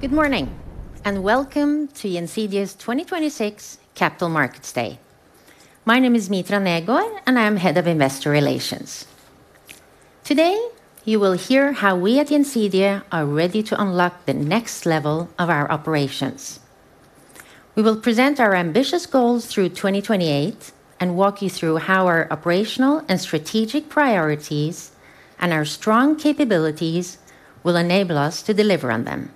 Good morning, welcome to Gjensidige's 2026 Capital Markets Day. My name Mitra Hagen Negård, and I am Head of Investor Relations. Today, you will hear how we at Gjensidige are ready to unlock the next level of our operations. We will present our ambitious goals through 2028 and walk you through how our operational and strategic priorities, and our strong capabilities will enable us to deliver on them.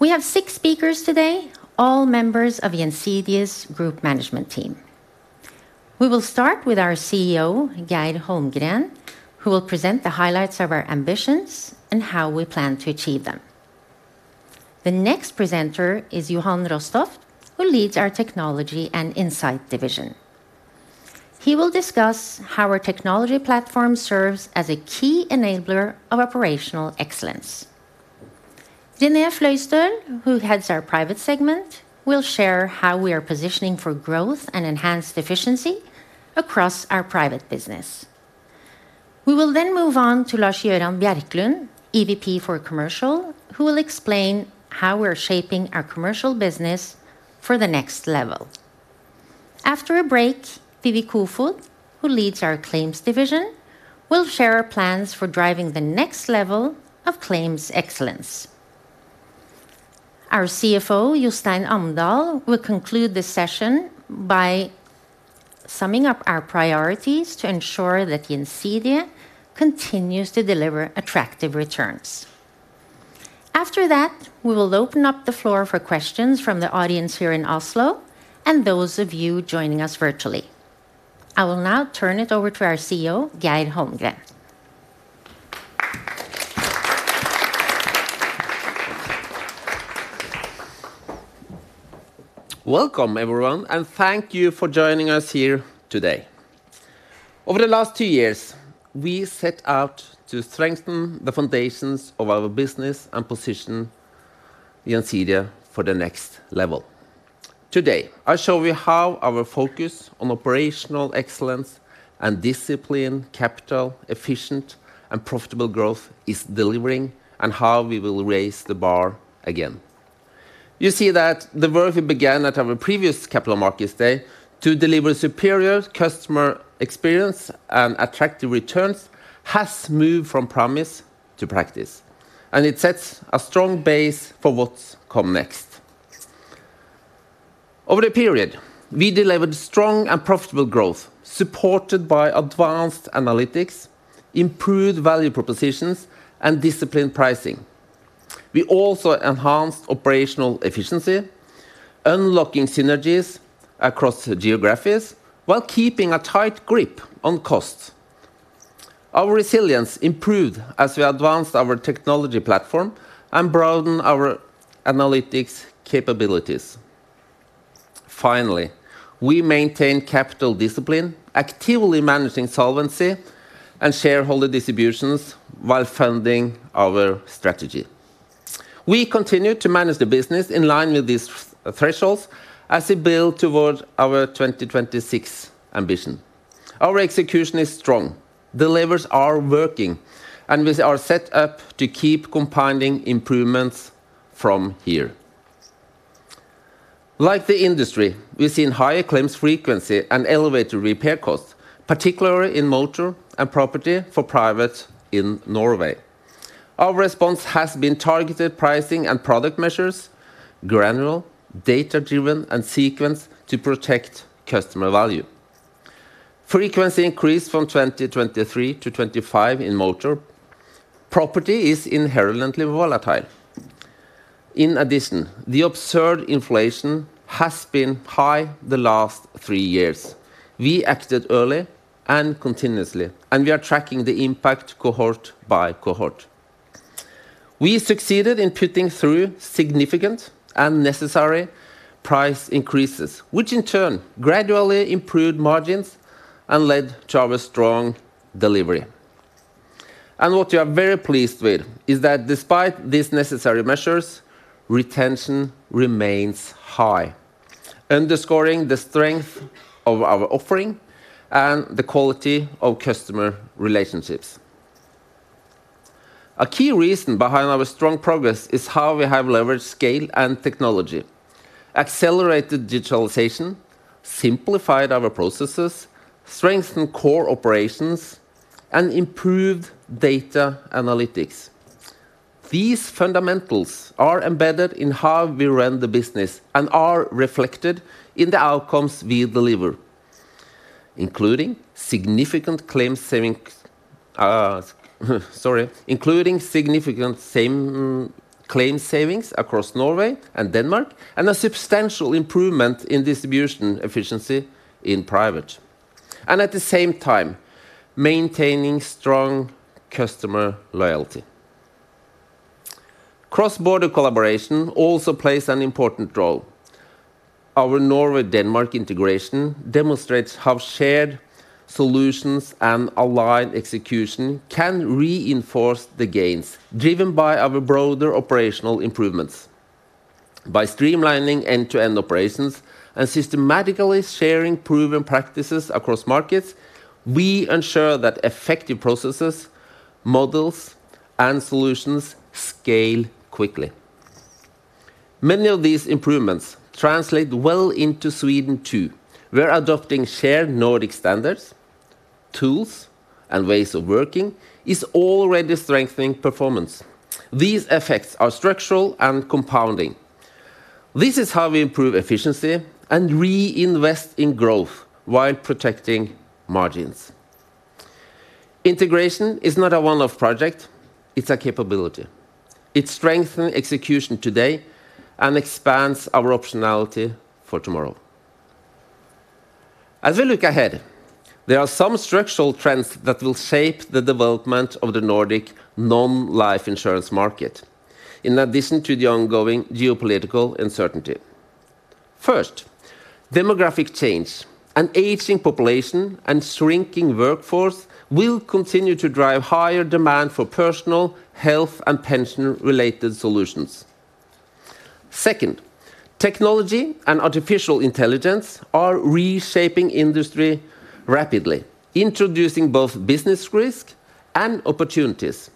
We have six speakers today, all members of Gjensidige's group management team. We will start with our CEO, Geir Holmgren, who will present the highlights of our ambitions and how we plan to achieve them. The next presenter is Sverre Johan Rostoft, who leads our Technology and Insight division. He will discuss how our technology platform serves as a key enabler of operational excellence. René Fløystøl, who heads our Private segment, will share how we are positioning for growth and enhanced efficiency across our Private business. We will move on to Lars Gøran Bjerklund, EVP for Commercial, who will explain how we're shaping our Commercial business for the next level. After a break, Vivi Kofoed, who leads our Claims division, will share our plans for driving the next level of Claims excellence. Our CFO, Jostein Amdal, will conclude the session by summing up our priorities to ensure that Gjensidige continues to deliver attractive returns. We will open up the floor for questions from the audience here in Oslo and those of you joining us virtually. I will now turn it over to our CEO, Geir Holmgren. Welcome, everyone, thank you for joining us here today. Over the last two years, we set out to strengthen the foundations of our business and position Gjensidige for the next level. Today, I show you how our focus on operational excellence and discipline, capital, efficient, and profitable growth is delivering, and how we will raise the bar again. You see that the work we began at our previous Capital Markets Day to deliver superior customer experience and attractive returns, has moved from promise to practice, and it sets a strong base for what's come next. Over the period, we delivered strong and profitable growth, supported by advanced analytics, improved value propositions, and disciplined pricing. We also enhanced operational efficiency, unlocking synergies across the geographies while keeping a tight grip on costs. Our resilience improved as we advanced our technology platform and broadened our analytics capabilities. Finally, we maintained capital discipline, actively managing solvency and shareholder distributions while funding our strategy. We continue to manage the business in line with these thresholds as we build towards our 2026 ambition. Our execution is strong, the levers are working, and we are set up to keep compounding improvements from here. Like the industry, we've seen higher claims frequency and elevated repair costs, particularly in motor and property for private in Norway. Our response has been targeted pricing and product measures, granular, data-driven, and sequenced to protect customer value. Frequency increased from 2023-2025 in motor. Property is inherently volatile. In addition, the absurd inflation has been high the last three years. We acted early and continuously, and we are tracking the impact cohort by cohort. We succeeded in putting through significant and necessary price increases, which in turn gradually improved margins and led to our strong delivery. What we are very pleased with is that despite these necessary measures, retention remains high, underscoring the strength of our offering and the quality of customer relationships. A key reason behind our strong progress is how we have leveraged scale and technology, accelerated digitalization, simplified our processes, strengthened core operations, and improved data analytics. These fundamentals are embedded in how we run the business and are reflected in the outcomes we deliver, including significant same, claim savings across Norway and Denmark, and a substantial improvement in distribution efficiency in private, and at the same time, maintaining strong customer loyalty. Cross-border collaboration also plays an important role. Our Norway-Denmark integration demonstrates how shared solutions and aligned execution can reinforce the gains, driven by our broader operational improvements. By streamlining end-to-end operations and systematically sharing proven practices across markets, we ensure that effective processes, models, and solutions scale quickly. Many of these improvements translate well into Sweden, too, where adopting shared Nordic standards, tools, and ways of working is already strengthening performance. These effects are structural and compounding. This is how we improve efficiency and reinvest in growth while protecting margins. Integration is not a one-off project, it's a capability. It strengthens execution today and expands our optionality for tomorrow. As we look ahead, there are some structural trends that will shape the development of the Nordic non-life insurance market, in addition to the ongoing geopolitical uncertainty. First, demographic change. An aging population and shrinking workforce will continue to drive higher demand for personal, health, and pension-related solutions. Second, technology and artificial intelligence are reshaping industry rapidly, introducing both business risk and opportunities.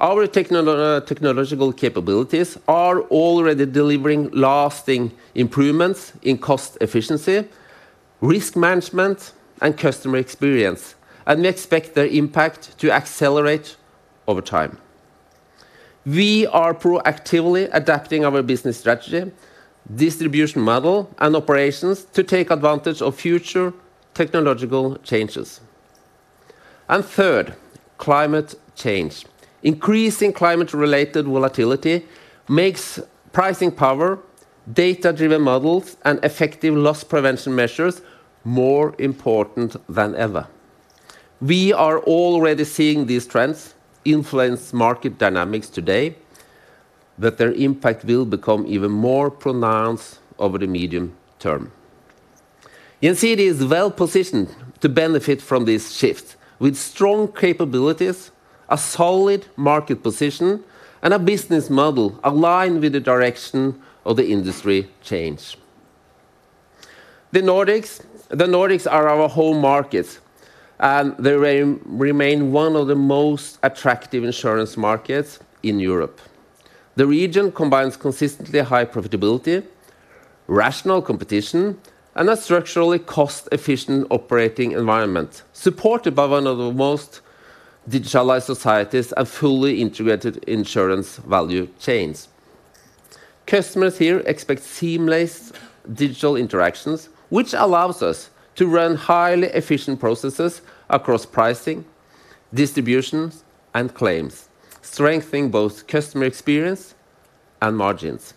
Our technological capabilities are already delivering lasting improvements in cost efficiency, risk management, and customer experience, and we expect their impact to accelerate over time. We are proactively adapting our business strategy, distribution model, and operations to take advantage of future technological changes. Third, climate change. Increasing climate-related volatility makes pricing power, data-driven models, and effective loss prevention measures more important than ever. We are already seeing these trends influence market dynamics today, but their impact will become even more pronounced over the medium term. You can see it is well positioned to benefit from this shift, with strong capabilities, a solid market position, and a business model aligned with the direction of the industry change. The Nordics, the Nordics are our home markets, and they remain one of the most attractive insurance markets in Europe. The region combines consistently high profitability, rational competition, and a structurally cost-efficient operating environment, supported by one of the most digitalized societies and fully integrated insurance value chains. Customers here expect seamless digital interactions, which allows us to run highly efficient processes across pricing, distribution, and claims, strengthening both customer experience and margins.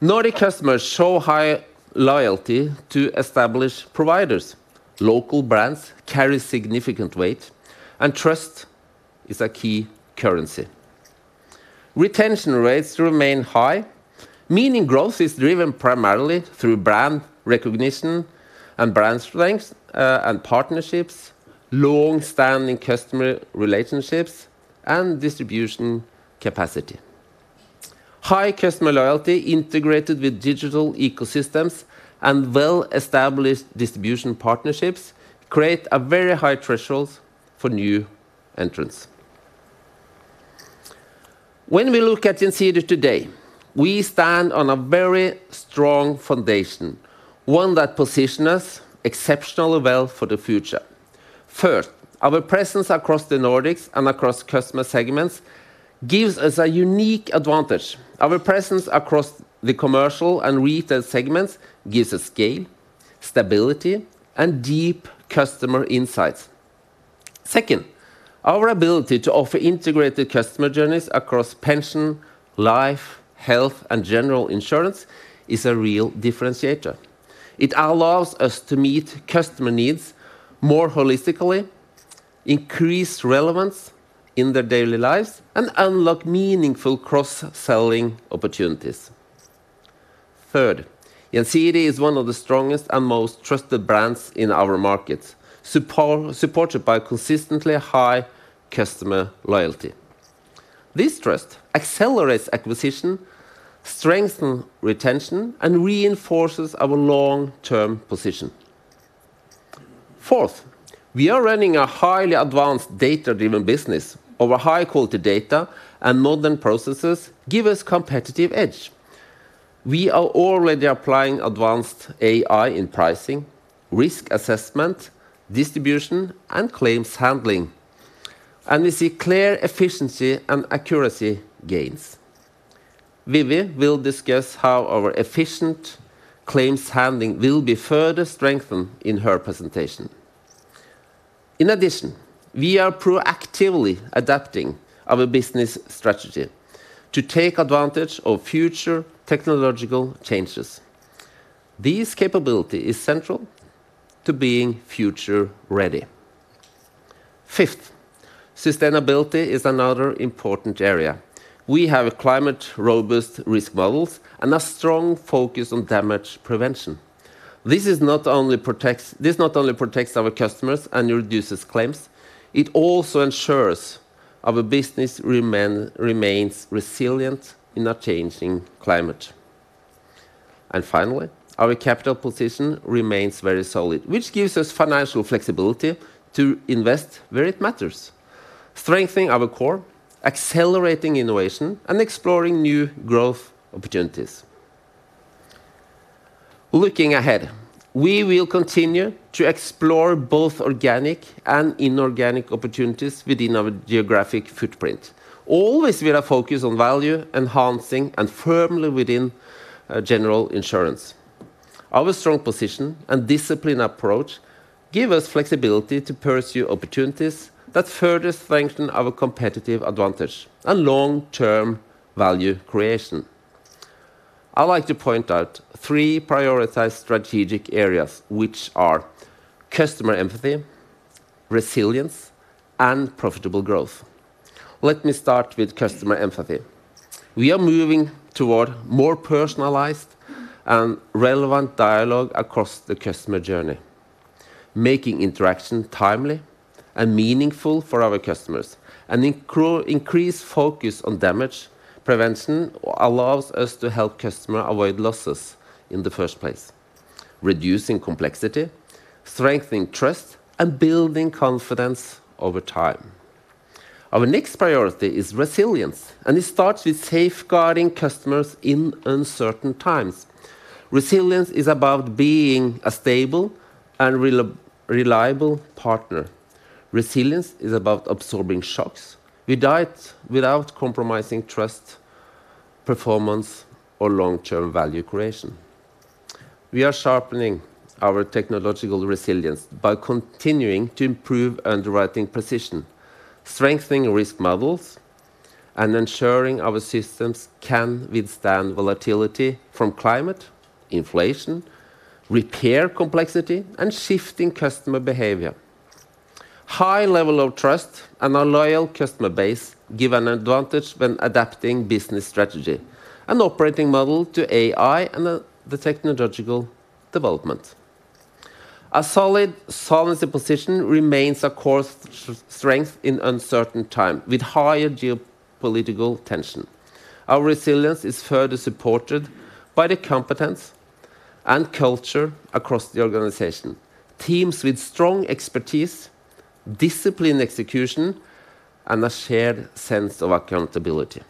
Nordic customers show high loyalty to established providers. Local brands carry significant weight, and trust is a key currency. Retention rates remain high, meaning growth is driven primarily through brand recognition and brand strength, and partnerships, long-standing customer relationships, and distribution capacity. High customer loyalty integrated with digital ecosystems and well-established distribution partnerships create a very high thresholds for new entrants. When we look at Gjensidige today, we stand on a very strong foundation, one that positions us exceptionally well for the future. First, our presence across the Nordics and across customer segments gives us a unique advantage. Our presence across the commercial and retail segments gives us scale, stability, and deep customer insights. Second, our ability to offer integrated customer journeys across pension, life, health, and general insurance is a real differentiator. It allows us to meet customer needs more holistically, increase relevance in their daily lives, and unlock meaningful cross-selling opportunities. Third, Gjensidige is one of the strongest and most trusted brands in our markets, supported by consistently high customer loyalty. This trust accelerates acquisition, strengthen retention, and reinforces our long-term position. Fourth, we are running a highly advanced data-driven business. Our high-quality data and modern processes give us competitive edge. We are already applying advanced AI in pricing, risk assessment, distribution, and claims handling, and we see clear efficiency and accuracy gains. Vivi will discuss how our efficient claims handling will be further strengthened in her presentation. In addition, we are proactively adapting our business strategy to take advantage of future technological changes. This capability is central to being future ready. Fifth, sustainability is another important area. We have climate robust risk models and a strong focus on damage prevention. This not only protects our customers and reduces claims, it also ensures our business remains resilient in a changing climate. Finally, our capital position remains very solid, which gives us financial flexibility to invest where it matters, strengthening our core, accelerating innovation, and exploring new growth opportunities. Looking ahead, we will continue to explore both organic and inorganic opportunities within our geographic footprint. Always with a focus on value enhancing and firmly within general insurance. Our strong position and disciplined approach give us flexibility to pursue opportunities that further strengthen our competitive advantage and long-term value creation. I'd like to point out three prioritized strategic areas, which are customer empathy, resilience, and profitable growth. Let me start with customer empathy. We are moving toward more personalized and relevant dialogue across the customer journey, making interaction timely and meaningful for our customers. An increased focus on damage prevention allows us to help customer avoid losses in the first place, reducing complexity, strengthening trust, and building confidence over time. Our next priority is resilience. It starts with safeguarding customers in uncertain times. Resilience is about being a stable and reliable partner. Resilience is about absorbing shocks. We do it without compromising trust, performance, or long-term value creation. We are sharpening our technological resilience by continuing to improve underwriting precision, strengthening risk models, and ensuring our systems can withstand volatility from climate, inflation, repair complexity, and shifting customer behavior. High level of trust and a loyal customer base give an advantage when adapting business strategy and operating model to AI and the technological development. A solid solvency position remains a core strength in uncertain time with higher geopolitical tension. Our resilience is further supported by the competence and culture across the organization. Teams with strong expertise, disciplined execution, and a shared sense of accountability.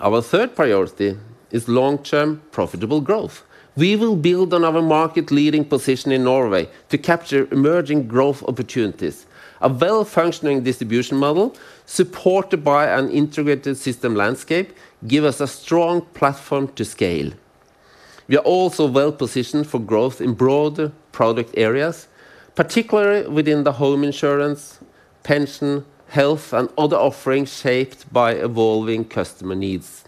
Our third priority is long-term profitable growth. We will build on our market leading position in Norway to capture emerging growth opportunities. A well-functioning distribution model, supported by an integrated system landscape, give us a strong platform to scale. We are also well positioned for growth in broader product areas, particularly within the home insurance, pension, health, and other offerings shaped by evolving customer needs.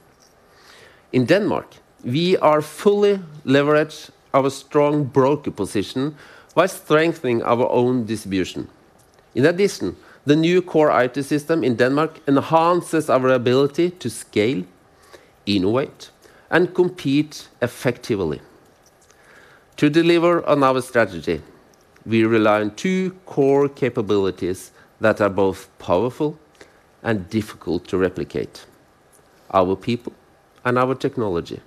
In Denmark, we are fully leverage our strong broker position by strengthening our own distribution. In addition, the new core IT system in Denmark enhances our ability to scale, innovate, and compete effectively. To deliver on our strategy, we rely on two core capabilities that are both powerful and difficult to replicate: our people and our technology.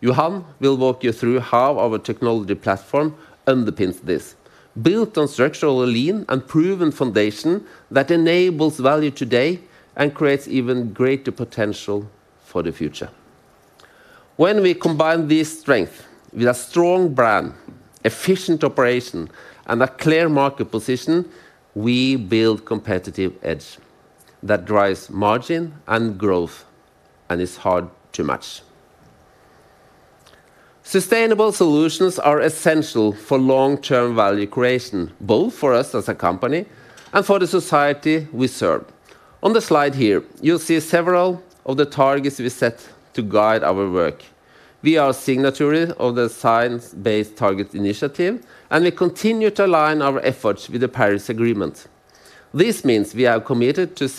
Johan will walk you through how our technology platform underpins this, built on structural, lean, and proven foundation that enables value today and creates even greater potential for the future. When we combine this strength with a strong brand, efficient operation, and a clear market position, we build competitive edge that drives margin and growth and is hard to match. Sustainable solutions are essential for long-term value creation, both for us as a company and for the society we serve. On the slide here, you'll see several of the targets we set to guide our work. We are signatory of the Science-Based Targets initiative, and we continue to align our efforts with the Paris Agreement. This means we are committed to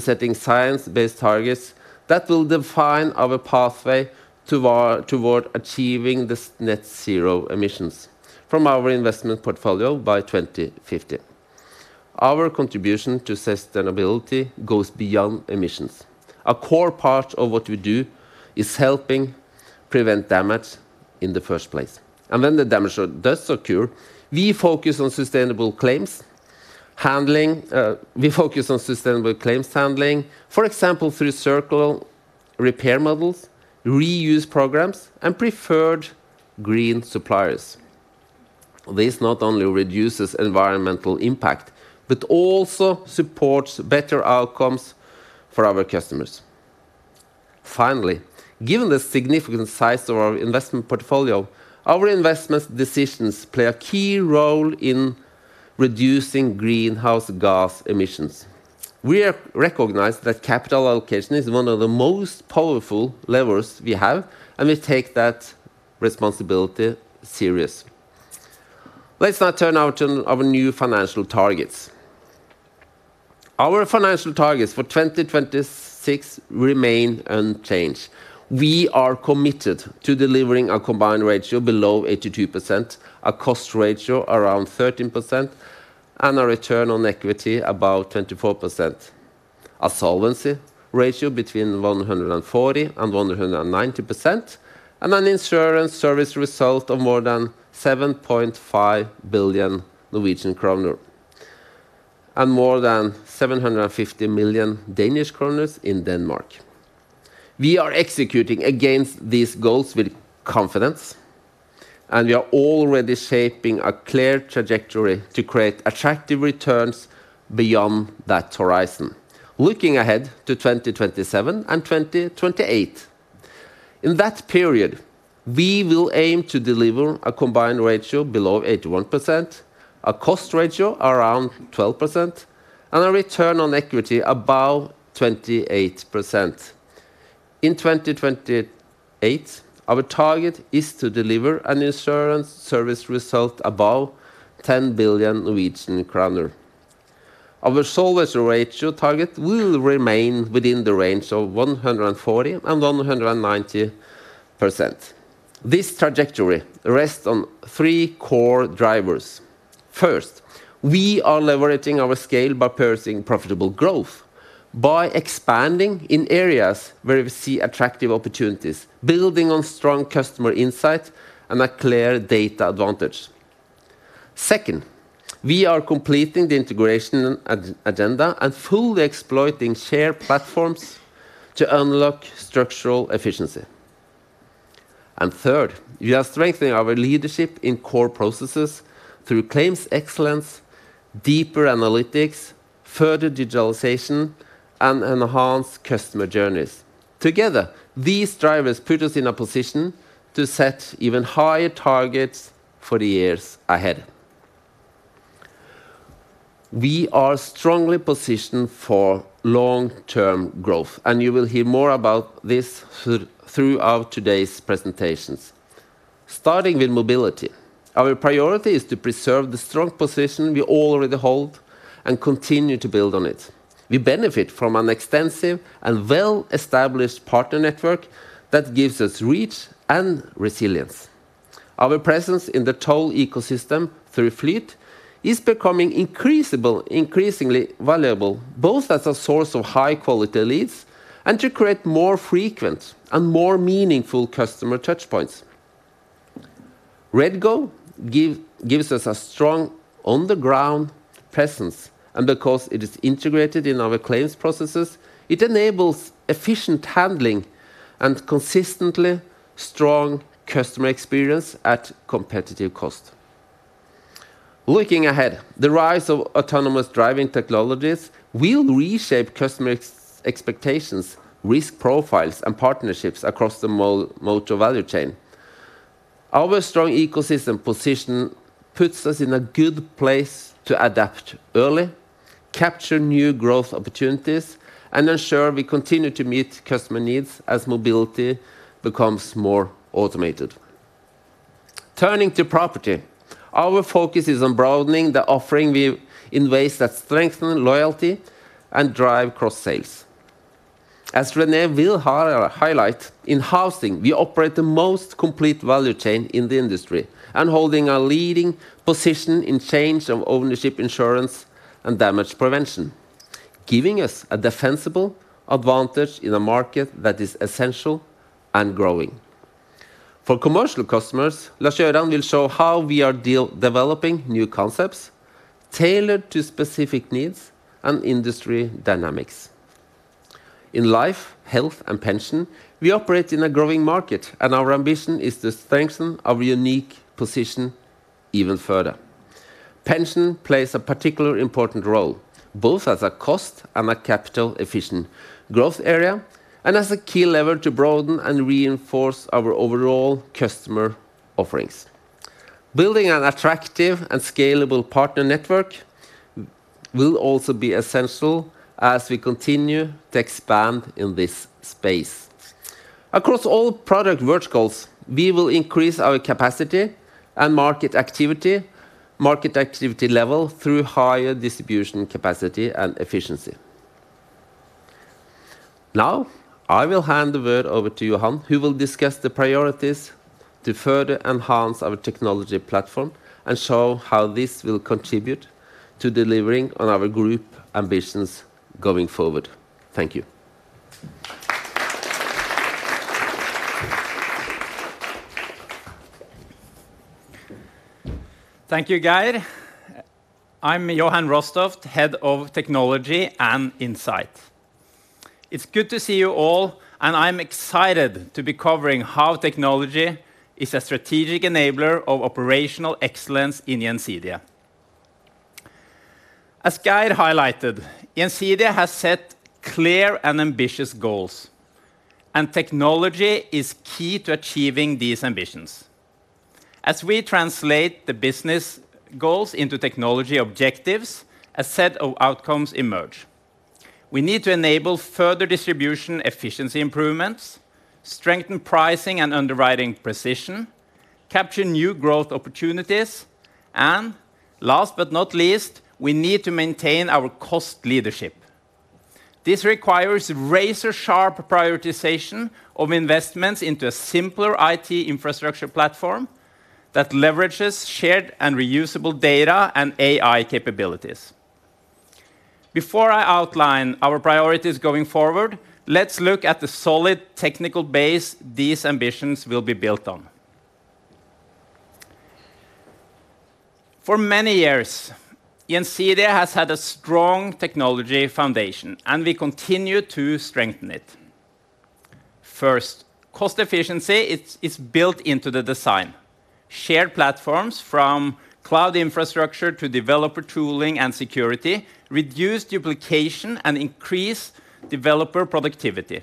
setting science-based targets that will define our pathway toward achieving this net zero emissions from our investment portfolio by 2050. Our contribution to sustainability goes beyond emissions. A core part of what we do is helping prevent damage in the first place, and when the damage does occur, we focus on sustainable claims handling, for example, through circle repair models, reuse programs, and preferred green suppliers. This not only reduces environmental impact, but also supports better outcomes for our customers. Given the significant size of our investment portfolio, our investment decisions play a key role in reducing greenhouse gas emissions. We have recognized that capital allocation is one of the most powerful levers we have, and we take that responsibility serious. Let's now turn to our new financial targets. Our financial targets for 2026 remain unchanged. We are committed to delivering a combined ratio below 82%, a cost ratio around 13%, and a return on equity above 24%. A solvency ratio between 140 and 190%, and an insurance service result of more than 7.5 billion Norwegian kroner, and more than 750 million Danish kroner in Denmark. We are executing against these goals with confidence, and we are already shaping a clear trajectory to create attractive returns beyond that horizon. Looking ahead to 2027 and 2028, in that period, we will aim to deliver a combined ratio below 81%, a cost ratio around 12%, and a return on equity above 28%. In 2028, our target is to deliver an insurance service result above 10 billion Norwegian kroner. Our solvency ratio target will remain within the range of 140%-190%. This trajectory rests on three core drivers. First, we are leveraging our scale by pursuing profitable growth, by expanding in areas where we see attractive opportunities, building on strong customer insight and a clear data advantage. Second, we are completing the integration agenda and fully exploiting shared platforms to unlock structural efficiency. Third, we are strengthening our leadership in core processes through claims excellence, deeper analytics, further digitalization, and enhanced customer journeys. Together, these drivers put us in a position to set even higher targets for the years ahead. You will hear more about this throughout today's presentations. Starting with mobility, our priority is to preserve the strong position we already hold and continue to build on it. We benefit from an extensive and well-established partner network that gives us reach and resilience. Our presence in the toll ecosystem through Flyt is becoming increasingly valuable, both as a source of high-quality leads and to create more frequent and more meaningful customer touchpoints. REDGO gives us a strong on-the-ground presence. Because it is integrated in our claims processes, it enables efficient handling and consistently strong customer experience at competitive cost. Looking ahead, the rise of autonomous driving technologies will reshape customer expectations, risk profiles, and partnerships across the motor value chain. Our strong ecosystem position puts us in a good place to adapt early, capture new growth opportunities, and ensure we continue to meet customer needs as mobility becomes more automated. Turning to property, our focus is on broadening the offering we in ways that strengthen loyalty and drive cross-sales. As René will highlight, in housing, we operate the most complete value chain in the industry and holding a leading position in change of ownership insurance and damage prevention, giving us a defensible advantage in a market that is essential and growing. For commercial customers, Lars Gøran will show how we are developing new concepts tailored to specific needs and industry dynamics. In life, health, and pension, we operate in a growing market, and our ambition is to strengthen our unique position even further. Pension plays a particular important role, both as a cost and a capital-efficient growth area, and as a key lever to broaden and reinforce our overall customer offerings. Building an attractive and scalable partner network will also be essential as we continue to expand in this space. Across all product verticals, we will increase our capacity and market activity level through higher distribution capacity and efficiency. I will hand the word over to Johan, who will discuss the priorities to further enhance our technology platform and show how this will contribute to delivering on our group ambitions going forward. Thank you. Thank you, Geir. I'm Johan Rostoft, Head of Technology and Insight. It's good to see you all. I'm excited to be covering how technology is a strategic enabler of operational excellence in Gjensidige. As Geir highlighted, Gjensidige has set clear and ambitious goals. Technology is key to achieving these ambitions. As we translate the business goals into technology objectives, a set of outcomes emerge. We need to enable further distribution efficiency improvements, strengthen pricing and underwriting precision, capture new growth opportunities, last but not least, we need to maintain our cost leadership. This requires razor-sharp prioritization of investments into a simpler IT infrastructure platform that leverages shared and reusable data and AI capabilities. Before I outline our priorities going forward, let's look at the solid technical base these ambitions will be built on. For many years, Gjensidige has had a strong technology foundation, and we continue to strengthen it. First, cost efficiency is built into the design. Shared platforms from cloud infrastructure to developer tooling and security, reduce duplication and increase developer productivity.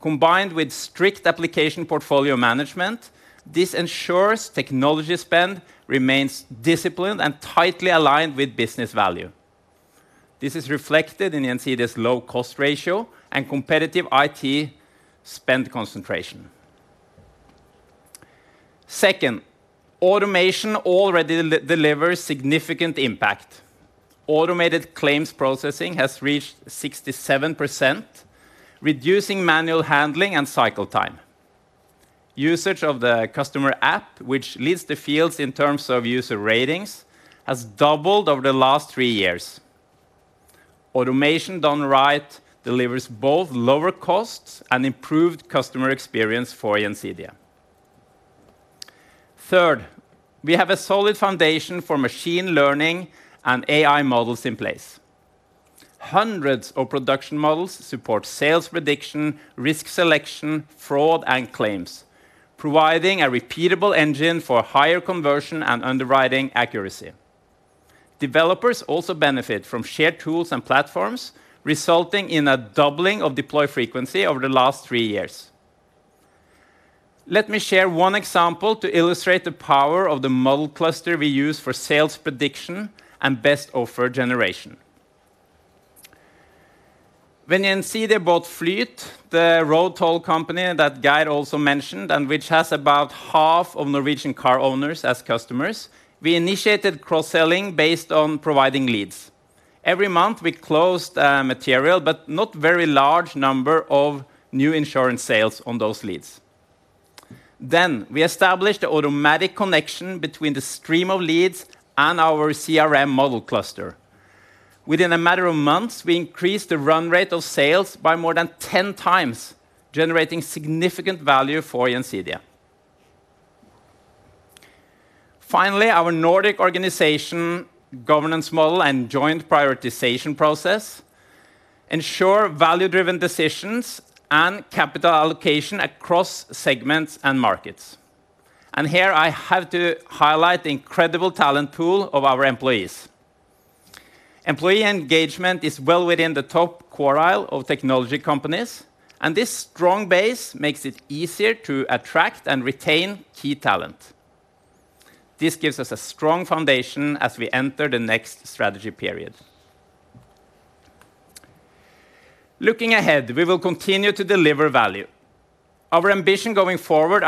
Combined with strict application portfolio management, this ensures technology spend remains disciplined and tightly aligned with business value. This is reflected in Gjensidige's low cost ratio and competitive IT spend concentration. Second, automation already delivers significant impact. Automated claims processing has reached 67%, reducing manual handling and cycle time. Usage of the customer app, which leads the fields in terms of user ratings, has doubled over the last three years. Automation done right delivers both lower costs and improved customer experience for Gjensidige. Third, we have a solid foundation for machine learning and AI models in place. Hundreds of production models support sales prediction, risk selection, fraud, and claims, providing a repeatable engine for higher conversion and underwriting accuracy. Developers also benefit from shared tools and platforms, resulting in a doubling of deploy frequency over the last three years. Let me share one example to illustrate the power of the model cluster we use for sales prediction and best offer generation. When Gjensidige bought Flyt, the road toll company that Guide also mentioned, and which has about half of Norwegian car owners as customers, we initiated cross-selling based on providing leads. Every month, we closed a material, but not very large number of new insurance sales on those leads. We established an automatic connection between the stream of leads and our CRM model cluster. Within a matter of months, we increased the run rate of sales by more than 10x, generating significant value for Gjensidige. Our Nordic organization governance model and joint prioritization process ensure value-driven decisions and capital allocation across segments and markets. Here I have to highlight the incredible talent pool of our employees. Employee engagement is well within the top quartile of technology companies, and this strong base makes it easier to attract and retain key talent. This gives us a strong foundation as we enter the next strategy period. Looking ahead, we will continue to deliver value. Our ambition going forward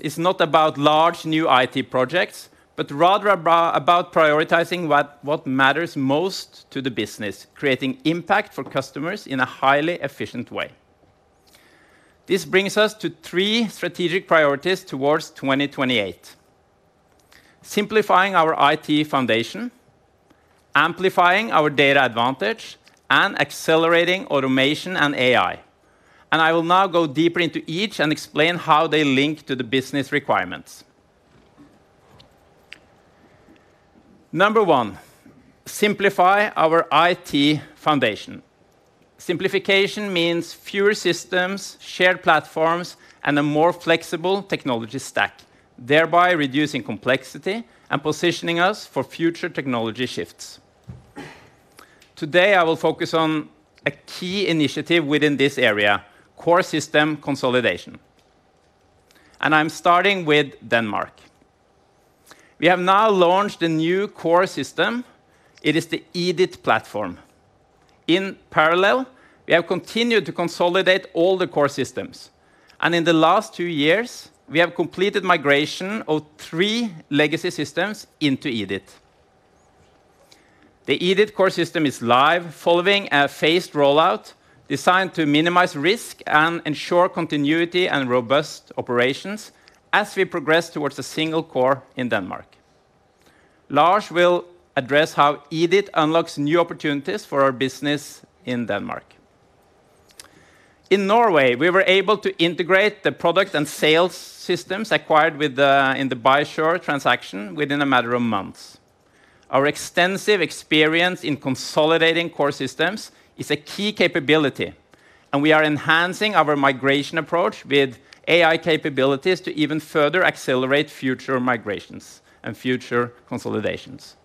is not about large new IT projects, but rather about prioritizing what matters most to the business, creating impact for customers in a highly efficient way. This brings us to 3 strategic priorities towards 2028: simplifying our IT foundation, amplifying our data advantage, and accelerating automation and AI. I will now go deeper into each and explain how they link to the business requirements. Number one, simplify our IT foundation. Simplification means fewer systems, shared platforms, and a more flexible technology stack, thereby reducing complexity and positioning us for future technology shifts. Today, I will focus on a key initiative within this area, core system consolidation. I'm starting with Denmark. We have now launched a new core system. It is the EDITH platform. In parallel, we have continued to consolidate all the core systems, and in the last 2 years, we have completed migration of 3 legacy systems into EDITH. The EDITH core system is live following a phased rollout designed to minimize risk and ensure continuity and robust operations as we progress towards a single core in Denmark. Lars will address how EDITH unlocks new opportunities for our business in Denmark. In Norway, we were able to integrate the product and sales systems acquired in the Buysure transaction within a matter of months. Our extensive experience in consolidating core systems is a key capability, and we are enhancing our migration approach with AI capabilities to even further accelerate future migrations and future consolidations.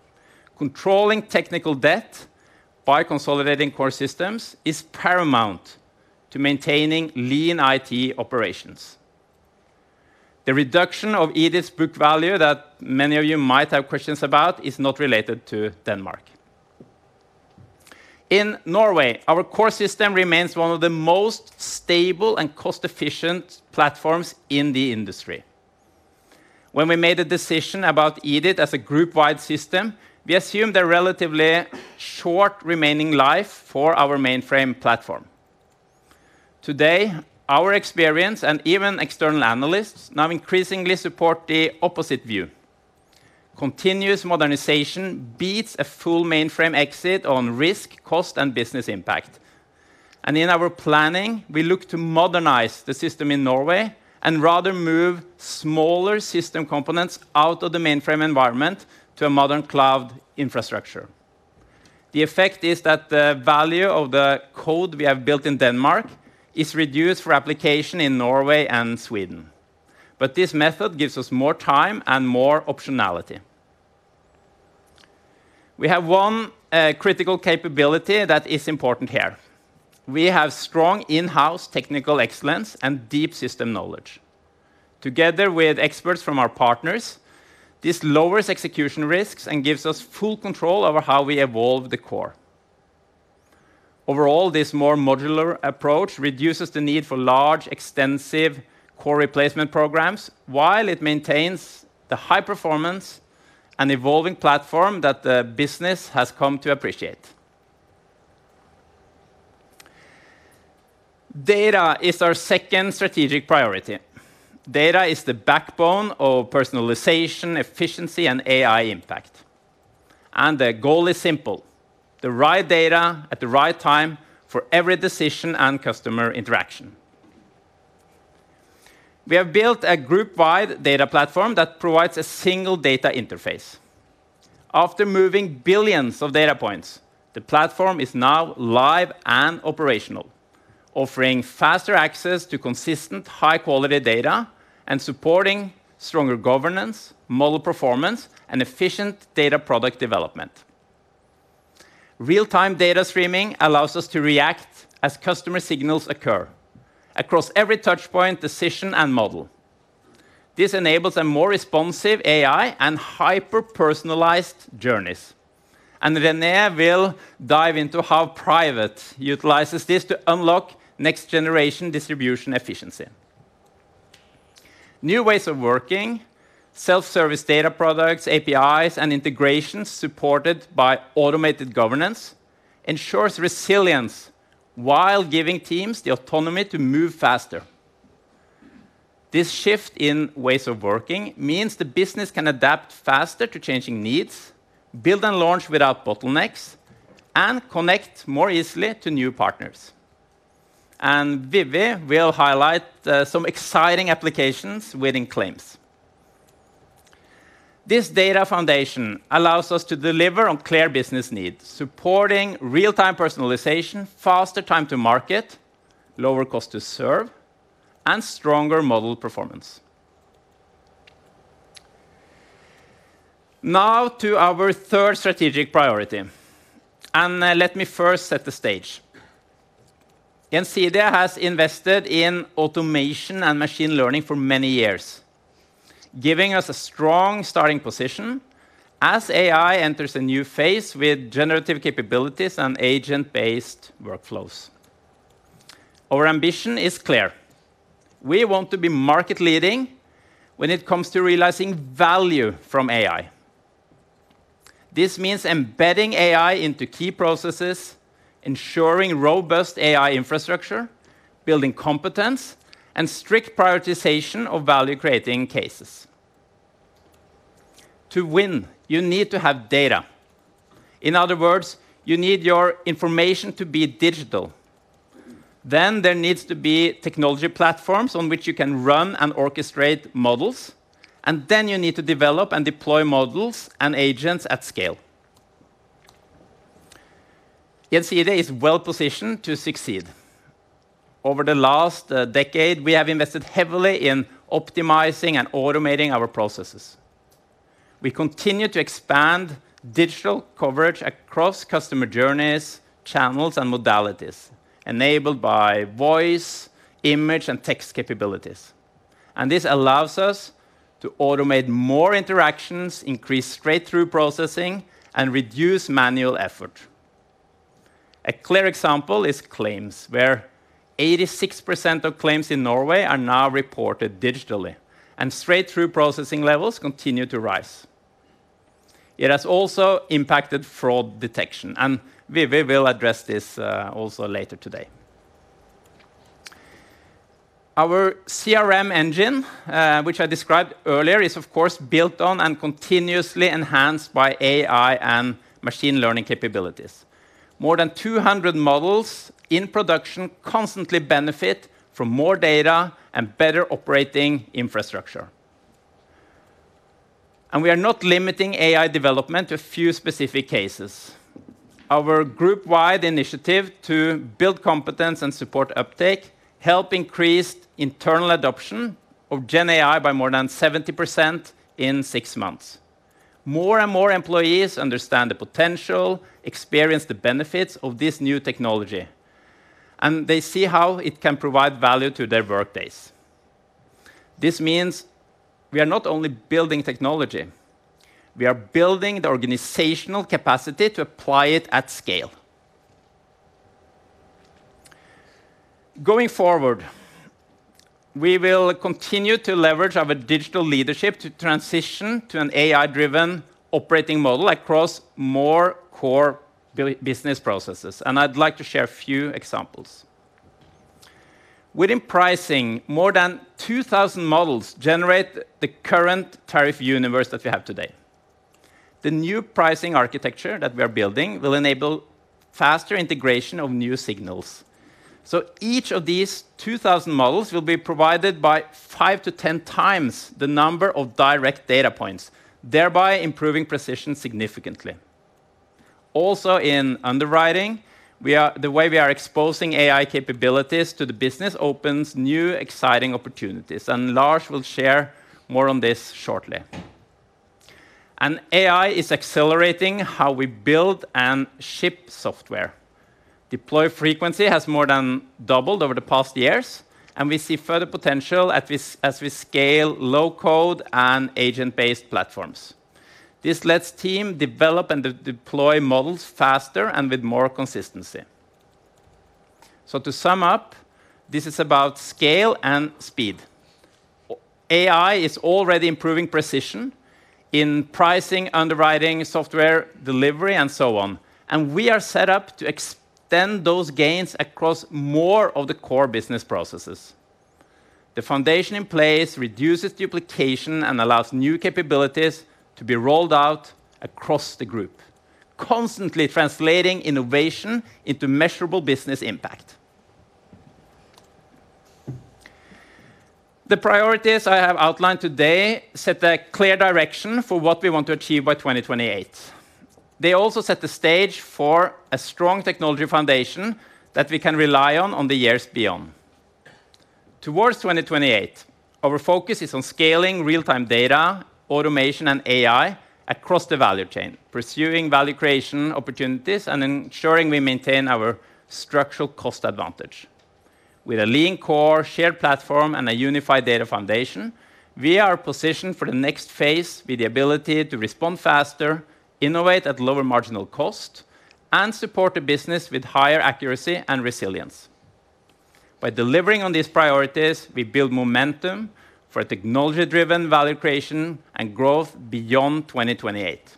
Controlling technical debt by consolidating core systems is paramount to maintaining lean IT operations. The reduction of EDITH's book value that many of you might have questions about is not related to Denmark. In Norway, our core system remains one of the most stable and cost-efficient platforms in the industry. When we made a decision about EDITH as a group-wide system, we assumed a relatively short remaining life for our mainframe platform. Today, our experience and even external analysts now increasingly support the opposite view. Continuous modernization beats a full mainframe exit on risk, cost, and business impact. In our planning, we look to modernize the system in Norway and rather move smaller system components out of the mainframe environment to a modern cloud infrastructure. The effect is that the value of the code we have built in Denmark is reduced for application in Norway and Sweden, but this method gives us more time and more optionality. We have one critical capability that is important here. We have strong in-house technical excellence and deep system knowledge. Together with experts from our partners, this lowers execution risks and gives us full control over how we evolve the core. Overall, this more modular approach reduces the need for large, extensive core replacement programs, while it maintains the high performance and evolving platform that the business has come to appreciate. Data is our second strategic priority. Data is the backbone of personalization, efficiency, and AI impact. The goal is simple: the right data at the right time for every decision and customer interaction. We have built a group-wide data platform that provides a single data interface. After moving billions of data points, the platform is now live and operational, offering faster access to consistent, high-quality data and supporting stronger governance, model performance, and efficient data product development. Real-time data streaming allows us to react as customer signals occur across every touch point, decision, and model. This enables a more responsive AI and hyper-personalized journeys. René will dive into how Private utilizes this to unlock next generation distribution efficiency. New ways of working, self-service data products, APIs, and integrations supported by automated governance ensures resilience while giving teams the autonomy to move faster. This shift in ways of working means the business can adapt faster to changing needs, build and launch without bottlenecks, and connect more easily to new partners. Vivi will highlight some exciting applications within claims. This data foundation allows us to deliver on clear business needs, supporting real-time personalization, faster time to market, lower cost to serve, and stronger model performance. Now to our third strategic priority, let me first set the stage. Gjensidige has invested in automation and machine learning for many years, giving us a strong starting position as AI enters a new phase with generative capabilities and agent-based workflows. Our ambition is clear: We want to be market leading when it comes to realizing value from AI. This means embedding AI into key processes, ensuring robust AI infrastructure, building competence, and strict prioritization of value-creating cases. To win, you need to have data. In other words, you need your information to be digital. Then, there needs to be technology platforms on which you can run and orchestrate models, and then you need to develop and deploy models and agents at scale. Gjensidige is well positioned to succeed. Over the last decade, we have invested heavily in optimizing and automating our processes. We continue to expand digital coverage across customer journeys, channels, and modalities, enabled by voice, image, and text capabilities. This allows us to automate more interactions, increase straight-through processing, and reduce manual effort. A clear example is claims, where 86% of claims in Norway are now reported digitally, and straight-through processing levels continue to rise. It has also impacted fraud detection, and we will address this also later today. Our CRM engine, which I described earlier, is of course, built on and continuously enhanced by AI and machine learning capabilities. More than 200 models in production constantly benefit from more data and better operating infrastructure. We are not limiting AI development to a few specific cases. Our group-wide initiative to build competence and support uptake helped increase internal adoption of GenAI by more than 70% in 6 months. More and more employees understand the potential, experience the benefits of this new technology. They see how it can provide value to their workdays. This means we are not only building technology, we are building the organizational capacity to apply it at scale. Going forward, we will continue to leverage our digital leadership to transition to an AI-driven operating model across more core business processes. I'd like to share a few examples. Within pricing, more than 2,000 models generate the current tariff universe that we have today. The new pricing architecture that we are building will enable faster integration of new signals. Each of these 2,000 models will be provided by 5-10x the number of direct data points, thereby improving precision significantly. Also, in underwriting, the way we are exposing AI capabilities to the business opens new, exciting opportunities, and Lars will share more on this shortly. AI is accelerating how we build and ship software. Deploy frequency has more than doubled over the past years, as we scale low-code and agent-based platforms. This lets team develop and deploy models faster and with more consistency. To sum up, this is about scale and speed. AI is already improving precision in pricing, underwriting, software delivery, and so on. We are set up to extend those gains across more of the core business processes. The foundation in place reduces duplication and allows new capabilities to be rolled out across the group, constantly translating innovation into measurable business impact. The priorities I have outlined today set a clear direction for what we want to achieve by 2028. They also set the stage for a strong technology foundation that we can rely on the years beyond. Towards 2028, our focus is on scaling real-time data, automation, and AI across the value chain, pursuing value creation opportunities, and ensuring we maintain our structural cost advantage. With a lean core, shared platform, and a unified data foundation, we are positioned for the next phase with the ability to respond faster, innovate at lower marginal cost, and support the business with higher accuracy and resilience. By delivering on these priorities, we build momentum for technology-driven value creation and growth beyond 2028.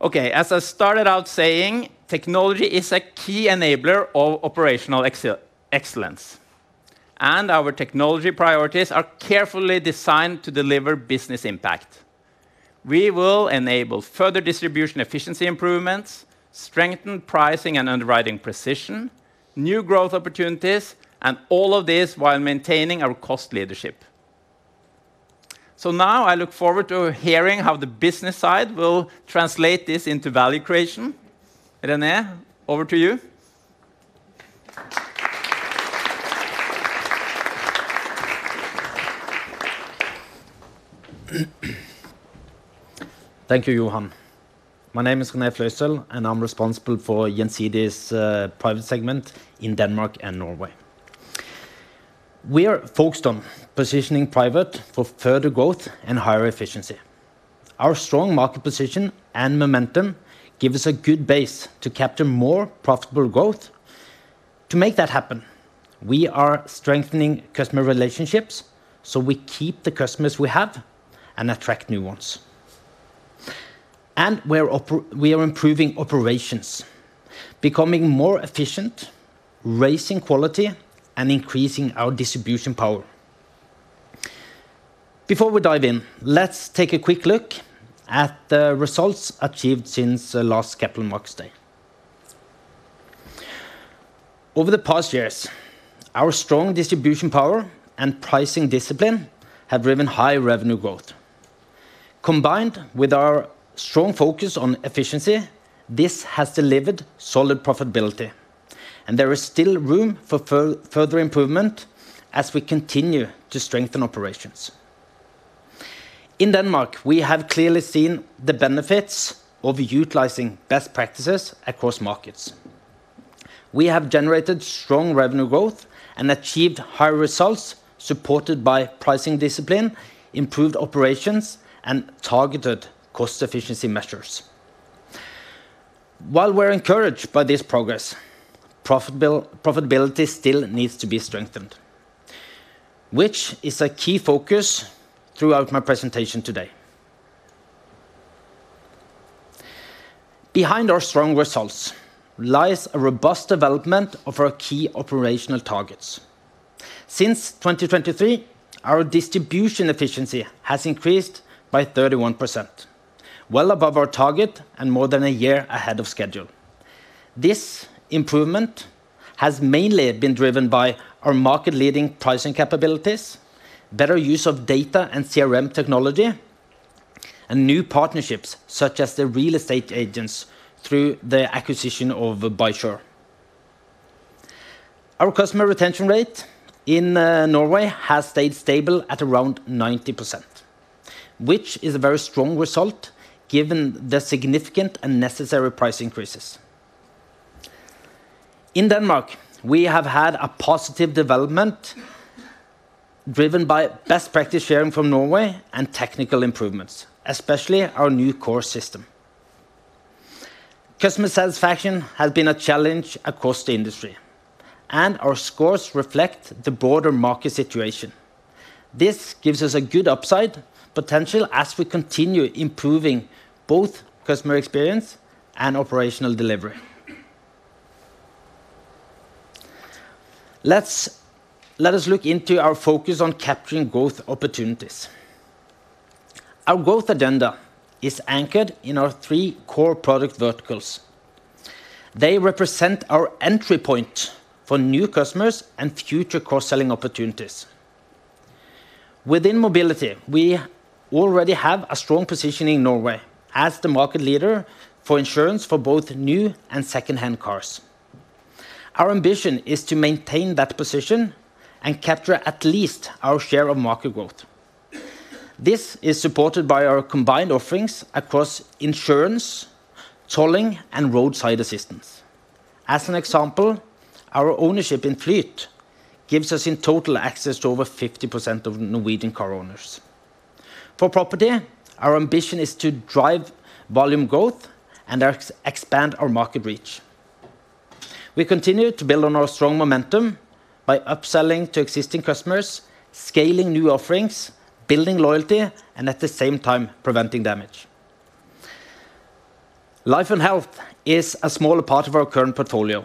Okay, as I started out saying, technology is a key enabler of operational excellence, and our technology priorities are carefully designed to deliver business impact. We will enable further distribution efficiency improvements, strengthen pricing and underwriting precision, new growth opportunities, and all of this while maintaining our cost leadership. Now I look forward to hearing how the business side will translate this into value creation. René, over to you. Thank you, Johan. My name is René Fløystøl, and I'm responsible for Gjensidige's private segment in Denmark and Norway. We are focused on positioning private for further growth and higher efficiency. Our strong market position and momentum give us a good base to capture more profitable growth. To make that happen, we are strengthening customer relationships, so we keep the customers we have and attract new ones. We are improving operations, becoming more efficient, raising quality, and increasing our distribution power. Before we dive in, let's take a quick look at the results achieved since the last Capital Markets Day. Over the past years, our strong distribution power and pricing discipline have driven high revenue growth. Combined with our strong focus on efficiency, this has delivered solid profitability, and there is still room for further improvement as we continue to strengthen operations. In Denmark, we have clearly seen the benefits of utilizing best practices across markets. We have generated strong revenue growth and achieved higher results, supported by pricing discipline, improved operations, and targeted cost efficiency measures. While we're encouraged by this progress, profitability still needs to be strengthened, which is a key focus throughout my presentation today. Behind our strong results lies a robust development of our key operational targets. Since 2023, our distribution efficiency has increased by 31%, well above our target and more than a year ahead of schedule. This improvement has mainly been driven by our market-leading pricing capabilities, better use of data and CRM technology, and new partnerships, such as the real estate agents through the acquisition of BuySure. Our customer retention rate in Norway has stayed stable at around 90%, which is a very strong result given the significant and necessary price increases. In Denmark, we have had a positive development driven by best practice sharing from Norway and technical improvements, especially our new core system. Customer satisfaction has been a challenge across the industry, and our scores reflect the broader market situation. This gives us a good upside potential as we continue improving both customer experience and operational delivery. Let us look into our focus on capturing growth opportunities. Our growth agenda is anchored in our three core product verticals. They represent our entry point for new customers and future cross-selling opportunities. Within mobility, we already have a strong position in Norway as the market leader for insurance for both new and second-hand cars. Our ambition is to maintain that position and capture at least our share of market growth. This is supported by our combined offerings across insurance, tolling, and roadside assistance. As an example, our ownership in Flyt gives us, in total, access to over 50% of Norwegian car owners. For property, our ambition is to drive volume growth and expand our market reach. We continue to build on our strong momentum by upselling to existing customers, scaling new offerings, building loyalty, and at the same time, preventing damage. Life and health is a smaller part of our current portfolio,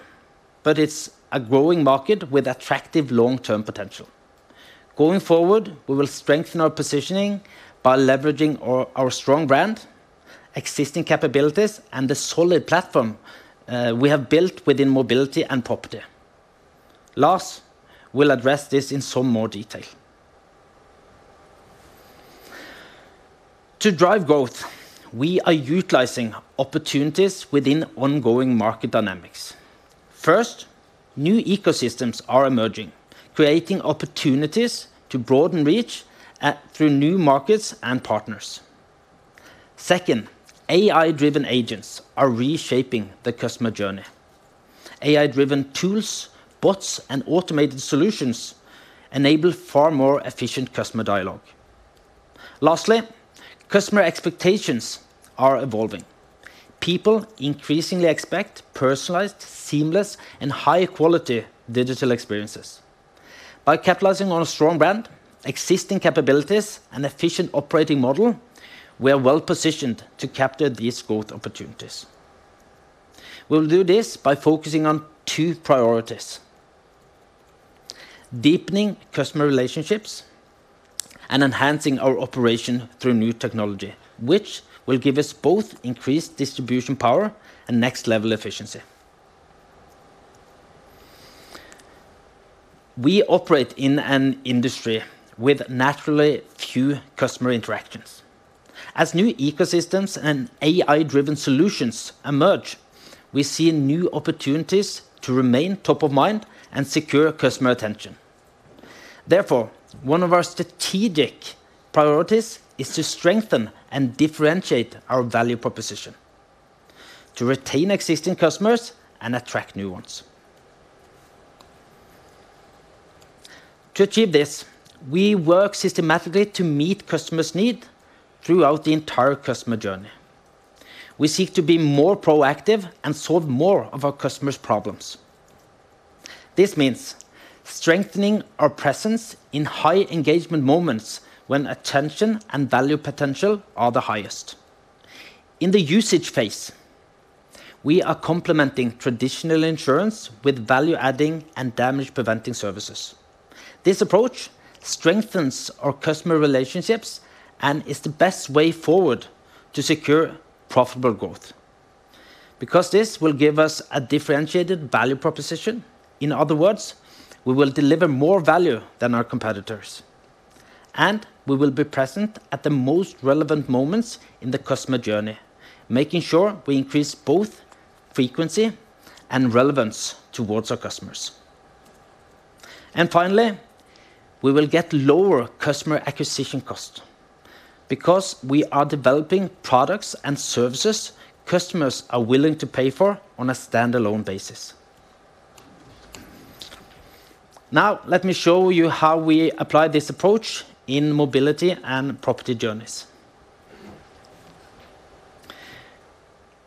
but it's a growing market with attractive long-term potential. Going forward, we will strengthen our positioning by leveraging our strong brand, existing capabilities, and the solid platform we have built within mobility and property. Lars will address this in some more detail. To drive growth, we are utilizing opportunities within ongoing market dynamics. First, new ecosystems are emerging, creating opportunities to broaden reach through new markets and partners. Second, AI-driven agents are reshaping the customer journey. AI-driven tools, bots, and automated solutions enable far more efficient customer dialogue. Lastly, customer expectations are evolving. People increasingly expect personalized, seamless, and high-quality digital experiences. By capitalizing on a strong brand, existing capabilities, and efficient operating model, we are well positioned to capture these growth opportunities. We will do this by focusing on two priorities: deepening customer relationships and enhancing our operation through new technology, which will give us both increased distribution power and next level efficiency. We operate in an industry with naturally few customer interactions. As new ecosystems and AI-driven solutions emerge, we see new opportunities to remain top of mind and secure customer attention. One of our strategic priorities is to strengthen and differentiate our value proposition, to retain existing customers and attract new ones. To achieve this, we work systematically to meet customers' needs throughout the entire customer journey. We seek to be more proactive and solve more of our customers' problems. This means strengthening our presence in high engagement moments when attention and value potential are the highest. In the usage phase, we are complementing traditional insurance with value-adding and damage-preventing services. This approach strengthens our customer relationships and is the best way forward to secure profitable growth, because this will give us a differentiated value proposition. In other words, we will deliver more value than our competitors, and we will be present at the most relevant moments in the customer journey, making sure we increase both frequency and relevance towards our customers. Finally, we will get lower customer acquisition cost because we are developing products and services customers are willing to pay for on a standalone basis. Let me show you how we apply this approach in mobility and property journeys.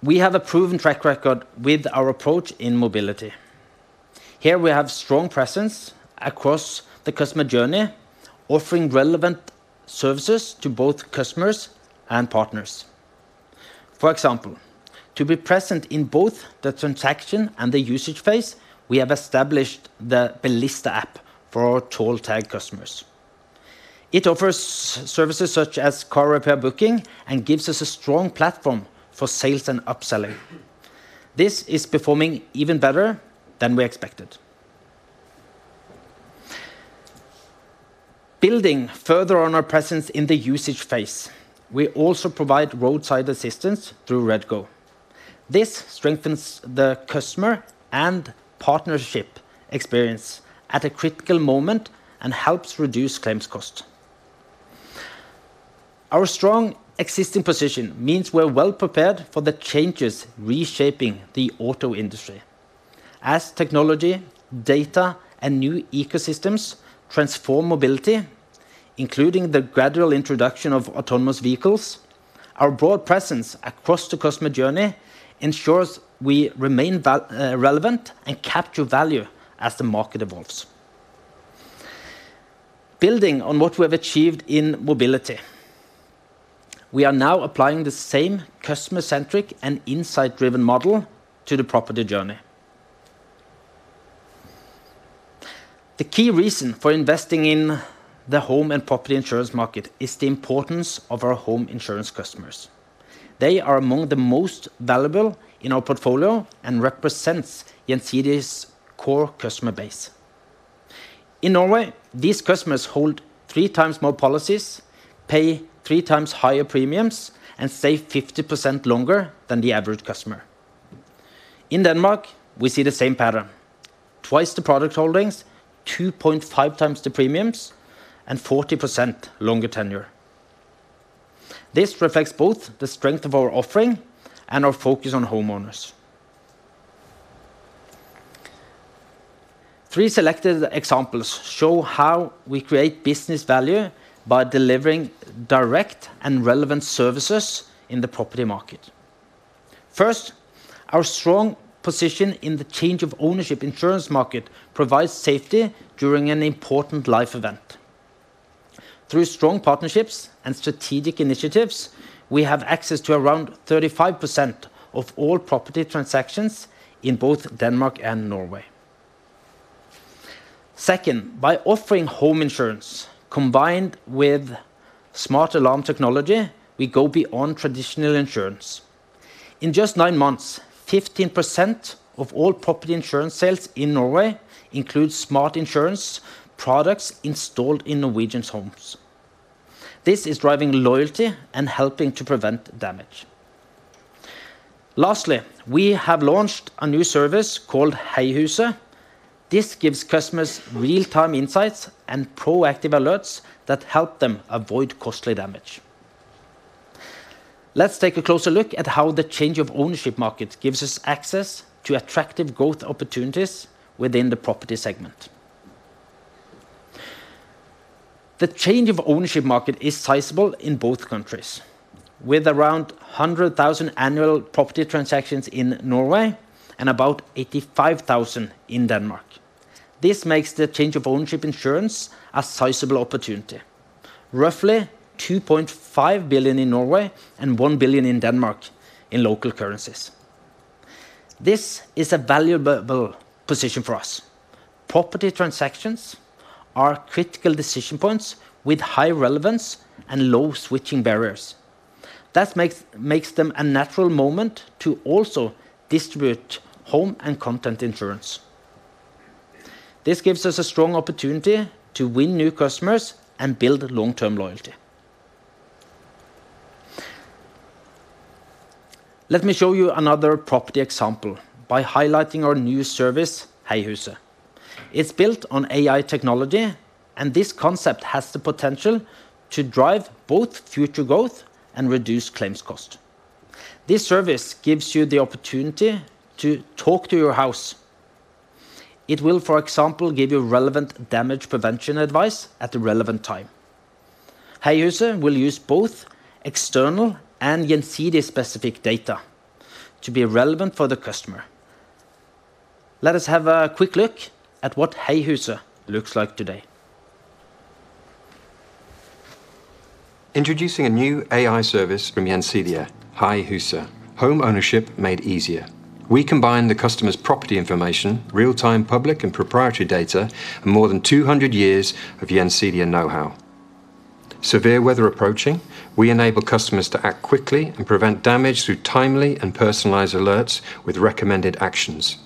We have a proven track record with our approach in mobility. Here, we have strong presence across the customer journey, offering relevant services to both customers and partners. For example, to be present in both the transaction and the usage phase, we have established the Bilista app for our toll tag customers. It offers services such as car repair, booking, and gives us a strong platform for sales and upselling. This is performing even better than we expected. Building further on our presence in the usage phase, we also provide roadside assistance through REDGO. This strengthens the customer and partnership experience at a critical moment and helps reduce claims cost. Our strong existing position means we're well prepared for the changes reshaping the auto industry. As technology, data, and new ecosystems transform mobility, including the gradual introduction of autonomous vehicles, our broad presence across the customer journey ensures we remain relevant and capture value as the market evolves. Building on what we have achieved in mobility, we are now applying the same customer-centric and insight-driven model to the property journey. The key reason for investing in the home and property insurance market is the importance of our home insurance customers. They are among the most valuable in our portfolio and represents Gjensidige's core customer base. In Norway, these customers hold 3x more policies, pay 3x higher premiums, and stay 50% longer than the average customer. In Denmark, we see the same pattern: twice the product holdings, 2.5x the premiums, and 40% longer tenure. This reflects both the strength of our offering and our focus on homeowners. Three selected examples show how we create business value by delivering direct and relevant services in the property market. First, our strong position in the change of ownership insurance market provides safety during an important life event. Through strong partnerships and strategic initiatives, we have access to around 35% of all property transactions in both Denmark and Norway. Second, by offering home insurance combined with smart alarm technology, we go beyond traditional insurance. In just nine months, 15% of all property insurance sales in Norway include smart insurance products installed in Norwegians' homes. This is driving loyalty and helping to prevent damage. Lastly, we have launched a new service called Hei Huset. This gives customers real-time insights and proactive alerts that help them avoid costly damage. Let's take a closer look at how the change of ownership market gives us access to attractive growth opportunities within the property segment. The change of ownership market is sizable in both countries, with around 100,000 annual property transactions in Norway and about 85,000 in Denmark. This makes the change of ownership insurance a sizable opportunity, roughly 2.5 billion in Norway and 1 billion in Denmark in local currencies. This is a valuable position for us. Property transactions are critical decision points with high relevance and low switching barriers. That makes them a natural moment to also distribute home and content insurance. This gives us a strong opportunity to win new customers and build long-term loyalty. Let me show you another property example by highlighting our new service, Hei Huset. It's built on AI technology, and this concept has the potential to drive both future growth and reduce claims cost. This service gives you the opportunity to talk to your house. It will, for example, give you relevant damage prevention advice at the relevant time. Hei Huset will use both external and Gjensidige-specific data to be relevant for the customer. Let us have a quick look at what Hei Huset looks like today. Introducing a new AI service from Gjensidige, HusSmart. Homeownership made easier. We combine the customer's property information, real-time public and proprietary data, and more than 200 years of Gjensidige know-how. Severe weather approaching? We enable customers to act quickly and prevent damage through timely and personalized alerts with recommended actions.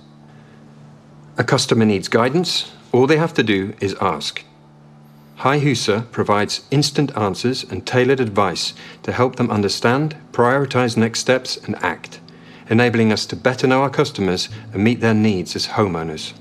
A customer needs guidance? All they have to do is ask. HusSmart provides instant answers and tailored advice to help them understand, prioritize next steps, and act, enabling us to better know our customers and meet their needs as homeowners.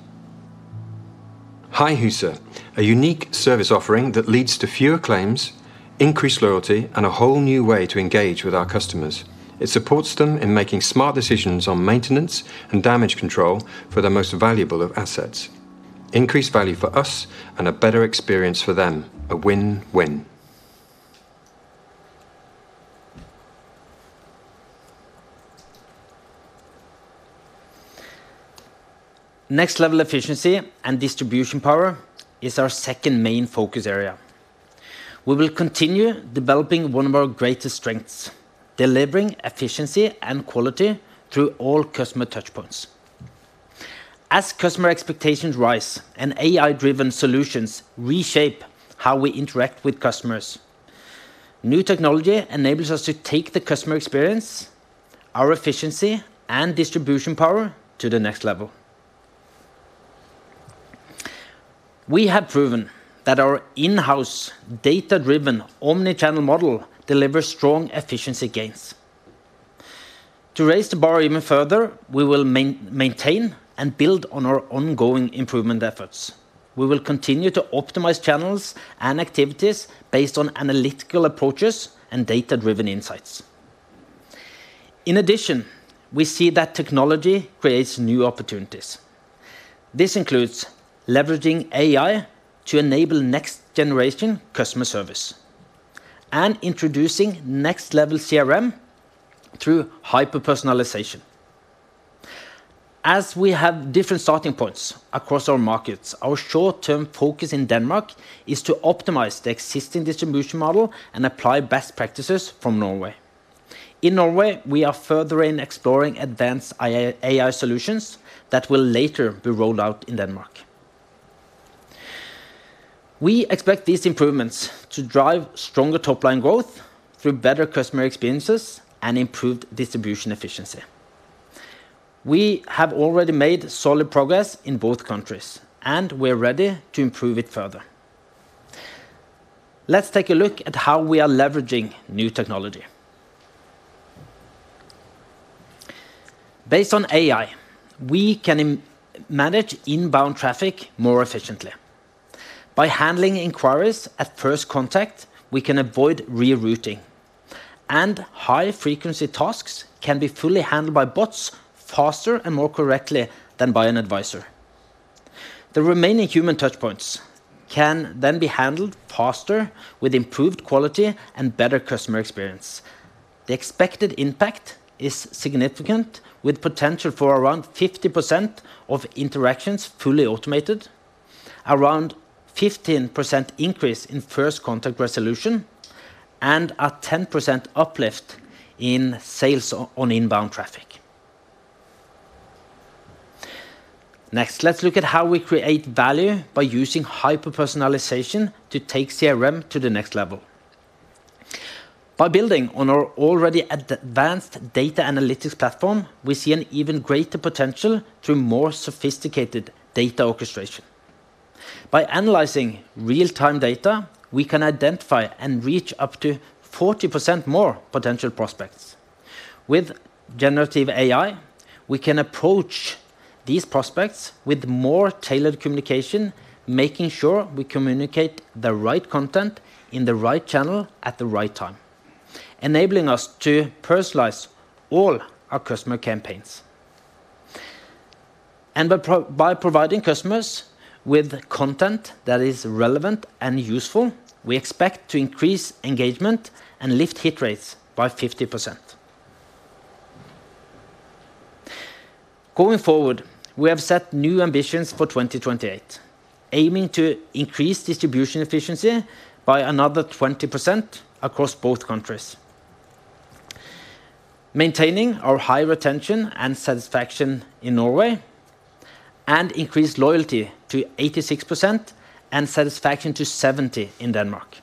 HusSmart, a unique service offering that leads to fewer claims, increased loyalty, and a whole new way to engage with our customers. It supports them in making smart decisions on maintenance and damage control for their most valuable of assets. Increased value for us and a better experience for them, a win-win. Next level efficiency and distribution power is our second main focus area. We will continue developing one of our greatest strengths, delivering efficiency and quality through all customer touchpoints. As customer expectations rise and AI-driven solutions reshape how we interact with customers. New technology enables us to take the customer experience, our efficiency, and distribution power to the next level. We have proven that our in-house, data-driven, omni-channel model delivers strong efficiency gains. To raise the bar even further, we will maintain and build on our ongoing improvement efforts. We will continue to optimize channels and activities based on analytical approaches and data-driven insights. In addition, we see that technology creates new opportunities. This includes leveraging AI to enable next generation customer service and introducing next level CRM through hyper-personalization. As we have different starting points across our markets, our short-term focus in Denmark is to optimize the existing distribution model and apply best practices from Norway. In Norway, we are further in exploring advanced AI solutions that will later be rolled out in Denmark. We expect these improvements to drive stronger top line growth through better customer experiences and improved distribution efficiency. We have already made solid progress in both countries. We are ready to improve it further. Let's take a look at how we are leveraging new technology. Based on AI, we can manage inbound traffic more efficiently. By handling inquiries at first contact, we can avoid rerouting. High-frequency tasks can be fully handled by bots faster and more correctly than by an advisor. The remaining human touch points can be handled faster, with improved quality and better customer experience. The expected impact is significant, with potential for around 50% of interactions fully automated, around 15% increase in first contact resolution, and a 10% uplift in sales on inbound traffic. Next, let's look at how we create value by using hyper-personalization to take CRM to the next level. By building on our already advanced data analytics platform, we see an even greater potential through more sophisticated data orchestration. By analyzing real-time data, we can identify and reach up to 40% more potential prospects. With generative AI, we can approach these prospects with more tailored communication, making sure we communicate the right content, in the right channel, at the right time, enabling us to personalize all our customer campaigns. By providing customers with content that is relevant and useful, we expect to increase engagement and lift hit rates by 50%. Going forward, we have set new ambitions for 2028, aiming to increase distribution efficiency by another 20% across both countries, maintaining our high retention and satisfaction in Norway, increase loyalty to 86% and satisfaction to 70% in Denmark.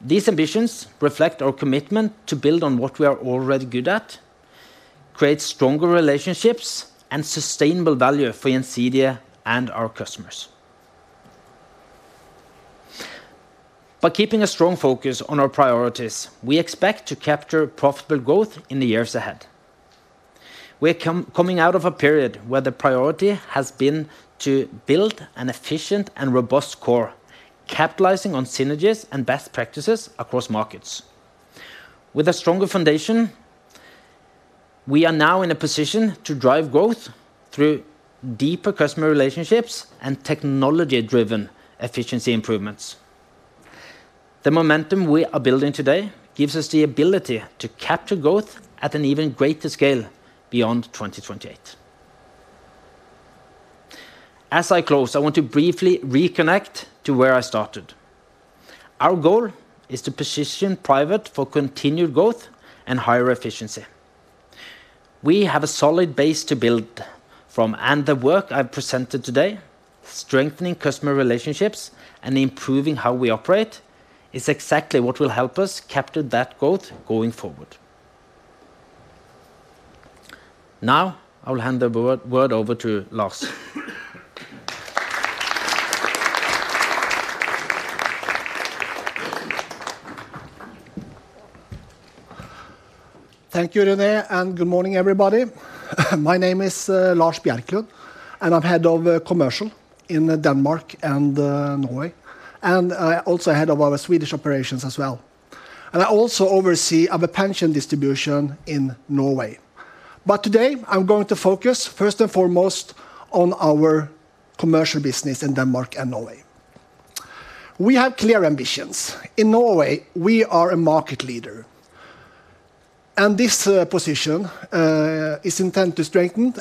These ambitions reflect our commitment to build on what we are already good at, create stronger relationships, and sustainable value for Gjensidige and our customers. By keeping a strong focus on our priorities, we expect to capture profitable growth in the years ahead. We are coming out of a period where the priority has been to build an efficient and robust core, capitalizing on synergies and best practices across markets. With a stronger foundation, we are now in a position to drive growth through deeper customer relationships and technology-driven efficiency improvements. The momentum we are building today gives us the ability to capture growth at an even greater scale beyond 2028. As I close, I want to briefly reconnect to where I started. Our goal is to position Private for continued growth and higher efficiency. We have a solid base to build from, and the work I've presented today, strengthening customer relationships and improving how we operate, is exactly what will help us capture that growth going forward. Now, I will hand the word over to Lars. Thank you, René, good morning, everybody. My name is Lars Gøran Bjerklund, and I'm head of Commercial in Denmark and Norway, and I also head of our Swedish operations as well. I also oversee our pension distribution in Norway. Today, I'm going to focus first and foremost on our commercial business in Denmark and Norway. We have clear ambitions. In Norway, we are a market leader, and this position is intent to strengthen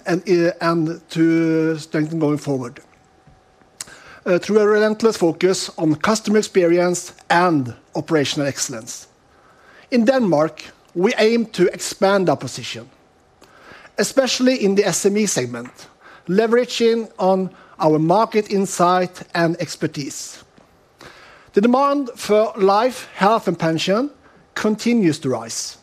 and to strengthen going forward through a relentless focus on customer experience and operational excellence. In Denmark, we aim to expand our position especially in the SME segment, leveraging on our market insight and expertise. The demand for life, health, and pension continues to rise,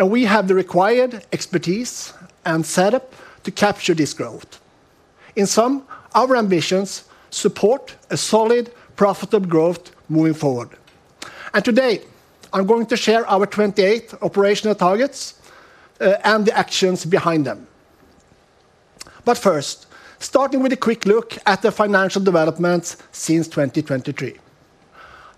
we have the required expertise and setup to capture this growth. Our ambitions support a solid, profitable growth moving forward. Today, I'm going to share our 2028 operational targets and the actions behind them. First, starting with a quick look at the financial developments since 2023.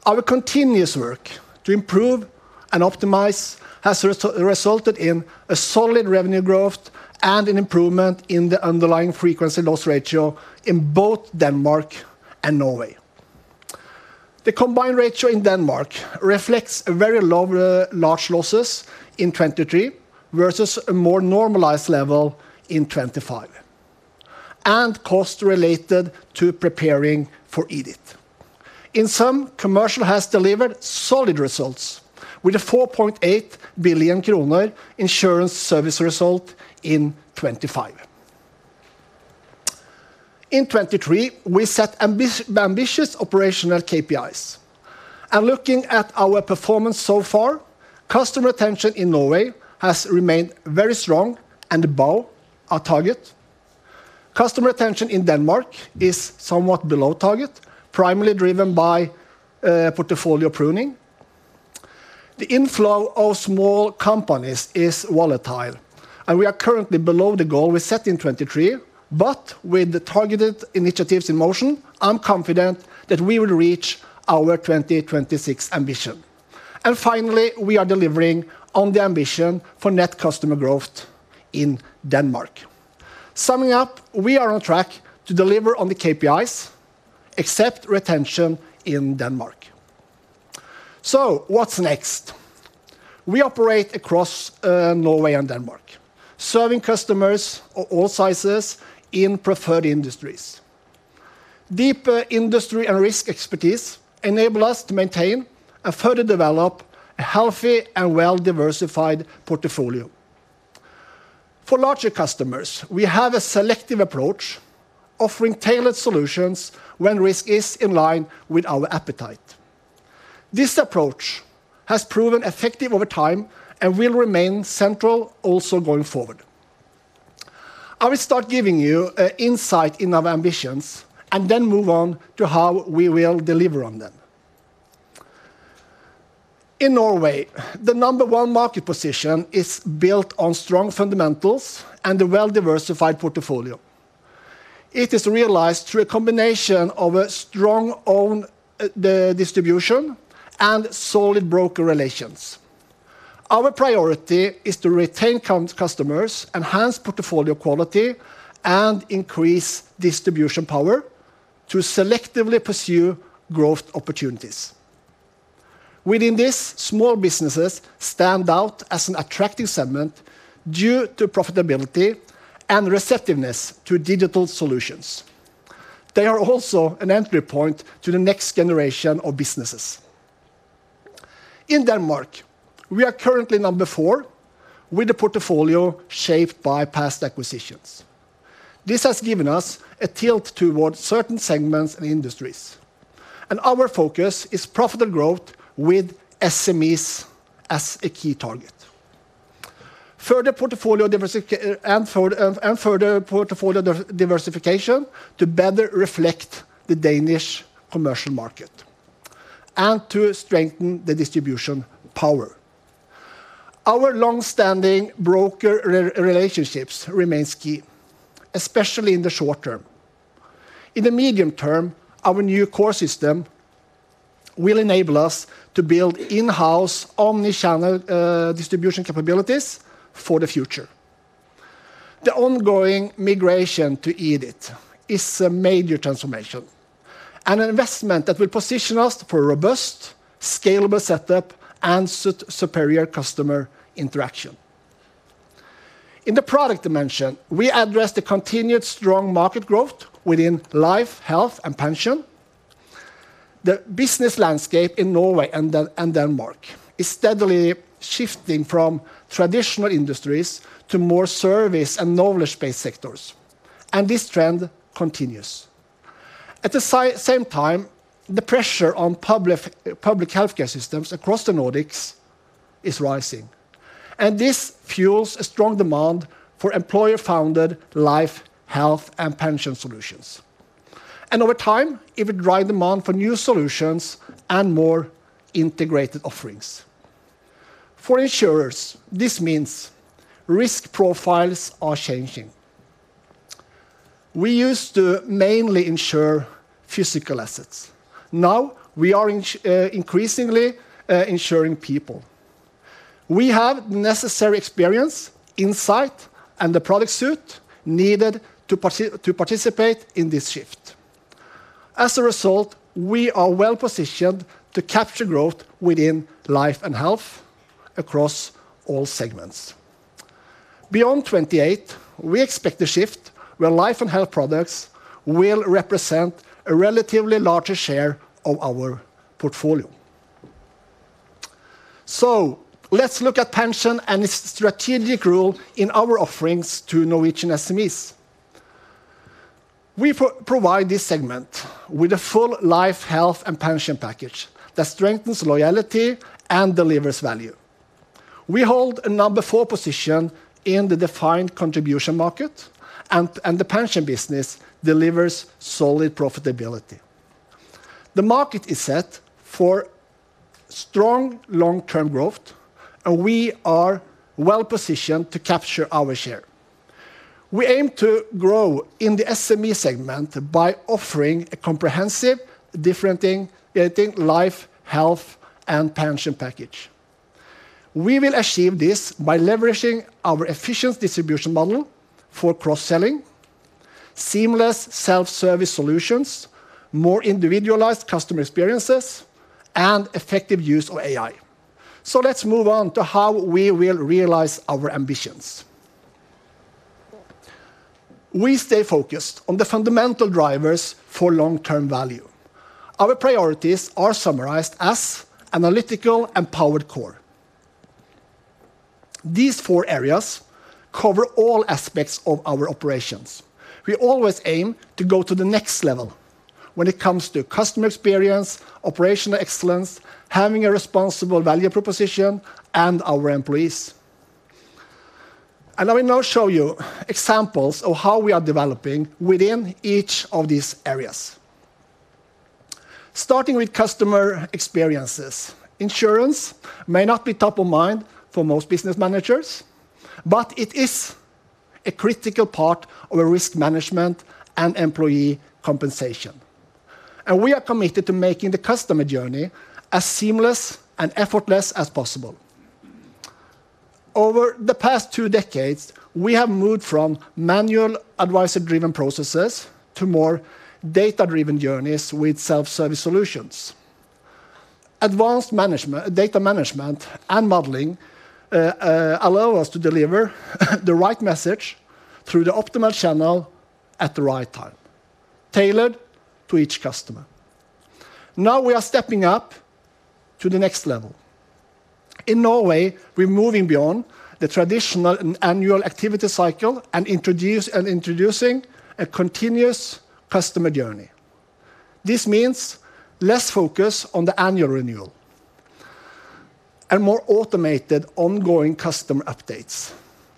Our continuous work to improve and optimize has resulted in a solid revenue growth and an improvement in the underlying frequency loss ratio in both Denmark and Norway. The combined ratio in Denmark reflects a very low large losses in 2023, versus a more normalized level in 2025, and costs related to preparing for EDITH. Commercial has delivered solid results, with a 4.8 billion kroner insurance service result in 2025. In 2023, we set ambitious operational KPIs. Looking at our performance so far, customer retention in Norway has remained very strong and above our target. Customer retention in Denmark is somewhat below target, primarily driven by portfolio pruning. The inflow of small companies is volatile, and we are currently below the goal we set in 2023, but with the targeted initiatives in motion, I'm confident that we will reach our 2026 ambition. Finally, we are delivering on the ambition for net customer growth in Denmark. Summing up, we are on track to deliver on the KPIs, except retention in Denmark. What's next? We operate across Norway and Denmark, serving customers of all sizes in preferred industries. Deeper industry and risk expertise enable us to maintain and further develop a healthy and well-diversified portfolio. For larger customers, we have a selective approach, offering tailored solutions when risk is in line with our appetite. This approach has proven effective over time and will remain central also going forward. I will start giving you an insight in our ambitions, and then move on to how we will deliver on them. In Norway, the number one market position is built on strong fundamentals and a well-diversified portfolio. It is realized through a combination of a strong own, the distribution and solid broker relations. Our priority is to retain customers, enhance portfolio quality, and increase distribution power to selectively pursue growth opportunities. Within this, small businesses stand out as an attractive segment due to profitability and receptiveness to digital solutions. They are also an entry point to the next generation of businesses. In Denmark, we are currently number four, with a portfolio shaped by past acquisitions. This has given us a tilt towards certain segments and industries, and our focus is profitable growth with SMEs as a key target. Further portfolio diversification to better reflect the Danish commercial market, and to strengthen the distribution power. Our long-standing broker relationships remains key, especially in the short term. In the medium term, our new core system will enable us to build in-house, omni-channel distribution capabilities for the future. The ongoing migration to EDITH is a major transformation and an investment that will position us for a robust, scalable setup and superior customer interaction. In the product dimension, we address the continued strong market growth within life, health, and pension. The business landscape in Norway and Denmark is steadily shifting from traditional industries to more service and knowledge-based sectors, and this trend continues. At the same time, the pressure on public healthcare systems across the Nordics is rising. This fuels a strong demand for employer-founded life, health, and pension solutions. Over time, it will drive demand for new solutions and more integrated offerings. For insurers, this means risk profiles are changing. We used to mainly insure physical assets. Now, we are increasingly insuring people. We have the necessary experience, insight, and the product suite needed to participate in this shift. As a result, we are well-positioned to capture growth within life and health across all segments. Beyond 28, we expect a shift, where life and health products will represent a relatively larger share of our portfolio....Let's look at pension and its strategic role in our offerings to Norwegian SMEs. We provide this segment with a full life, health, and pension package that strengthens loyalty and delivers value. We hold a number 4 position in the defined contribution market, and the pension business delivers solid profitability. The market is set for strong long-term growth. We are well-positioned to capture our share. We aim to grow in the SME segment by offering a comprehensive, differentiating life, health, and pension package. We will achieve this by leveraging our efficient distribution model for cross-selling, seamless self-service solutions, more individualized customer experiences, and effective use of AI. Let's move on to how we will realize our ambitions. We stay focused on the fundamental drivers for long-term value. Our priorities are summarized as analytical and powered core. These 4 areas cover all aspects of our operations. We always aim to go to the next level when it comes to customer experience, operational excellence, having a responsible value proposition, and our employees. Let me now show you examples of how we are developing within each of these areas. Starting with customer experiences. Insurance may not be top of mind for most business managers, but it is a critical part of a risk management and employee compensation, and we are committed to making the customer journey as seamless and effortless as possible. Over the past two decades, we have moved from manual advisor-driven processes to more data-driven journeys with self-service solutions. Advanced data management and modeling allow us to deliver the right message through the optimal channel at the right time, tailored to each customer. Now we are stepping up to the next level. In Norway, we're moving beyond the traditional and annual activity cycle and introducing a continuous customer journey. This means less focus on the annual renewal and more automated ongoing customer updates.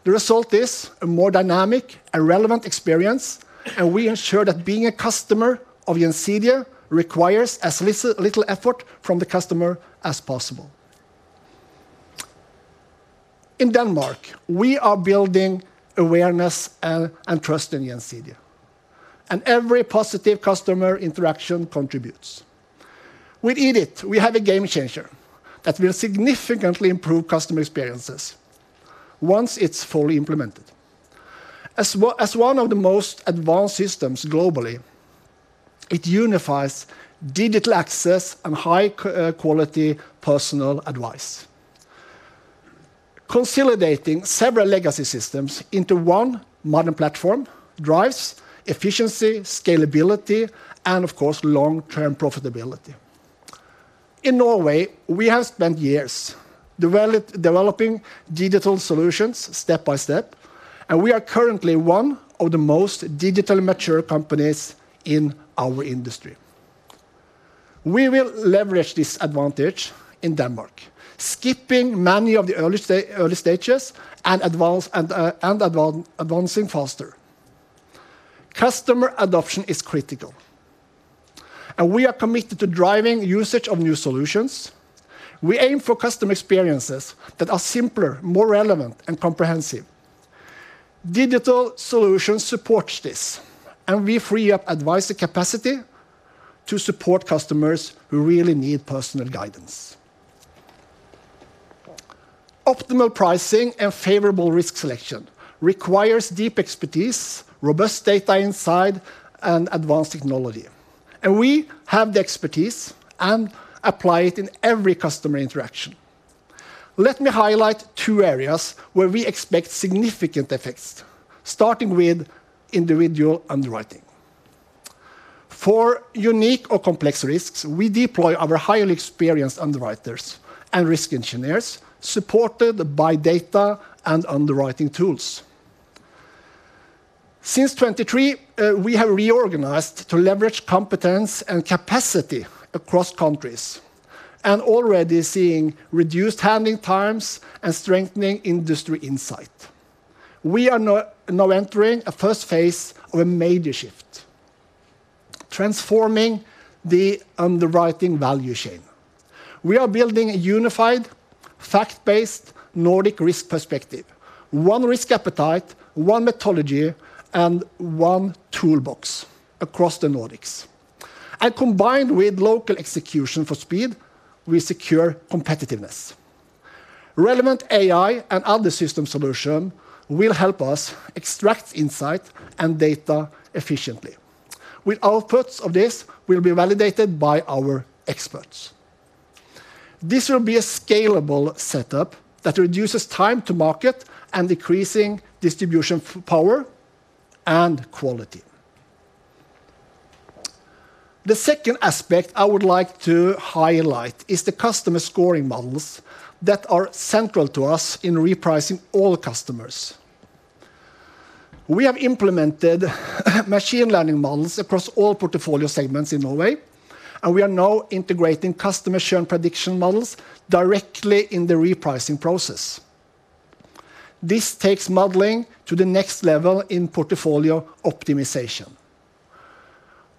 The result is a more dynamic and relevant experience. We ensure that being a customer of Gjensidige requires as little effort from the customer as possible. In Denmark, we are building awareness and trust in Gjensidige. Every positive customer interaction contributes. With Edith, we have a game changer that will significantly improve customer experiences once it's fully implemented. As one of the most advanced systems globally, it unifies digital access and high quality personal advice. Consolidating several legacy systems into one modern platform drives efficiency, scalability, and, of course, long-term profitability. In Norway, we have spent years developing digital solutions step by step. We are currently one of the most digitally mature companies in our industry. We will leverage this advantage in Denmark, skipping many of the early stages and advancing faster. Customer adoption is critical. We are committed to driving usage of new solutions. We aim for customer experiences that are simpler, more relevant, and comprehensive. Digital solutions support this. We free up advisor capacity to support customers who really need personal guidance. Optimal pricing and favorable risk selection requires deep expertise, robust data insight, and advanced technology. We have the expertise and apply it in every customer interaction. Let me highlight two areas where we expect significant effects, starting with individual underwriting. For unique or complex risks, we deploy our highly experienced underwriters and risk engineers, supported by data and underwriting tools. Since 2023, we have reorganized to leverage competence and capacity across countries and already seeing reduced handling times and strengthening industry insight. We are now entering a first phase of a major shift, transforming the underwriting value chain. We are building a unified, fact-based Nordic risk perspective, one risk appetite, one methodology, and one toolbox across the Nordics. Combined with local execution for speed, we secure competitiveness. Relevant AI and other system solution will help us extract insight and data efficiently, with outputs of this will be validated by our experts. This will be a scalable setup that reduces time to market and decreasing distribution power and quality. The 2nd aspect I would like to highlight is the customer scoring models that are central to us in repricing all customers. We have implemented machine learning models across all portfolio segments in Norway, and we are now integrating customer churn prediction models directly in the repricing process. This takes modeling to the next level in portfolio optimization.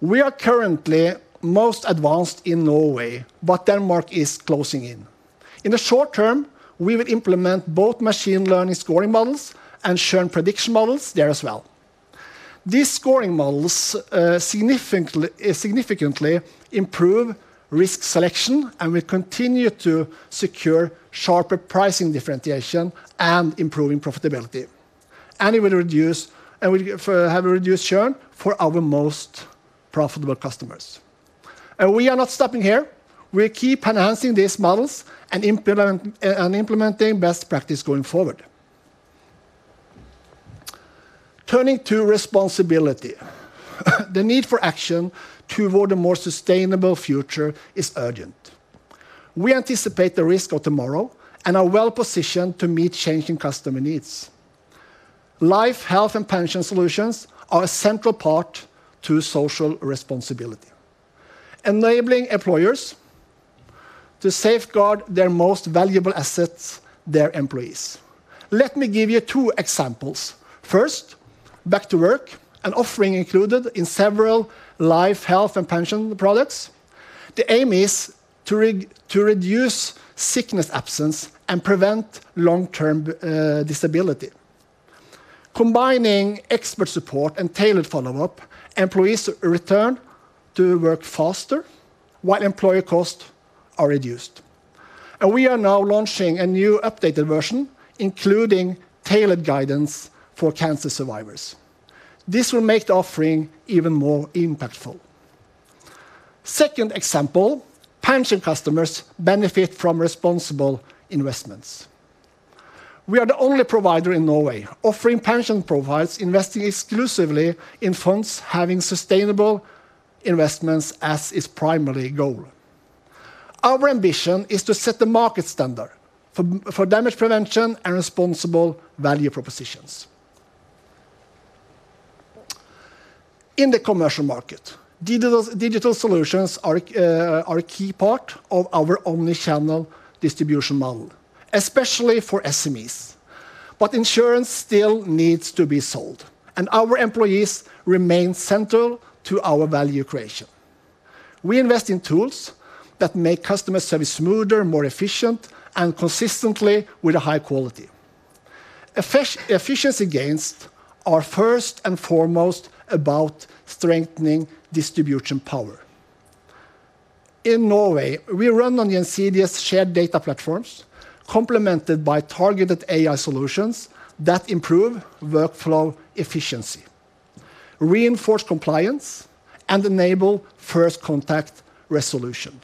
We are currently most advanced in Norway, but Denmark is closing in. In the short term, we will implement both machine learning scoring models and churn prediction models there as well. These scoring models significantly improve risk selection, and we continue to secure sharper pricing differentiation and improving profitability. It will reduce, and we have a reduced churn for our most profitable customers. We are not stopping here. We keep enhancing these models and implementing best practice going forward. Turning to responsibility. The need for action toward a more sustainable future is urgent. We anticipate the risk of tomorrow and are well positioned to meet changing customer needs. Life, health, and pension solutions are a central part to social responsibility, enabling employers to safeguard their most valuable assets, their employees. Let me give you 2 examples. First, Back to work, an offering included in several life, health, and pension products. The aim is to reduce sickness absence and prevent long-term disability. Combining expert support and tailored follow-up, employees return to work faster, while employer costs are reduced. We are now launching a new updated version, including tailored guidance for cancer survivors. This will make the offering even more impactful. Second example, pension customers benefit from responsible investments. We are the only provider in Norway offering pension profiles investing exclusively in funds having sustainable investments as its primary goal. Our ambition is to set the market standard for damage prevention and responsible value propositions. In the commercial market, digital solutions are a key part of our omni-channel distribution model, especially for SMEs. But insurance still needs to be sold, and our employees remain central to our value creation. We invest in tools that make customer service smoother, more efficient, and consistently with a high quality. Efficiency gains are first and foremost about strengthening distribution power. In Norway, we run on the NCDS shared data platforms, complemented by targeted AI solutions that improve workflow efficiency, reinforce compliance, and enable first contact resolution.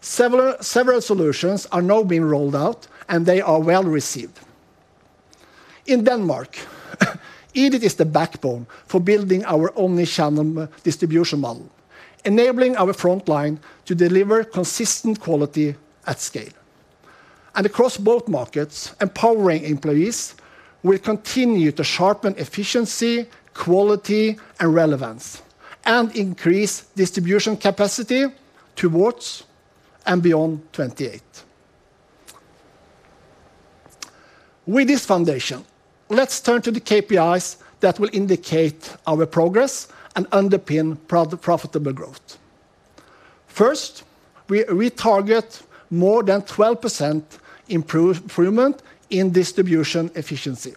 Several solutions are now being rolled out, and they are well-received. In Denmark, EDITH is the backbone for building our omni-channel distribution model, enabling our frontline to deliver consistent quality at scale. Across both markets, empowering employees will continue to sharpen efficiency, quality, and relevance, and increase distribution capacity towards and beyond 2028. With this foundation, let's turn to the KPIs that will indicate our progress and underpin profitable growth. First, we target more than 12% improvement in distribution efficiency.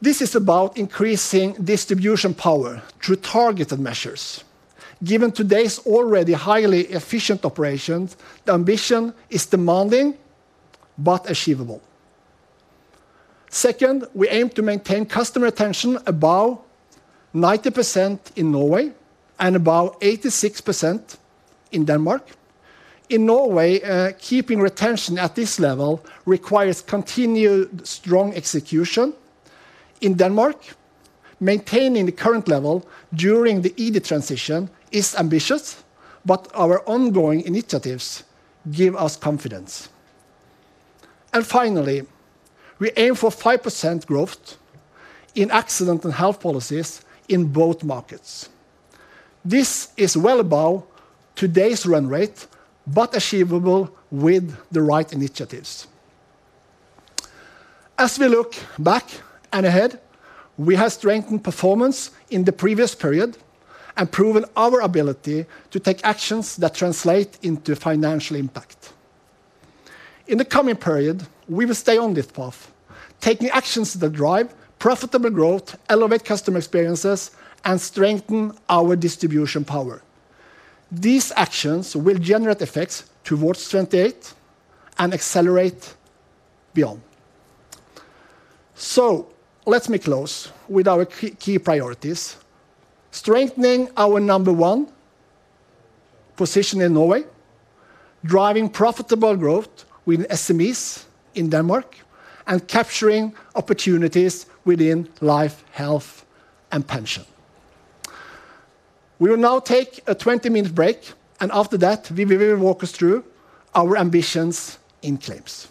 This is about increasing distribution power through targeted measures. Given today's already highly efficient operations, the ambition is demanding, but achievable. Second, we aim to maintain customer retention above 90% in Norway and above 86% in Denmark. In Norway, keeping retention at this level requires continued strong execution. In Denmark, maintaining the current level during the EDITH transition is ambitious, but our ongoing initiatives give us confidence. Finally, we aim for 5% growth in accident and health policies in both markets. This is well above today's run rate, but achievable with the right initiatives. As we look back and ahead, we have strengthened performance in the previous period and proven our ability to take actions that translate into financial impact. In the coming period, we will stay on this path, taking actions that drive profitable growth, elevate customer experiences, and strengthen our distribution power. These actions will generate effects towards 2028 and accelerate beyond. Let me close with our key priorities: strengthening our number one position in Norway, driving profitable growth with SMEs in Denmark, and capturing opportunities within life, health, and pension. We will now take a 20-minute break. After that, we will walk us through our ambitions in claims.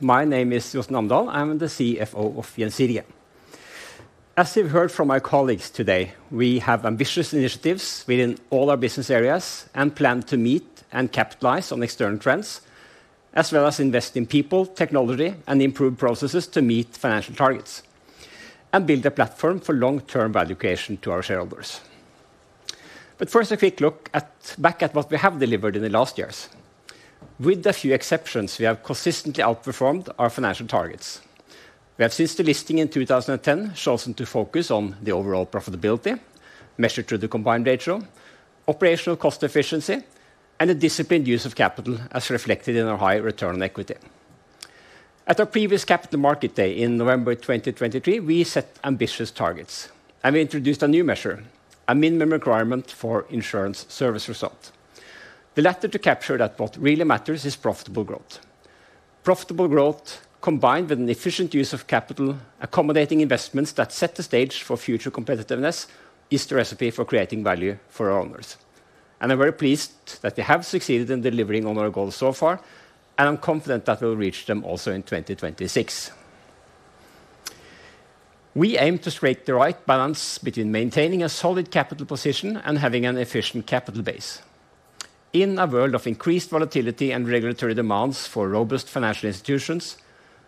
My name is Jostein Amdal. I'm the CFO of Gjensidige. As you've heard from my colleagues today, we have ambitious initiatives within all our business areas and plan to meet and capitalize on external trends, as well as invest in people, technology, and improved processes to meet financial targets, and build a platform for long-term value creation to our shareholders. First, a quick look back at what we have delivered in the last years. With a few exceptions, we have consistently outperformed our financial targets. We have, since the listing in 2010, chosen to focus on the overall profitability, measured through the combined ratio, operational cost efficiency, and a disciplined use of capital, as reflected in our high return on equity. At our previous Capital Market Day in November 2023, we set ambitious targets, we introduced a new measure, a minimum requirement for insurance service result. The latter to capture that what really matters is profitable growth. Profitable growth, combined with an efficient use of capital, accommodating investments that set the stage for future competitiveness, is the recipe for creating value for our owners. I'm very pleased that we have succeeded in delivering on our goals so far, and I'm confident that we'll reach them also in 2026. We aim to strike the right balance between maintaining a solid capital position and having an efficient capital base. In a world of increased volatility and regulatory demands for robust financial institutions,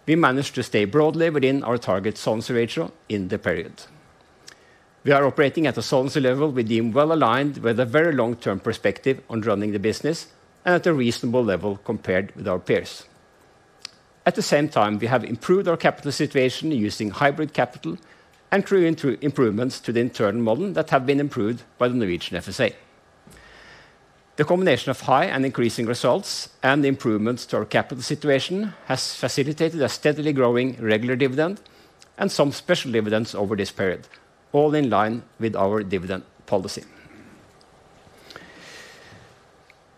we managed to stay broadly within our target solvency ratio in the period. We are operating at a solvency level we deem well aligned with a very long-term perspective on running the business and at a reasonable level compared with our peers. At the same time, we have improved our capital situation using hybrid capital and through improvements to the internal model that have been improved by the Norwegian FSA. The combination of high and increasing results and the improvements to our capital situation has facilitated a steadily growing regular dividend and some special dividends over this period, all in line with our dividend policy.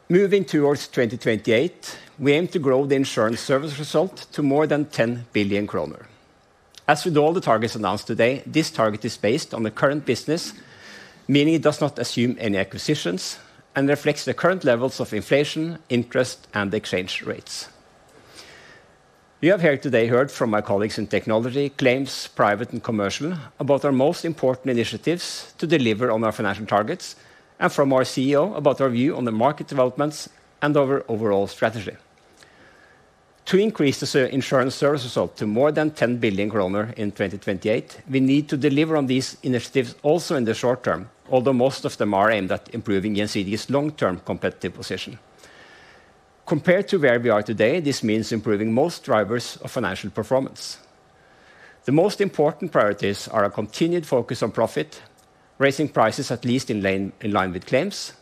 Moving towards 2028, we aim to grow the insurance service result to more than 10 billion kroner. As with all the targets announced today, this target is based on the current business, meaning it does not assume any acquisitions and reflects the current levels of inflation, interest, and exchange rates. You have heard today from my colleagues in technology, claims, private and commercial, about our most important initiatives to deliver on our financial targets, and from our CEO about our view on the market developments and our overall strategy. To increase the insurance service result to more than 10 billion kroner in 2028, we need to deliver on these initiatives also in the short term, although most of them are aimed at improving Gjensidige's long-term competitive position. Compared to where we are today, this means improving most drivers of financial performance. The most important priorities are a continued focus on profit, raising prices, at least in line with claims,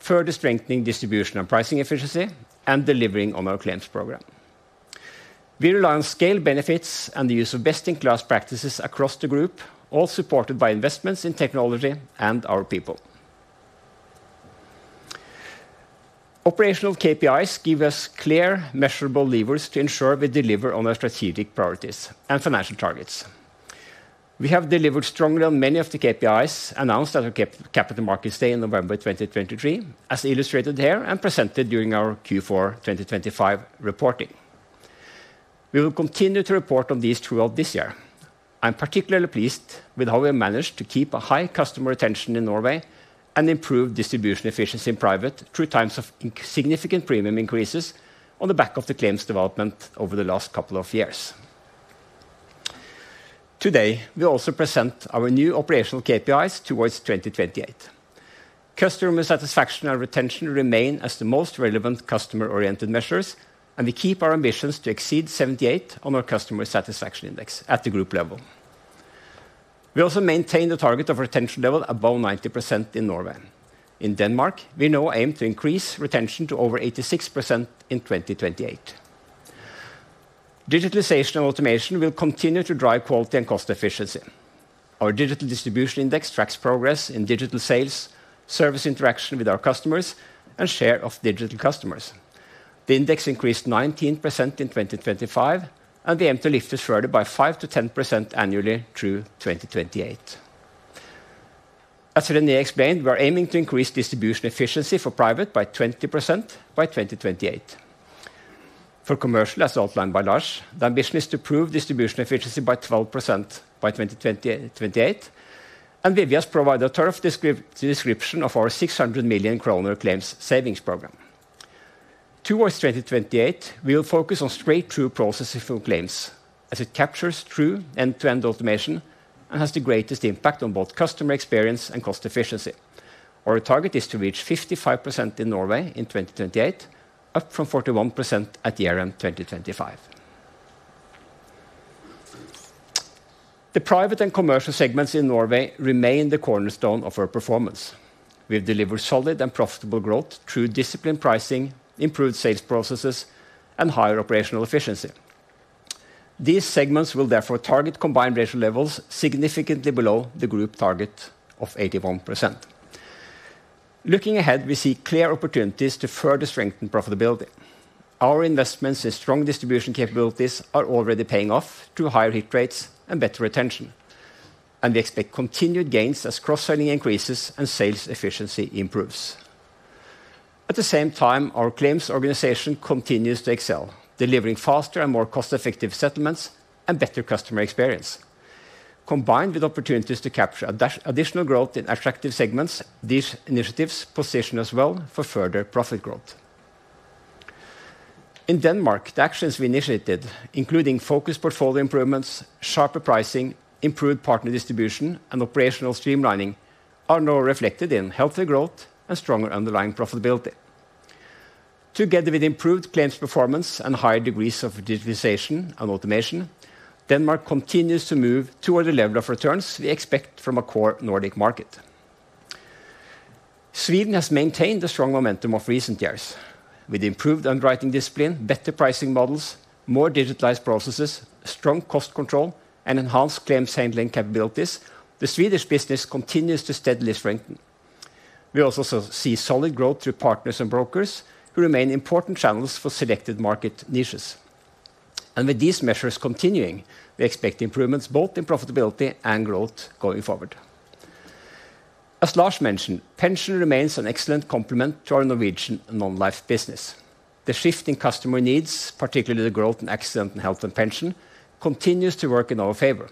further strengthening distribution and pricing efficiency, and delivering on our claims program. We rely on scale benefits and the use of best-in-class practices across the group, all supported by investments in technology and our people. Operational KPIs give us clear, measurable levers to ensure we deliver on our strategic priorities and financial targets. We have delivered strongly on many of the KPIs announced at our Capital Markets Day in November 2023, as illustrated here and presented during our Q4 2025 reporting. We will continue to report on these throughout this year. I'm particularly pleased with how we managed to keep a high customer retention in Norway and improve distribution efficiency in Private through times of significant premium increases on the back of the claims development over the last couple of years. Today, we'll also present our new operational KPIs towards 2028. Customer satisfaction and retention remain as the most relevant customer-oriented measures, and we keep our ambitions to exceed 78 on our customer satisfaction index at the group level. We also maintain the target of retention level above 90% in Norway. In Denmark, we now aim to increase retention to over 86% in 2028. Digitalization and automation will continue to drive quality and cost efficiency. Our digital distribution index tracks progress in digital sales, service interaction with our customers, and share of digital customers. The index increased 19% in 2025, and we aim to lift this further by 5%-10% annually through 2028. As René explained, we are aiming to increase distribution efficiency for private by 20% by 2028. For commercial, as outlined by Lars, the ambition is to prove distribution efficiency by 12% by 2028, and Vivian has provided a thorough description of our 600 million kroner claims savings program. Towards 2028, we will focus on straight-through processing for claims, as it captures true end-to-end automation and has the greatest impact on both customer experience and cost efficiency. Our target is to reach 55% in Norway in 2028, up from 41% at the year-end 2025. The private and commercial segments in Norway remain the cornerstone of our performance. We've delivered solid and profitable growth through disciplined pricing, improved sales processes, and higher operational efficiency. These segments will therefore target combined ratio levels significantly below the group target of 81%. Looking ahead, we see clear opportunities to further strengthen profitability. Our investments in strong distribution capabilities are already paying off through higher hit rates and better retention, and we expect continued gains as cross-selling increases and sales efficiency improves. At the same time, our claims organization continues to excel, delivering faster and more cost-effective settlements and better customer experience. Combined with opportunities to capture additional growth in attractive segments, these initiatives position us well for further profit growth. In Denmark, the actions we initiated, including focused portfolio improvements, sharper pricing, improved partner distribution, and operational streamlining, are now reflected in healthier growth and stronger underlying profitability. Together with improved claims performance and higher degrees of digitization and automation, Denmark continues to move toward the level of returns we expect from a core Nordic market. Sweden has maintained a strong momentum of recent years. With improved underwriting discipline, better pricing models, more digitalized processes, strong cost control, and enhanced claims handling capabilities, the Swedish business continues to steadily strengthen. We also see solid growth through partners and brokers, who remain important channels for selected market niches. With these measures continuing, we expect improvements both in profitability and growth going forward. As Lars mentioned, pension remains an excellent complement to our Norwegian non-life business. The shifting customer needs, particularly the growth in accident and health and pension, continues to work in our favor.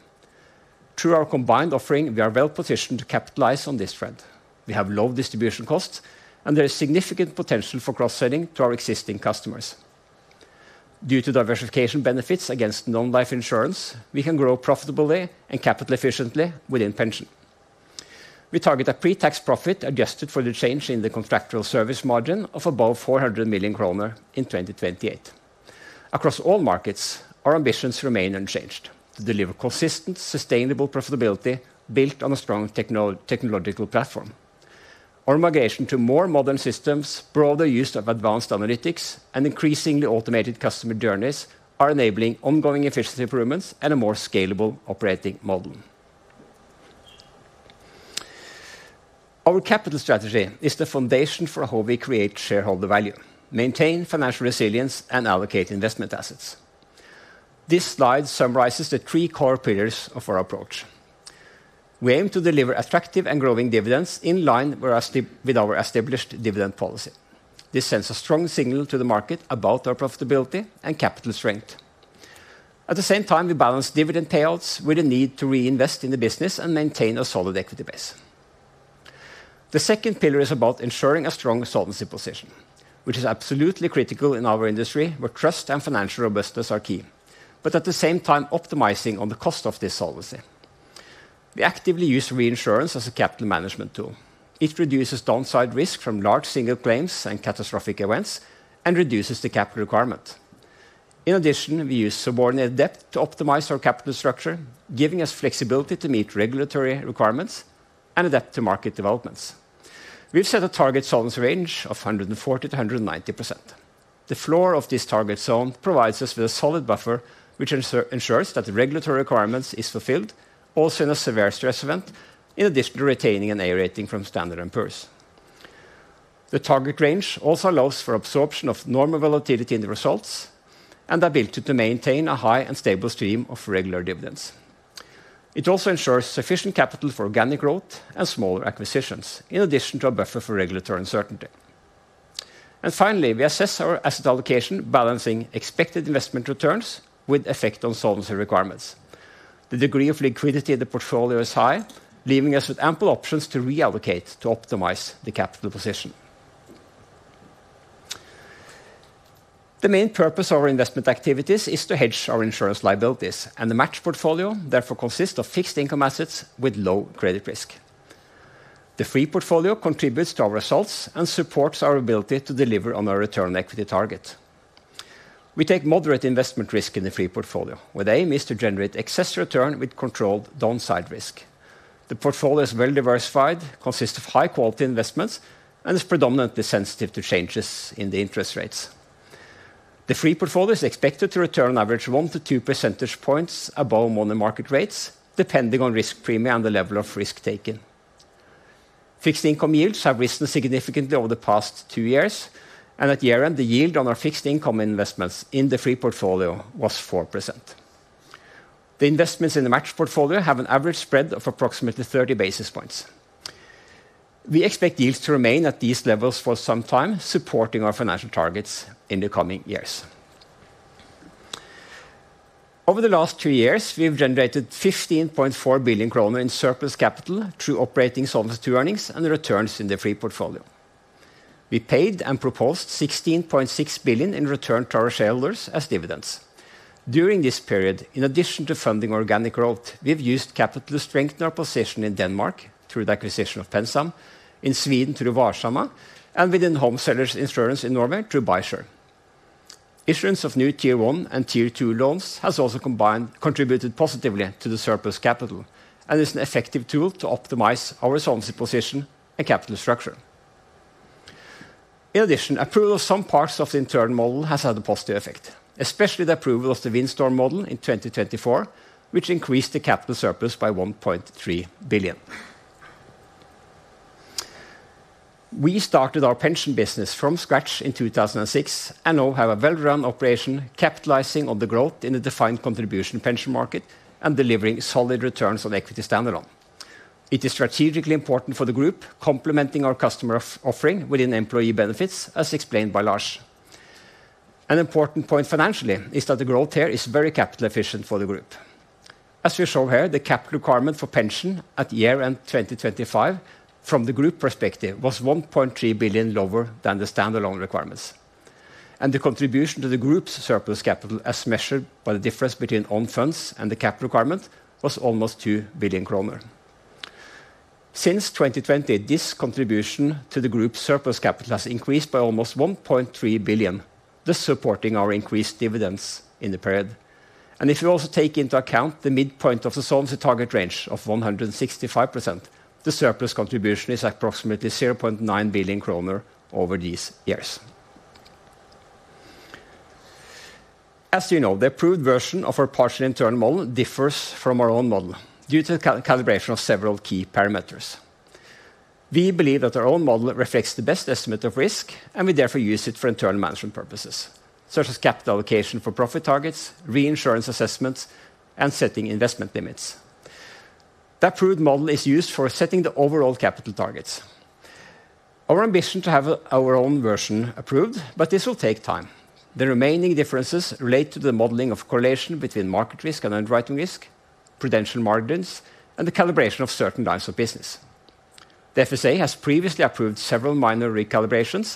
Through our combined offering, we are well positioned to capitalize on this trend. We have low distribution costs, and there is significant potential for cross-selling to our existing customers. Due to diversification benefits against non-life insurance, we can grow profitably and capital efficiently within pension. We target a pre-tax profit adjusted for the change in the contractual service margin of above 400 million kroner in 2028. Across all markets, our ambitions remain unchanged: to deliver consistent, sustainable profitability built on a strong technological platform. Our migration to more modern systems, broader use of advanced analytics, and increasingly automated customer journeys are enabling ongoing efficiency improvements and a more scalable operating model. Our capital strategy is the foundation for how we create shareholder value, maintain financial resilience, and allocate investment assets. This slide summarizes the three core pillars of our approach. We aim to deliver attractive and growing dividends in line with our established dividend policy. This sends a strong signal to the market about our profitability and capital strength. At the same time, we balance dividend payouts with the need to reinvest in the business and maintain a solid equity base. The second pillar is about ensuring a strong solvency position, which is absolutely critical in our industry, where trust and financial robustness are key, but at the same time, optimizing on the cost of this solvency. We actively use reinsurance as a capital management tool. It reduces downside risk from large single claims and catastrophic events and reduces the capital requirement. In addition, we use subordinate debt to optimize our capital structure, giving us flexibility to meet regulatory requirements and adapt to market developments. We've set a target solvency range of 140%-190%. The floor of this target zone provides us with a solid buffer, which ensures that the regulatory requirements is fulfilled, also in a severe stress event, in addition to retaining an A rating from Standard & Poor's. The target range also allows for absorption of normal volatility in the results and the ability to maintain a high and stable stream of regular dividends. It also ensures sufficient capital for organic growth and smaller acquisitions, in addition to a buffer for regulatory uncertainty. Finally, we assess our asset allocation, balancing expected investment returns with effect on solvency requirements. The degree of liquidity in the portfolio is high, leaving us with ample options to reallocate to optimize the capital position. The main purpose of our investment activities is to hedge our insurance liabilities, and the match portfolio therefore consists of fixed income assets with low credit risk. The free portfolio contributes to our results and supports our ability to deliver on our return on equity target. We take moderate investment risk in the free portfolio, where the aim is to generate excess return with controlled downside risk. The portfolio is well diversified, consists of high-quality investments, and is predominantly sensitive to changes in the interest rates. The free portfolio is expected to return on average 1-2 percentage points above money market rates, depending on risk premium and the level of risk taken. Fixed income yields have risen significantly over the past two years. At year-end, the yield on our fixed income investments in the free portfolio was 4%. The investments in the match portfolio have an average spread of approximately 30 basis points. We expect yields to remain at these levels for some time, supporting our financial targets in the coming years. Over the last two years, we've generated 15.4 billion kroner in surplus capital through operating solvency earnings and the returns in the free portfolio. We paid and proposed 16.6 billion in return to our shareholders as dividends. During this period, in addition to funding organic growth, we've used capital to strengthen our position in Denmark through the acquisition of PenSam Forsikring, in Sweden through Varsamma, and within Home Sellers Insurance in Norway through Buysure. Issuance of new Tier 1 and Tier 2 loans has also combined, contributed positively to the surplus capital and is an effective tool to optimize our solvency position and capital structure. In addition, approval of some parts of the internal model has had a positive effect, especially the approval of the windstorm model in 2024, which increased the capital surplus by 1.3 billion. We started our pension business from scratch in 2006, and now have a well-run operation, capitalizing on the growth in the defined contribution pension market and delivering solid returns on equity standalone. It is strategically important for the group, complementing our customer offering within employee benefits, as explained by Lars. An important point financially is that the growth here is very capital efficient for the group. As we show here, the capital requirement for pension at year-end 2025, from the group perspective, was 1.3 billion lower than the standalone requirements. The contribution to the group's surplus capital, as measured by the difference between own funds and the cap requirement, was almost 2 billion kroner. Since 2020, this contribution to the group's surplus capital has increased by almost 1.3 billion, thus supporting our increased dividends in the period. If you also take into account the midpoint of the solvency target range of 165%, the surplus contribution is approximately 0.9 billion kroner over these years. As you know, the approved version of our partial internal model differs from our own model due to the calibration of several key parameters. We believe that our own model reflects the best estimate of risk, and we therefore use it for internal management purposes, such as capital allocation for profit targets, reinsurance assessments, and setting investment limits. The approved model is used for setting the overall capital targets. Our ambition to have our own version approved, but this will take time. The remaining differences relate to the modeling of correlation between market risk and underwriting risk, prudential margins, and the calibration of certain lines of business. The FSA has previously approved several minor recalibrations,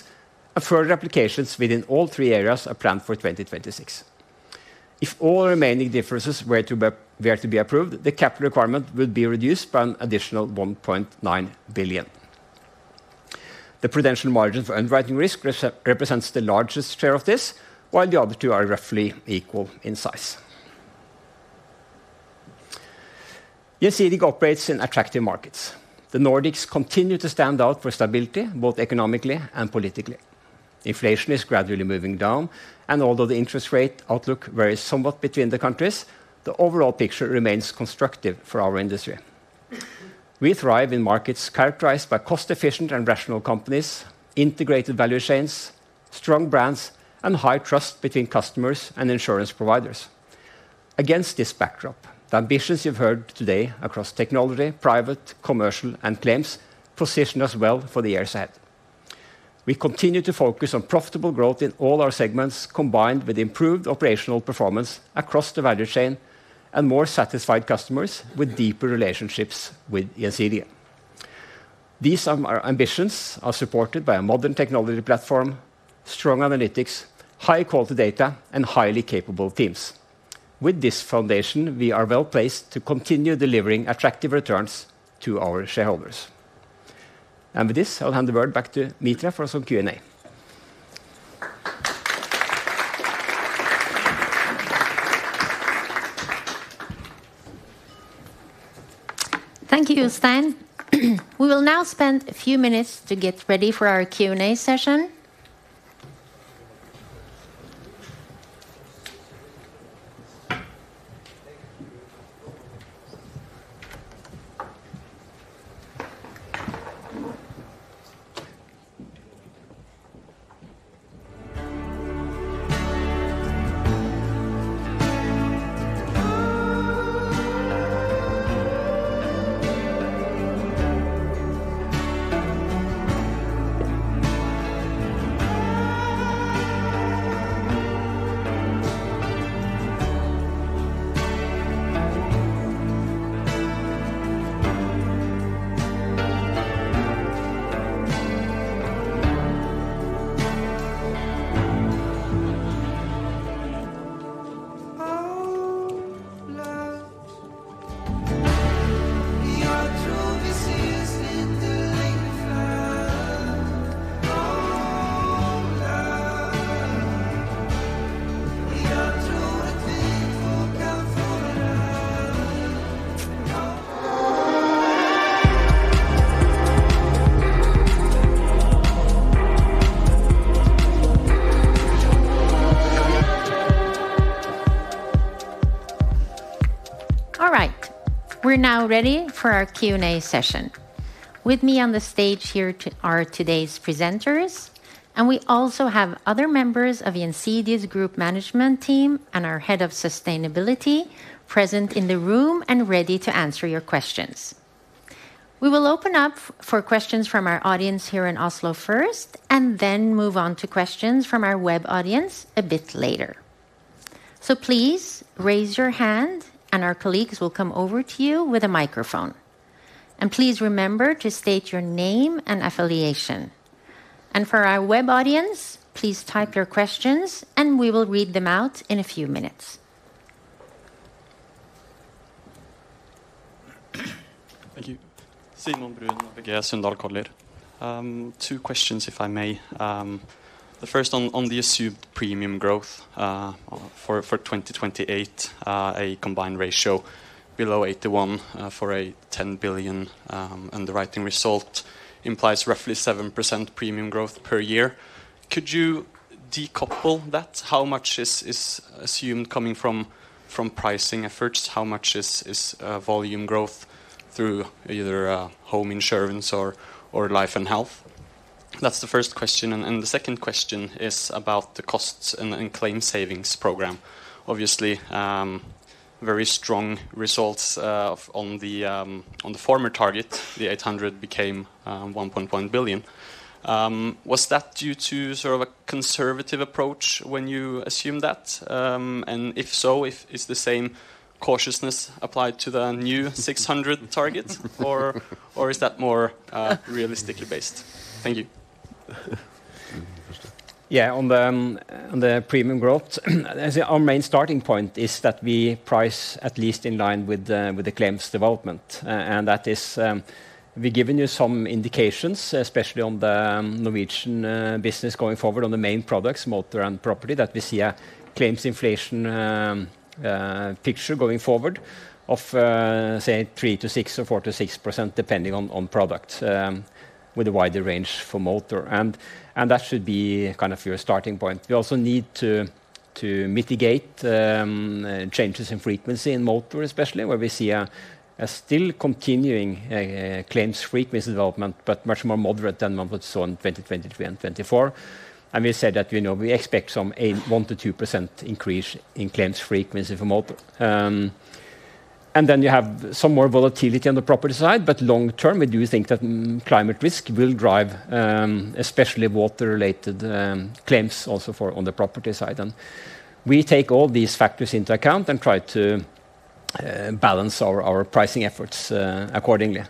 and further applications within all three areas are planned for 2026. If all remaining differences were to be approved, the capital requirement would be reduced by an additional 1.9 billion. The prudential margin for underwriting risk represents the largest share of this, while the other two are roughly equal in size. Gjensidige operates in attractive markets. The Nordics continue to stand out for stability, both economically and politically. Inflation is gradually moving down, and although the interest rate outlook varies somewhat between the countries, the overall picture remains constructive for our industry. We thrive in markets characterized by cost-efficient and rational companies, integrated value chains, strong brands, and high trust between customers and insurance providers. Against this backdrop, the ambitions you've heard today across technology, private, commercial, and claims position us well for the years ahead. We continue to focus on profitable growth in all our segments, combined with improved operational performance across the value chain and more satisfied customers with deeper relationships with Gjensidige. These ambitions are supported by a modern technology platform, strong analytics, high-quality data, and highly capable teams. With this foundation, we are well-placed to continue delivering attractive returns to our shareholders. With this, I'll hand the word back to Mitra for some Q&A. Thank you, Jostein. We will now spend a few minutes to get ready for our Q&A session. All right, we're now ready for our Q&A session. With me on the stage here are today's presenters, and we also have other members of the Gjensidige Group Management Team and our Head of Sustainability present in the room and ready to answer your questions. We will open up for questions from our audience here in Oslo first, and then move on to questions from our web audience a bit later. Please raise your hand, and our colleagues will come over to you with a microphone. Please remember to state your name and affiliation. For our web audience, please type your questions, and we will read them out in a few minutes. Thank you. Simon Bruns, ABG Sundal Collier. Two questions, if I may. The first on the assumed premium growth for 2028, a combined ratio below 81, for a 10 billion underwriting result implies roughly 7% premium growth per year. Could you decouple that? How much is assumed coming from pricing efforts? How much is volume growth through either home insurance or life and health? That's the first question. The 2nd question is about the costs and claim savings program. Obviously, very strong results on the former target. The 800 million became 1.1 billion. Was that due to sort of a conservative approach when you assumed that? If so, is the same cautiousness applied to the new 600 target or is that more realistically based? Thank you. On the premium growth, I say our main starting point is that we price at least in line with the claims development. That is, we've given you some indications, especially on the Norwegian business going forward on the main products, motor and property, that we see a claims inflation picture going forward of, say, 3%-6% or 4%-6%, depending on products, with a wider range for motor. That should be kind of your starting point. We also need to mitigate changes in frequency in motor especially, where we see a still continuing claims frequency development, but much more moderate than what we saw in 2023 and 2024. We said that, you know, we expect some 1%-2% increase in claims frequency from motor. Then you have some more volatility on the property side, but long term, we do think that climate risk will drive, especially water-related, claims also for on the property side. We take all these factors into account and try to balance our pricing efforts accordingly.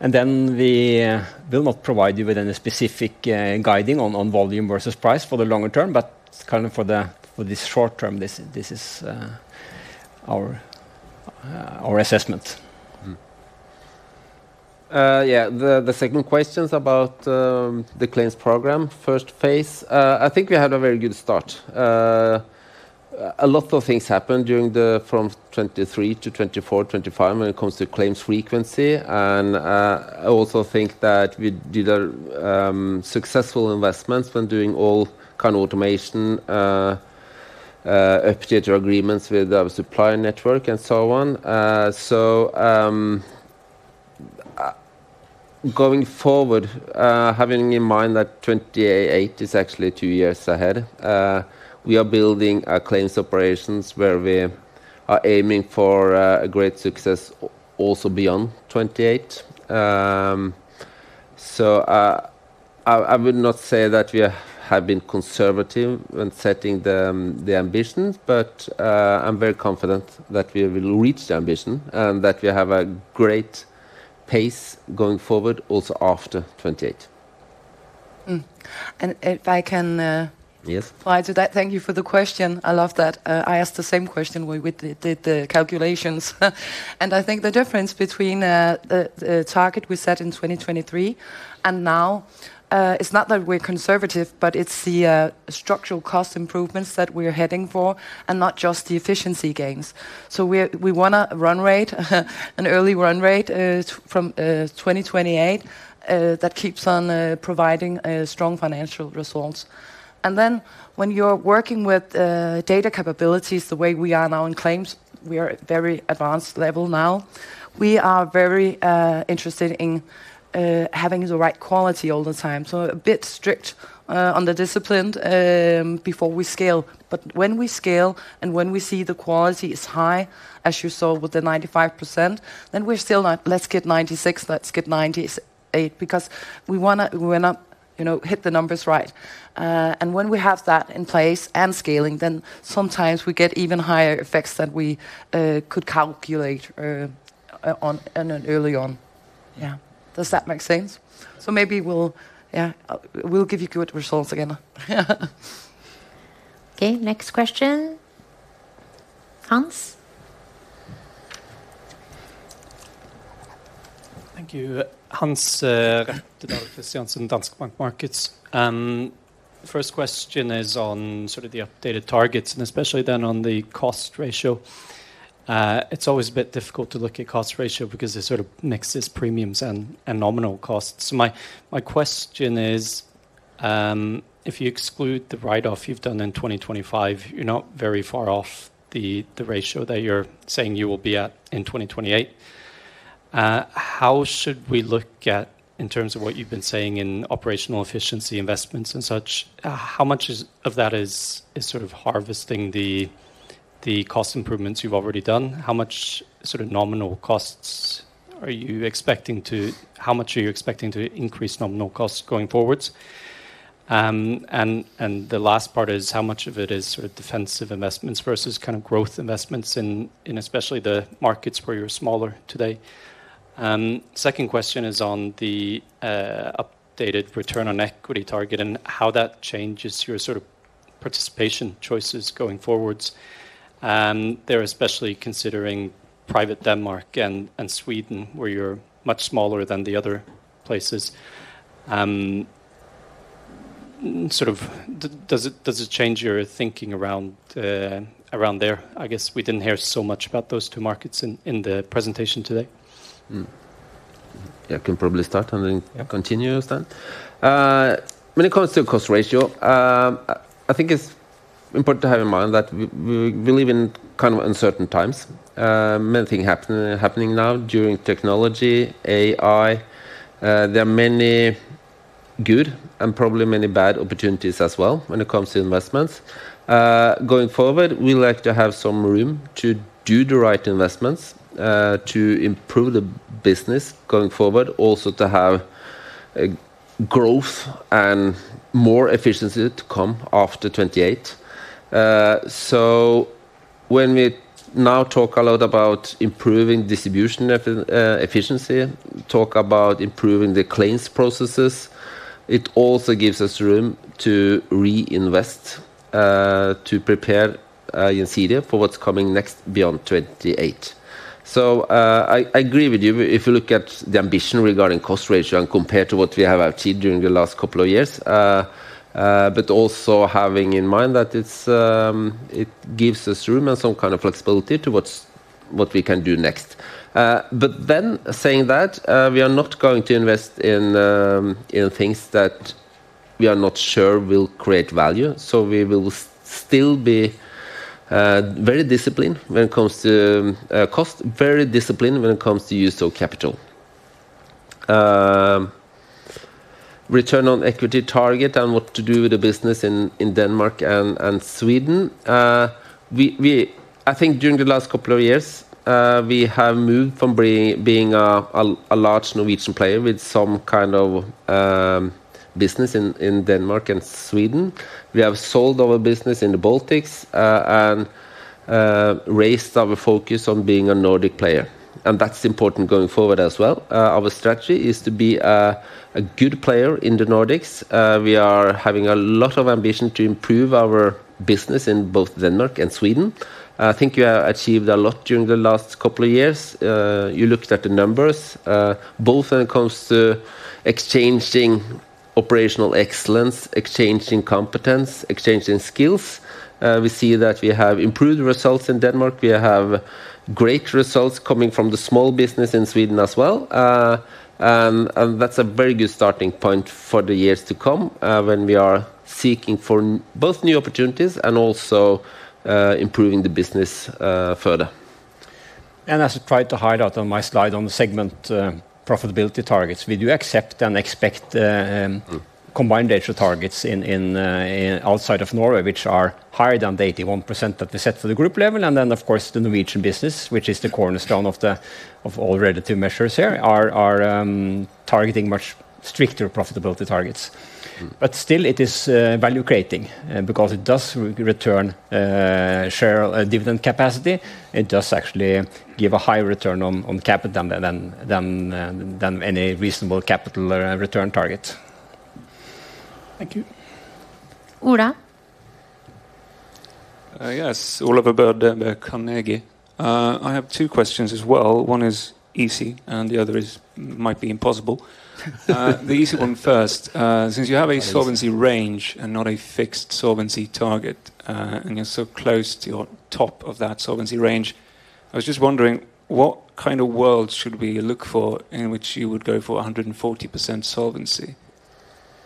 Then we will not provide you with any specific guiding on volume versus price for the longer term, but kind of for this short term, this is our assessment. yeah, the second question is about the claims program. First phase, I think we had a very good start. A lot of things happened from 2023-2024, 2025, when it comes to claims frequency. I also think that we did a successful investments when doing all kind of automation, update our agreements with our supplier network and so on. Going forward, having in mind that 2028 is actually two years ahead, we are building our claims operations where we are aiming for a great success also beyond 2028. I would not say that we are have been conservative when setting the ambitions. I'm very confident that we will reach the ambition, and that we have a great pace going forward also after 2028. if I can Yes. reply to that. Thank you for the question. I love that. I asked the same question when we did the calculations. I think the difference between the target we set in 2023 and now, it's not that we're conservative, but it's the structural cost improvements that we're heading for, and not just the efficiency gains. We want a run rate, an early run rate, from 2028 that keeps on providing strong financial results. When you're working with data capabilities the way we are now in claims, we are at very advanced level now. We are very interested in having the right quality all the time, so a bit strict on the discipline before we scale. When we scale and when we see the quality is high, as you saw with the 95%, then we're still like, "Let's get 96%, let's get 98%." Because we wanna.... you know, hit the numbers right. When we have that in place and scaling, sometimes we get even higher effects than we could calculate on in an early on. Yeah. Does that make sense? Maybe we'll, yeah, we'll give you good results again. Okay, next question. Hans? Thank you. Hans Johansson in Danske Bank Markets. First question is on sort of the updated targets, and especially then on the cost ratio. It's always a bit difficult to look at cost ratio because it sort of mixes premiums and nominal costs. My question is, if you exclude the write-off you've done in 2025, you're not very far off the ratio that you're saying you will be at in 2028. How should we look at, in terms of what you've been saying in operational efficiency investments and such, how much of that is sort of harvesting the cost improvements you've already done? How much sort of nominal costs are you expecting to increase nominal costs going forward? The last part is, how much of it is sort of defensive investments versus kind of growth investments in especially the markets where you're smaller today? Second question is on the updated return on equity target and how that changes your sort of participation choices going forwards. There, especially considering private Denmark and Sweden, where you're much smaller than the other places. Sort of does it change your thinking around there? I guess we didn't hear so much about those two markets in the presentation today. Yeah, I can probably start. Yeah... continue, Jostein. When it comes to cost ratio, I think it's important to have in mind that we live in kind of uncertain times. Many thing happening now during technology, AI. There are many good and probably many bad opportunities as well when it comes to investments. Going forward, we like to have some room to do the right investments, to improve the business going forward, also to have a growth and more efficiency to come after 2028. When we now talk a lot about improving distribution efficiency, talk about improving the claims processes, it also gives us room to reinvest, to prepare, Gjensidige for what's coming next beyond 2028. I agree with you. If you look at the ambition regarding combined ratio and compared to what we have achieved during the last couple of years, but also having in mind that it's, it gives us room and some kind of flexibility to what we can do next. Then saying that, we are not going to invest in things that we are not sure will create value. We will still be very disciplined when it comes to cost, very disciplined when it comes to use of capital. Return on equity target and what to do with the business in Denmark and Sweden, I think during the last couple of years, we have moved from being a large Norwegian player with some kind of business in Denmark and Sweden. We have sold our business in the Baltics and raised our focus on being a Nordic player. That's important going forward as well. Our strategy is to be a good player in the Nordics. We are having a lot of ambition to improve our business in both Denmark and Sweden. I think we have achieved a lot during the last couple of years. You looked at the numbers, both when it comes to exchanging operational excellence, exchanging competence, exchanging skills. We see that we have improved results in Denmark. We have great results coming from the small business in Sweden as well. That's a very good starting point for the years to come, when we are seeking for both new opportunities and also improving the business further. As I tried to highlight on my slide on the segment, profitability targets, we do accept and expect combined ratio targets outside of Norway, which are higher than the 81% that we set for the group level. Then, of course, the Norwegian business, which is the cornerstone of all relative measures here, are targeting much stricter profitability targets. Mm. Still, it is value creating, because it does return share dividend capacity. It does actually give a high return on capital than any reasonable capital return target. Thank you. Ola? Yes, Ola Bjerke, DNB Carnegie. I have two questions as well. One is easy, and the other is, might be impossible. The easy one first. Since you have a solvency range and not a fixed solvency target, and you're so close to your top of that solvency range, I was just wondering, what kind of world should we look for in which you would go for 140% solvency,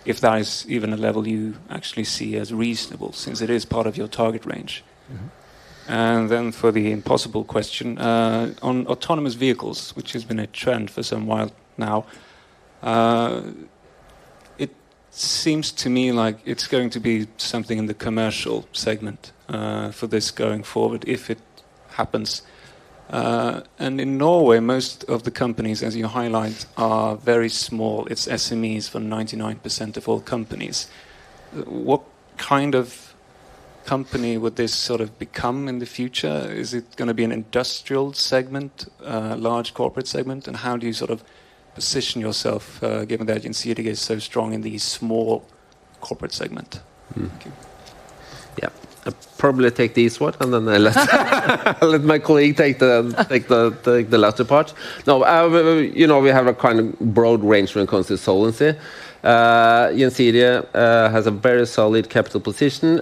if that is even a level you actually see as reasonable, since it is part of your target range? Mm-hmm. For the impossible question, on autonomous vehicles, which has been a trend for some while now, it seems to me like it's going to be something in the commercial segment for this going forward, if it happens. In Norway, most of the companies, as you highlight, are very small. It's SMEs for 99% of all companies. What kind of company would this sort of become in the future? Is it gonna be an industrial segment, large corporate segment? How do you sort of position yourself, given that Gjensidige is so strong in the small corporate segment? Thank you. Yeah. I'll probably take this one, and then I'll let my colleague take the latter part. You know, we have a kind of broad range when it comes to solvency. Gjensidige has a very solid capital position.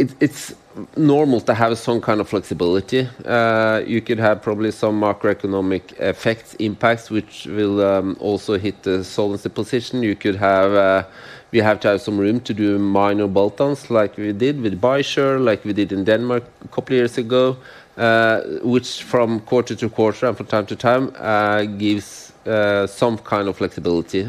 It's normal to have some kind of flexibility. You could have probably some macroeconomic effects, impacts, which will also hit the solvency position. You could have. We have to have some room to do minor bolt-ons, like we did with Buysure, like we did in Denmark a couple of years ago, which from quarter to quarter and from time to time gives some kind of flexibility,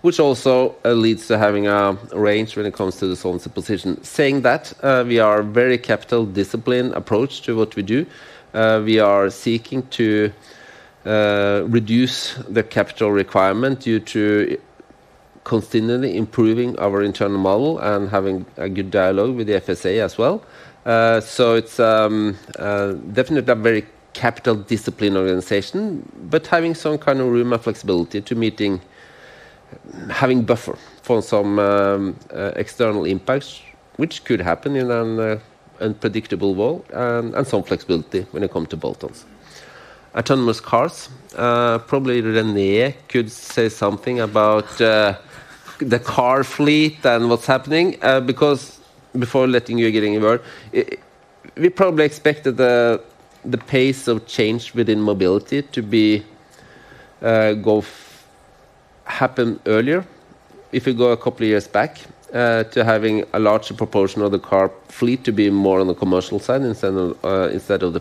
which also leads to having a range when it comes to the solvency position. Saying that, we are very capital discipline approach to what we do. We are seeking to reduce the capital requirement due to continually improving our internal model and having a good dialogue with the FSA as well. So it's definitely a very capital discipline organization, but having some kind of room and flexibility to having buffer for some external impacts, which could happen in an unpredictable world, and some flexibility when it come to bolt-ons. Autonomous cars. Probably René could say something about the car fleet and what's happening, because before letting you getting a word, we probably expected the pace of change within mobility to be happen earlier. If you go a couple of years back, to having a larger proportion of the car fleet to be more on the commercial side instead of, instead of the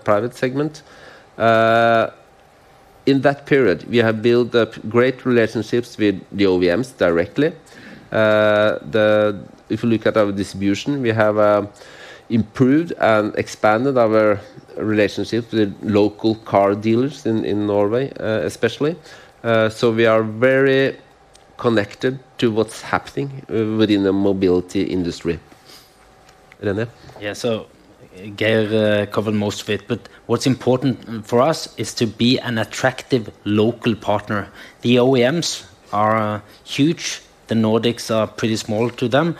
private segment. In that period, we have built up great relationships with the OEMs directly. If you look at our distribution, we have improved and expanded our relationships with local car dealers in Norway, especially. We are very connected to what's happening within the mobility industry. René? Yeah. Geir covered most of it, but what's important for us is to be an attractive local partner. The OEMs are huge. The Nordics are pretty small to them.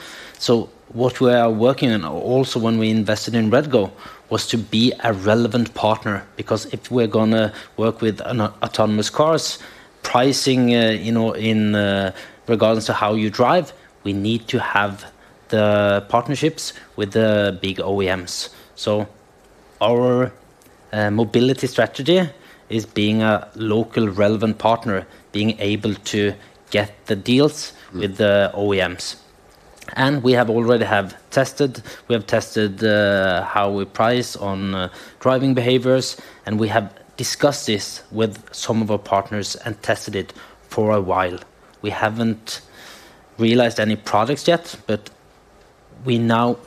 What we are working on, also when we invested in REDGO, was to be a relevant partner, because if we're gonna work with autonomous cars, pricing, you know, in regardless of how you drive, we need to have the partnerships with the big OEMs. Our mobility strategy is being a local relevant partner, being able to get the deals- Mm... with the OEMs. We have already tested how we price on driving behaviors, and we have discussed this with some of our partners and tested it for a while. We haven't realized any products yet.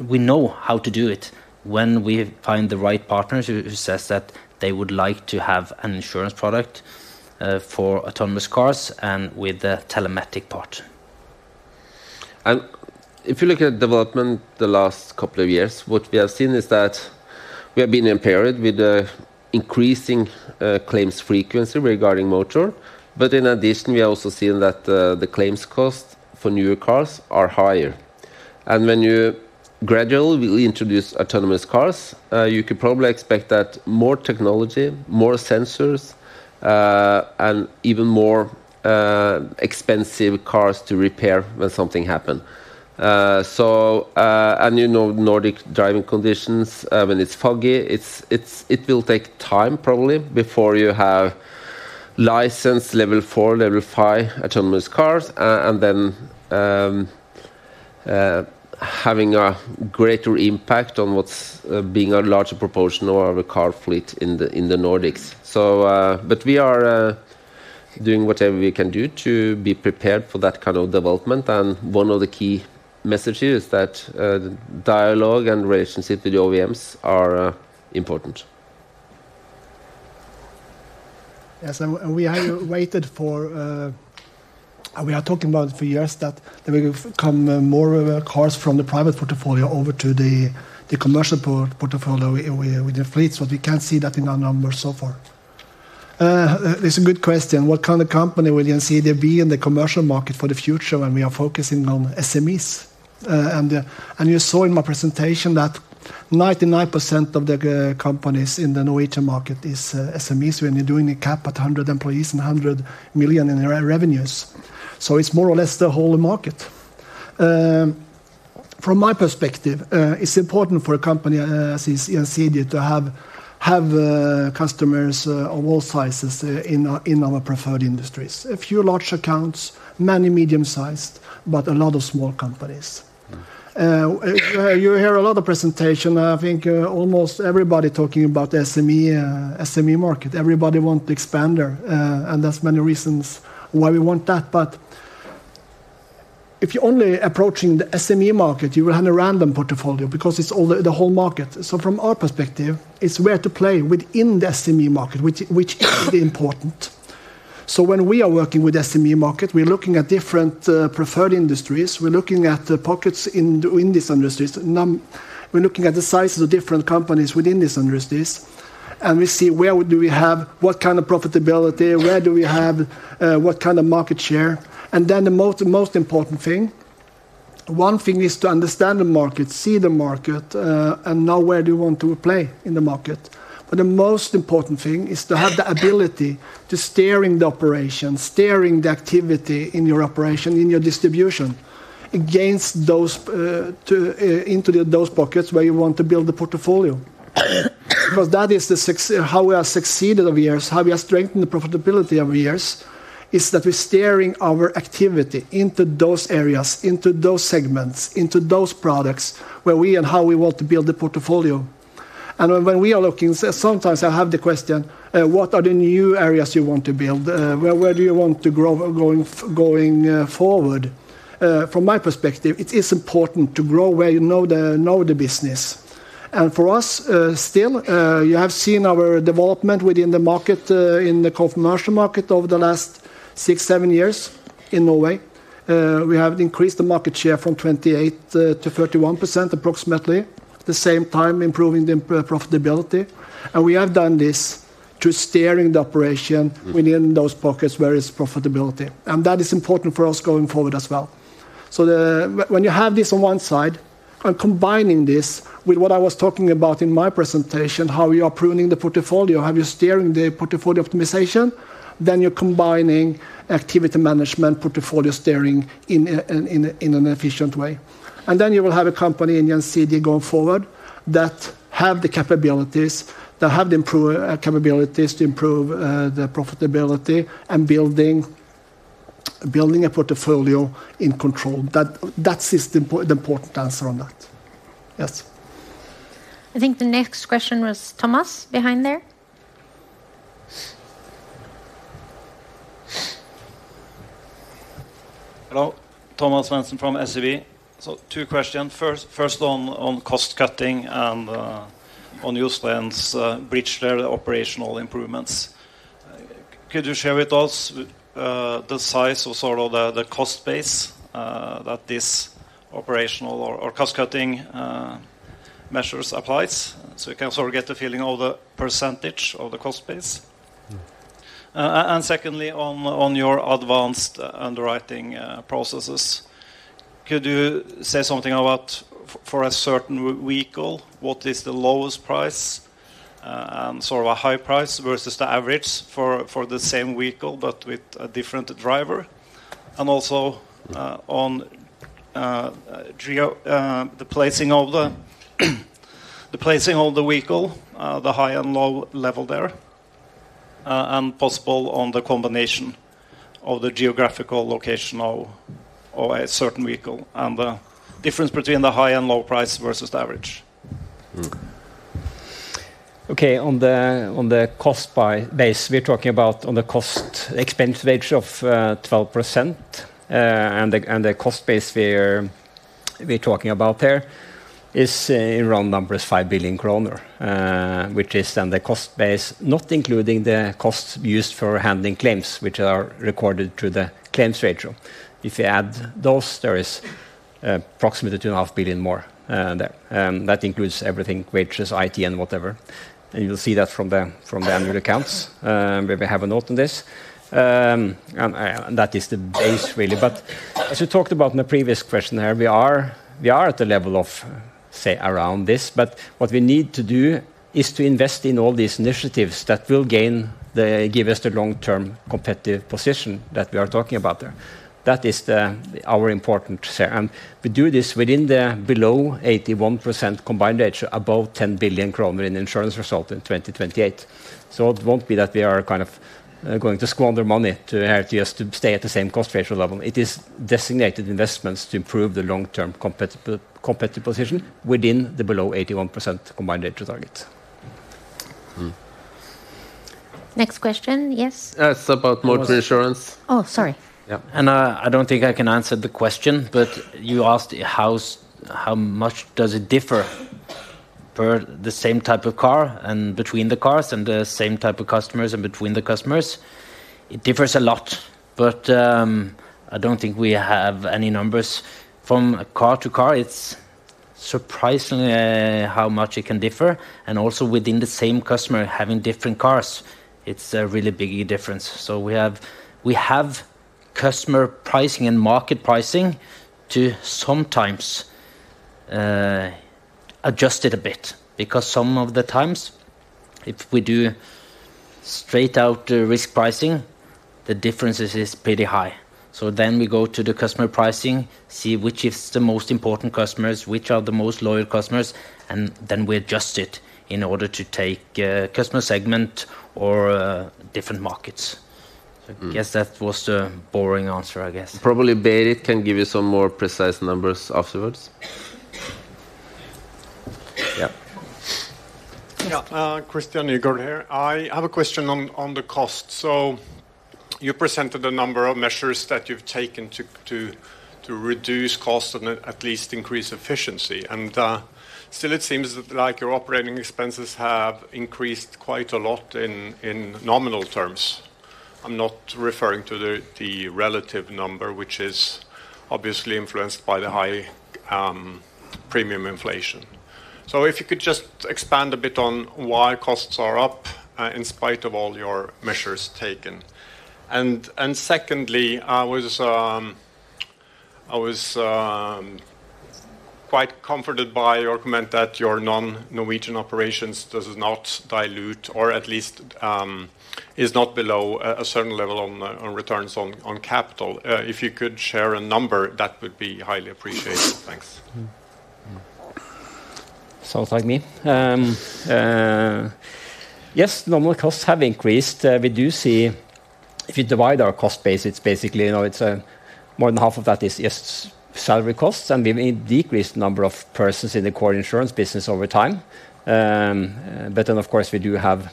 We know how to do it when we find the right partners who says that they would like to have an insurance product for autonomous cars and with the telematic part. If you look at development the last couple of years, what we have seen is that we have been in a period with an increasing claims frequency regarding motor. In addition, we are also seeing that the claims cost for newer cars are higher. When you gradually introduce autonomous cars, you could probably expect that more technology, more sensors, and even more expensive cars to repair when something happen. You know, Nordic driving conditions, when it’s foggy, it will take time probably before you have licensed level four, level five autonomous cars, and then having a greater impact on what’s being a larger proportion of the car fleet in the Nordics. We are doing whatever we can do to be prepared for that kind of development. One of the key messages is that the dialogue and relationship with the OEMs are important. We have waited for. We are talking about for years, that there will come more cars from the private portfolio over to the commercial portfolio with the fleets, but we can't see that in our numbers so far. It's a good question. What kind of company will Gjensidige be in the commercial market for the future when we are focusing on SMEs? You saw in my presentation that 99% of the companies in the Norwegian market is SMEs. When you're doing a cap at 100 employees and 100 million in revenues, it's more or less the whole market. From my perspective, it's important for a company as Gjensidige to have customers of all sizes in our preferred industries. A few large accounts, many medium-sized, but a lot of small companies. you hear a lot of presentation, I think, almost everybody talking about the SME market. Everybody want to expand there, and there's many reasons why we want that. if you're only approaching the SME market, you will have a random portfolio because it's all the whole market. From our perspective, it's where to play within the SME market, which is important. When we are working with SME market, we're looking at different preferred industries. We're looking at the pockets in these industries. We're looking at the sizes of different companies within these industries, and we see where do we have what kind of profitability, where do we have what kind of market share? The most important thing, one thing is to understand the market, see the market, and know where do you want to play in the market. The most important thing is to have the ability to steering the operation, steering the activity in your operation, in your distribution, against those to into the those pockets where you want to build the portfolio. That is the how we have succeeded over years, how we have strengthened the profitability over years, is that we're steering our activity into those areas, into those segments, into those products where we and how we want to build the portfolio. When we are looking, sometimes I have the question, what are the new areas you want to build? Where do you want to grow going forward? From my perspective, it is important to grow where you know the business. You have seen our development within the market in the commercial market over the last 6-7 years in Norway. We have increased the market share from 28% to 31%, approximately, at the same time, improving the profitability. We have done this through steering the operation within those pockets where it's profitability, and that is important for us going forward as well. So when you have this on one side and combining this with what I was talking about in my presentation, how you are pruning the portfolio, how you're steering the portfolio optimization, then you're combining activity management, portfolio steering in an efficient way. Then you will have a company in NCD going forward that have the capabilities, that have the improve capabilities to improve the profitability and building a portfolio in control. That is the important answer on that. Yes. I think the next question was Thomas, behind there. Hello, Thomas Svendsen from SEB. Two questions. First on cost cutting and on Gjensidige's bridge there, the operational improvements. Could you share with us the size or sort of the cost base that this operational or cost-cutting measures applies, so we can sort of get a feeling of the percentage of the cost base? Mm. Secondly, on your advanced underwriting processes, could you say something about for a certain vehicle, what is the lowest price and sort of a high price versus the average for the same vehicle, but with a different driver? Also, on the placing of the vehicle, the high and low level there, and possible on the combination of the geographical location of a certain vehicle and the difference between the high and low price versus the average. Mm. On the cost by base, we're talking about on the cost expense ratio of 12%. The cost base we're talking about there is round numbers, 5 billion kroner, which is then the cost base, not including the costs used for handling claims, which are recorded to the claims ratio. You add those, there is approximately 2.5 billion more there. That includes everything, which is IT and whatever, and you'll see that from the annual accounts, where we have a note on this. That is the base, really. As you talked about in the previous question, there we are, we are at the level of, say, around this, but what we need to do is to invest in all these initiatives that will give us the long-term competitive position that we are talking about there. That is the, our important share, and we do this within the below 81% combined ratio, above 10 billion kroner in insurance result in 2028. It won't be that we are kind of going to squander money to have just to stay at the same cost ratio level. It is designated investments to improve the long-term competitive position within the below 81% combined ratio target. Mm. Next question, yes? It's about motor insurance. Oh, sorry. Yeah. I don't think I can answer the question, but you asked how much does it differ for the same type of car and between the cars, and the same type of customers, and between the customers? It differs a lot, but I don't think we have any numbers. From car to car, it's surprisingly how much it can differ, and also within the same customer having different cars, it's a really big difference. We have customer pricing and market pricing to sometimes adjust it a bit, because some of the times, if we do straight out risk pricing, the differences is pretty high. Then we go to the customer pricing, see which is the most important customers, which are the most loyal customers, and then we adjust it in order to take customer segment or different markets. Mm. I guess that was the boring answer, I guess. Probably Berit can give you some more precise numbers afterwards. Yeah. Christian Igor here. I have a question on the cost. You presented a number of measures that you've taken to reduce costs and at least increase efficiency, still it seems like your operating expenses have increased quite a lot in nominal terms. I'm not referring to the relative number, which is obviously influenced by the high premium inflation. If you could just expand a bit on why costs are up in spite of all your measures taken. Secondly, I was quite comforted by your comment that your non-Norwegian operations does not dilute, or at least, is not below a certain level on returns on capital. If you could share a number, that would be highly appreciated. Thanks. Sounds like me. Yes, normal costs have increased. We do see if you divide our cost base, it's basically, you know, it's more than half of that is, yes, salary costs, and we've decreased the number of persons in the core insurance business over time. Then, of course, we do have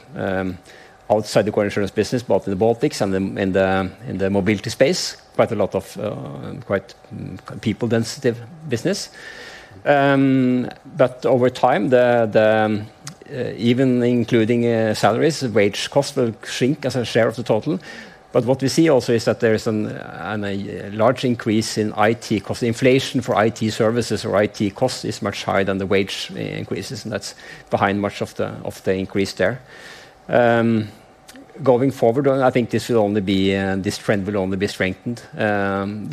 outside the core insurance business, both in the Baltics and in the mobility space, quite a lot of quite people sensitive business. Over time, the even including salaries, wage costs will shrink as a share of the total. What we see also is that there is a large increase in IT cost. Inflation for IT services or IT costs is much higher than the wage increases, and that's behind much of the of the increase there. Going forward, I think this will only be, and this trend will only be strengthened,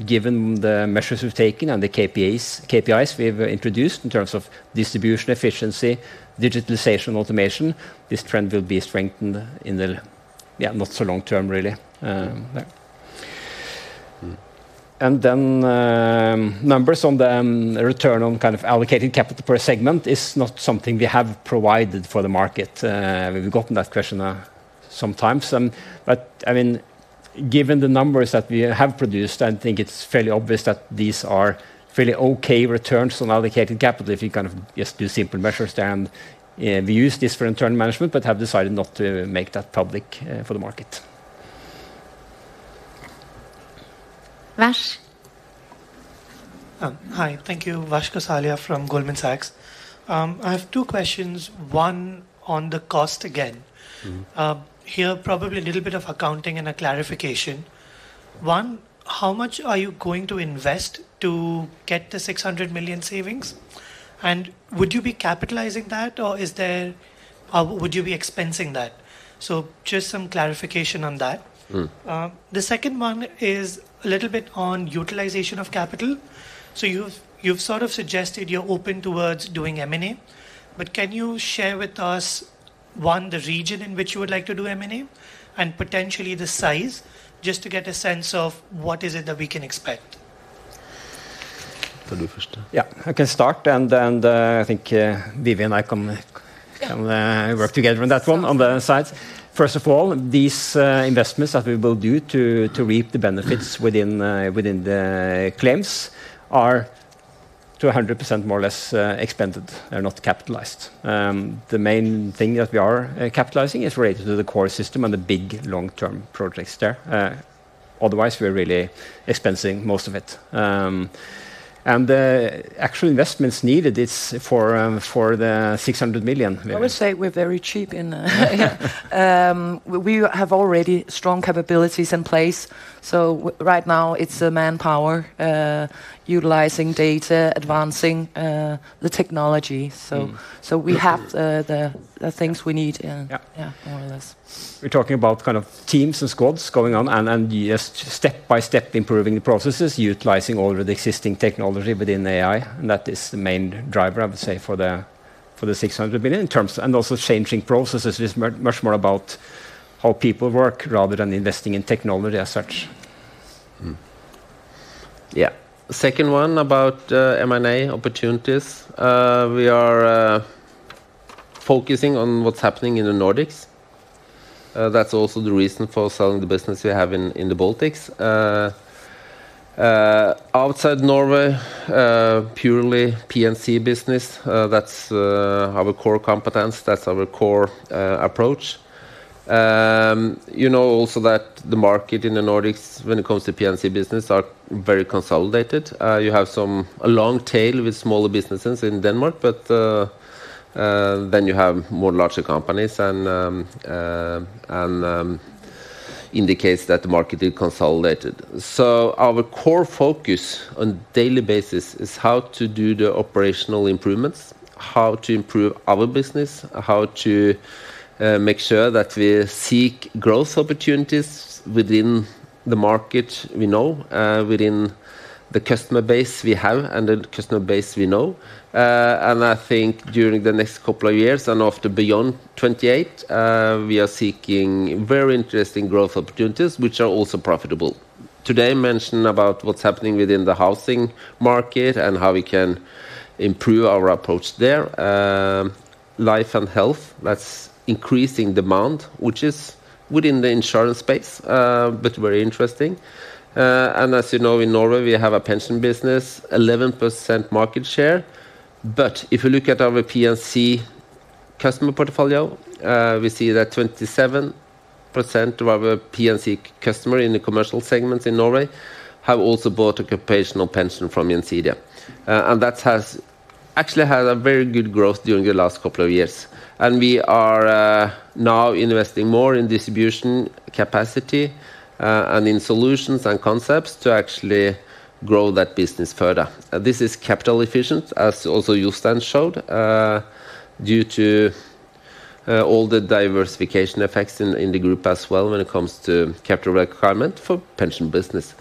given the measures we've taken and the KPIs we've introduced in terms of distribution, efficiency, digitalization, automation, this trend will be strengthened in the not so long term, really. Numbers on the return on kind of allocated capital per segment is not something we have provided for the market. We've gotten that question sometimes, but, I mean, given the numbers that we have produced, I think it's fairly obvious that these are fairly okay returns on allocated capital if you kind of just do simple measures there, and we use this for internal management, but have decided not to make that public for the market. Nash? Hi. Thank you. Vash Gosalia from Goldman Sachs. I have two questions, one on the cost again. Mm-hmm. Here, probably a little bit of accounting and a clarification. One, how much are you going to invest to get the 600 million savings? Would you be capitalizing that, or would you be expensing that? Just some clarification on that. Mm. The second one is a little bit on utilization of capital. You've sort of suggested you're open towards doing M&A, but can you share with us, one, the region in which you would like to do M&A, and potentially the size, just to get a sense of what is it that we can expect? I can start, and then, I think, Vivi Kofoed and I can. Yeah... work together on that one, on the sides. First of all, these investments that we will do to reap the benefits within the claims are to 100% more or less, expended. They're not capitalized. The main thing that we are capitalizing is related to the core system and the big long-term projects there. Otherwise, we're really expensing most of it. The actual investments needed is for the 600 million. I would say we're very cheap in. We have already strong capabilities in place. Right now, it's the manpower, utilizing data, advancing the technology. Mm. We have the things we need. Yeah Yeah, more or less. We're talking about kind of teams and squads going on, and just step by step, improving the processes, utilizing already existing technology within the AI, and that is the main driver, I would say, for the 600 million in terms. Changing processes is much more about how people work rather than investing in technology as such. Mm-hmm. Yeah. Second one, about M&A opportunities. We are focusing on what's happening in the Nordics. That's also the reason for selling the business we have in the Baltics. Outside Norway, purely P&C business, that's our core competence, that's our core approach. You know also that the market in the Nordics, when it comes to P&C business, are very consolidated. You have a long tail with smaller businesses in Denmark, but then you have more larger companies and indicates that the market is consolidated. Our core focus on daily basis is how to do the operational improvements, how to improve our business, how to make sure that we seek growth opportunities within the market we know, within the customer base we have and the customer base we know. I think during the next couple of years and after beyond 2028, we are seeking very interesting growth opportunities, which are also profitable. Today, I mentioned about what's happening within the housing market and how we can improve our approach there.... life and health, that's increasing demand, which is within the insurance space, but very interesting. As you know, in Norway, we have a pension business, 11% market share. If you look at our P&C customer portfolio, we see that 27% of our P&C customer in the commercial segments in Norway have also bought occupational pension from Gjensidige. That has actually had a very good growth during the last couple of years. We are now investing more in distribution capacity, and in solutions and concepts to actually grow that business further. This is capital efficient, as also Jostein showed, due to all the diversification effects in the group as well when it comes to capital requirement for pension business.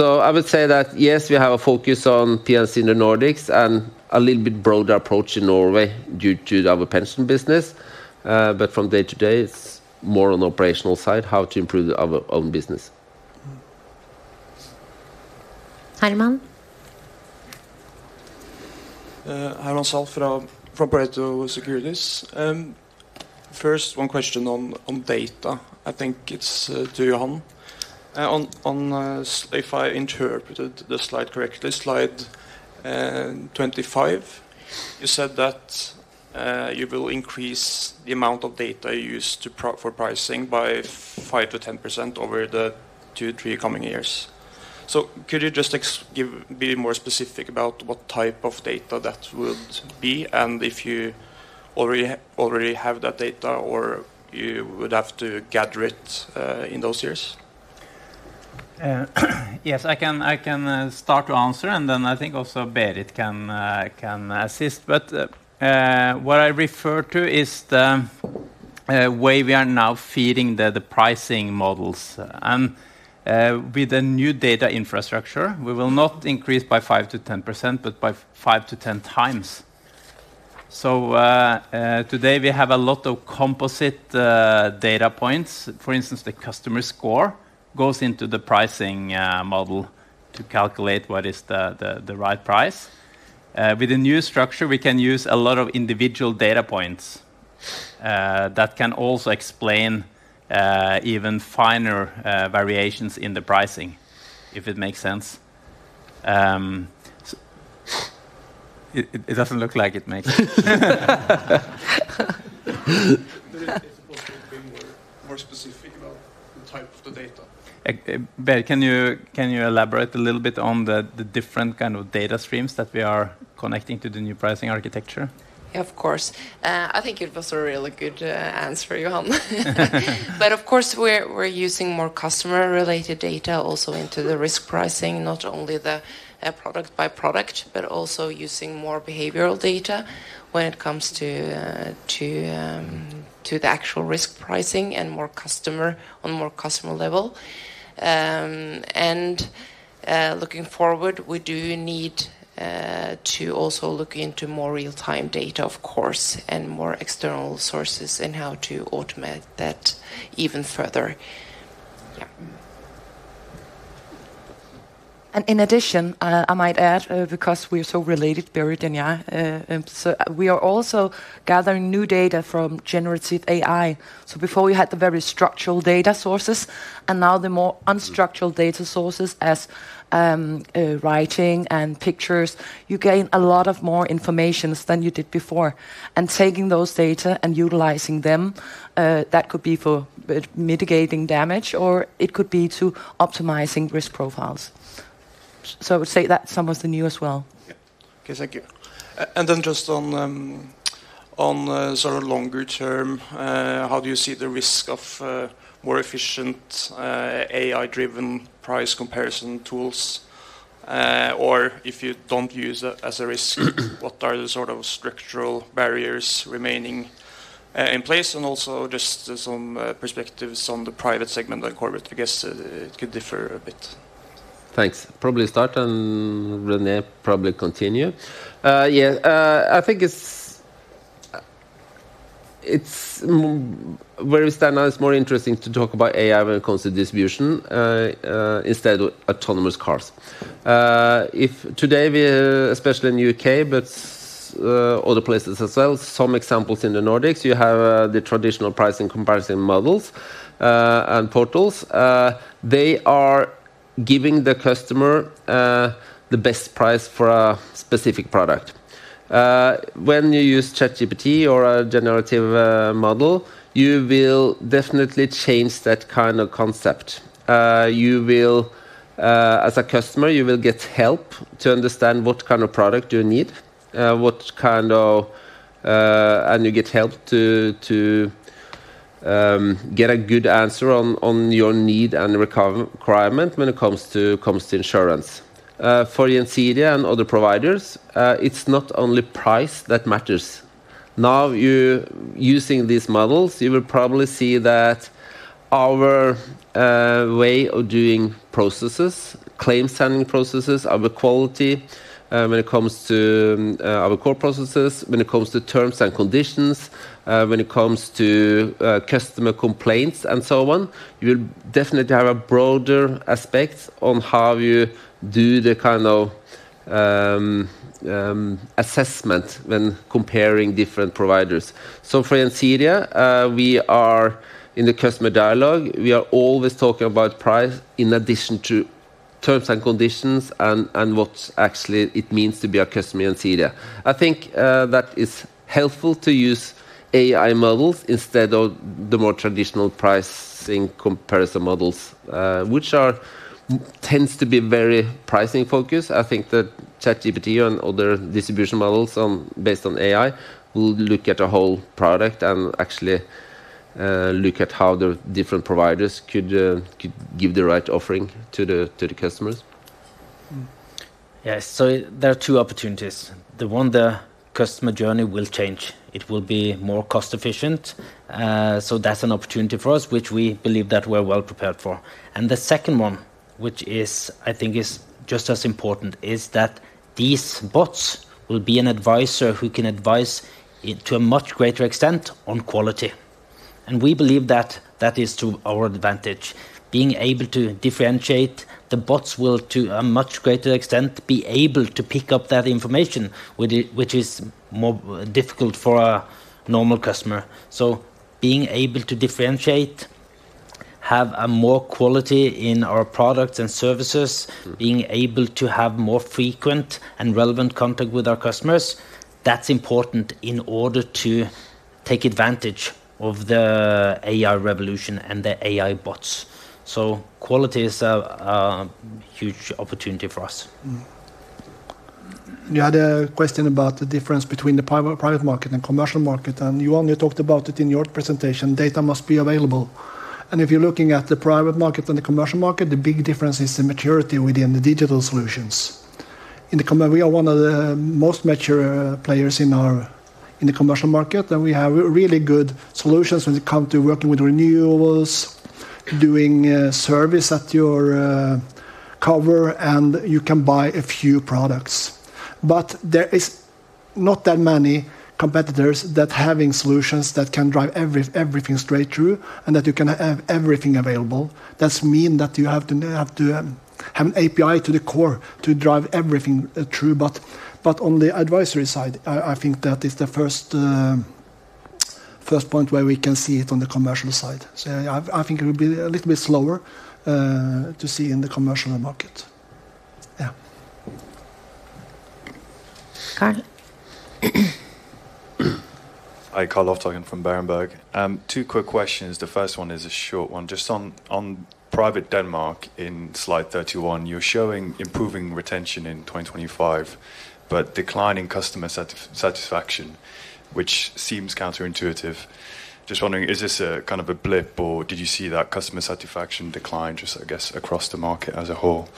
I would say that, yes, we have a focus on P&C in the Nordics, and a little bit broader approach in Norway due to our pension business. From day to day, it's more on the operational side, how to improve our own business. Herman? Herman Zahl from Pareto Securities. First, one question on data. I think it's to Johan. On, if I interpreted the slide correctly, Slide 25, you said that you will increase the amount of data you use for pricing by 5% to 10% over the two, three coming years. Could you just be more specific about what type of data that would be, and if you already have that data, or you would have to gather it in those years? Yes, I can start to answer, and then I think also Berit can assist. What I refer to is the way we are now feeding the pricing models. With the new data infrastructure, we will not increase by 5% to 10%, but by 5-10x. Today we have a lot of composite data points. For instance, the customer score goes into the pricing model to calculate what is the right price. With the new structure, we can use a lot of individual data points that can also explain even finer variations in the pricing, if it makes sense. It doesn't look like it makes sense. Could you possibly be more specific about the type of the data? Berit, can you elaborate a little bit on the different kind of data streams that we are connecting to the new pricing architecture? Of course. I think it was a really good answer, Johan. Of course, we're using more customer-related data also into the risk pricing, not only the product by product, but also using more behavioral data when it comes to the actual risk pricing and on more customer level. Looking forward, we do need to also look into more real-time data, of course, and more external sources and how to automate that even further. Yeah. In addition, I might add, because we are so related, Berit and I, we are also gathering new data from generative AI. Before we had the very structural data sources, and now the more unstructured data sources as writing and pictures, you gain a lot of more information than you did before. Taking those data and utilizing them, that could be for mitigating damage, or it could be to optimizing risk profiles. I would say that some of the new as well. Yeah. Okay, thank you. Then just on the sort of longer term, how do you see the risk of more efficient, AI-driven price comparison tools? If you don't use it as a risk, what are the sort of structural barriers remaining in place? Also just some perspectives on the private segment, like corporate, because it could differ a bit. Thanks. Probably start on René, probably continue. I think it's where we stand now, it's more interesting to talk about AI when it comes to distribution, instead of autonomous cars. If today we are, especially in U.K., but other places as well, some examples in the Nordics, you have, the traditional pricing comparison models, and portals. They are giving the customer, the best price for a specific product. When you use ChatGPT or a generative model, you will definitely change that kind of concept. You will, as a customer, you will get help to understand what kind of product you need, what kind of... You get help to get a good answer on your need and requirement when it comes to, comes to insurance. For Gjensidige and other providers, it's not only price that matters. Now, you using these models, you will probably see that our way of doing processes, claim sending processes, our quality, when it comes to our core processes, when it comes to terms and conditions, when it comes to customer complaints and so on, you'll definitely have a broader aspect on how you do the kind of assessment when comparing different providers. For Gjensidige, we are in the customer dialogue, we are always talking about price in addition to terms and conditions, and what actually it means to be a customer Gjensidige. I think that it's helpful to use AI models instead of the more traditional pricing comparison models, which tends to be very pricing focused. I think that ChatGPT and other distribution models, based on AI, will look at a whole product and actually look at how the different providers could give the right offering to the customers. Yes, there are two opportunities. The one, the customer journey will change. It will be more cost efficient, so that's an opportunity for us, which we believe that we're well prepared for. The second one, which is, I think is just as important, is that these bots will be an advisor who can advise it to a much greater extent on quality, and we believe that that is to our advantage. Being able to differentiate the bots will, to a much greater extent, be able to pick up that information, which is more, difficult for a normal customer. Being able to differentiate, have a more quality in our products and services. Mm... being able to have more frequent and relevant contact with our customers, that's important in order to take advantage of the AI revolution and the AI bots. Quality is a huge opportunity for us. Mm. You had a question about the difference between the private market and commercial market. You only talked about it in your presentation. Data must be available. If you're looking at the private market and the commercial market, the big difference is the maturity within the digital solutions. We are one of the most mature players in our, in the commercial market. We have really good solutions when it come to working with renewals, doing service at your cover. You can buy a few products. There is not that many competitors that having solutions that can drive everything straight through. You can have everything available. That's mean that you have to have an API to the core to drive everything through. On the advisory side, I think that is the first point where we can see it on the commercial side. I think it will be a little bit slower to see in the commercial market. Yeah. Carl? Hi, Carl Lofthagen from BERENBERG. two quick questions. The first one is a short one. Just on private Denmark, in Slide 31, you're showing improving retention in 2025, but declining customer satisfaction, which seems counterintuitive. Just wondering, is this a kind of a blip, or did you see that customer satisfaction decline just, I guess, across the market as a whole?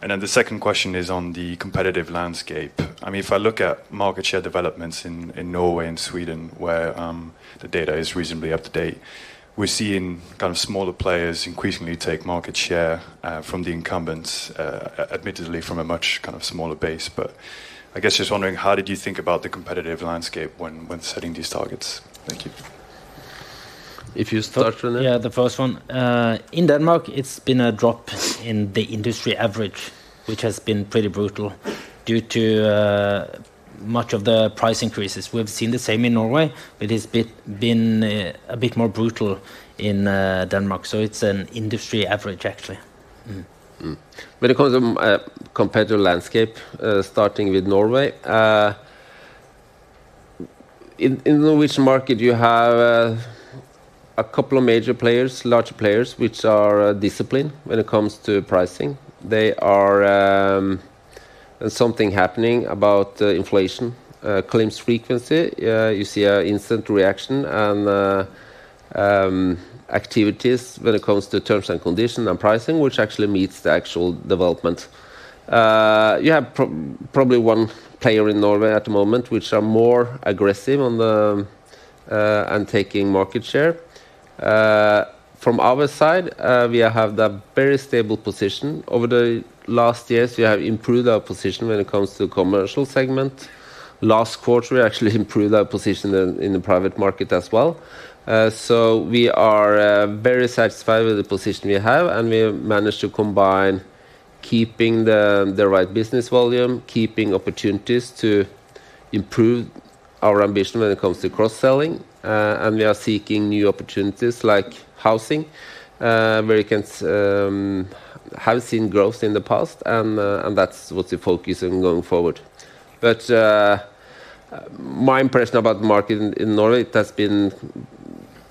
The 2nd question is on the competitive landscape. I mean, if I look at market share developments in Norway and Sweden, where, the data is reasonably up to date, we're seeing kind of smaller players increasingly take market share, from the incumbents, admittedly from a much kind of smaller base. I guess just wondering, how did you think about the competitive landscape when setting these targets? Thank you. If you start, René? The first one, in Denmark, it's been a drop in the industry average, which has been pretty brutal due to much of the price increases. We've seen the same in Norway, but it's been a bit more brutal in Denmark. It's an industry average, actually. When it comes to competitive landscape, starting with Norway, in the Norwegian market, you have a couple of major players, larger players, which are disciplined when it comes to pricing. Something happening about inflation, claims frequency, you see a instant reaction and activities when it comes to terms and conditions and pricing, which actually meets the actual development. You have probably one player in Norway at the moment, which are more aggressive on the and taking market share. From our side, we have the very stable position. Over the last years, we have improved our position when it comes to commercial segment. Last quarter, we actually improved our position in the private market as well. We are very satisfied with the position we have, and we have managed to combine keeping the right business volume, keeping opportunities to improve our ambition when it comes to cross-selling. We are seeking new opportunities like housing, where you can have seen growth in the past, and that's what we're focusing going forward. My impression about the market in Norway.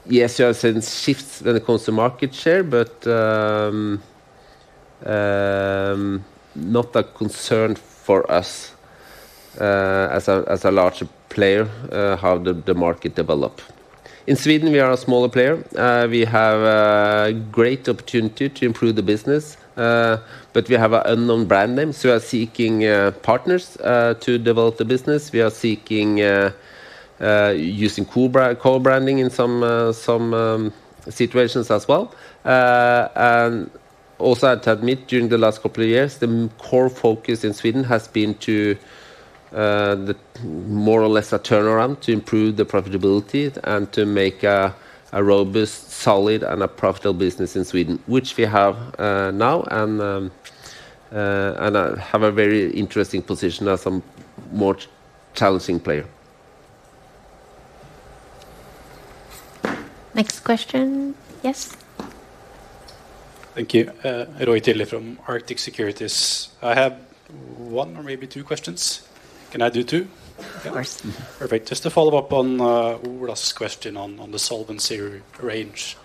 Yes, you have seen shifts when it comes to market share, but not a concern for us as a larger player, how the market develop. In Sweden, we are a smaller player. We have a great opportunity to improve the business, but we have a unknown brand name, so we are seeking partners to develop the business. We are seeking using co-brand, co-branding in some situations as well. Also, I have to admit, during the last couple of years, the core focus in Sweden has been to more or less a turnaround to improve the profitability and to make a robust, solid, and a profitable business in Sweden, which we have now. Have a very interesting position as a more challenging player. Next question. Yes? Thank you. Roy Tilley from Arctic Securities. I have one or maybe two questions. Can I do two? Of course. Perfect. Just to follow up on Ola's question on the solvency range.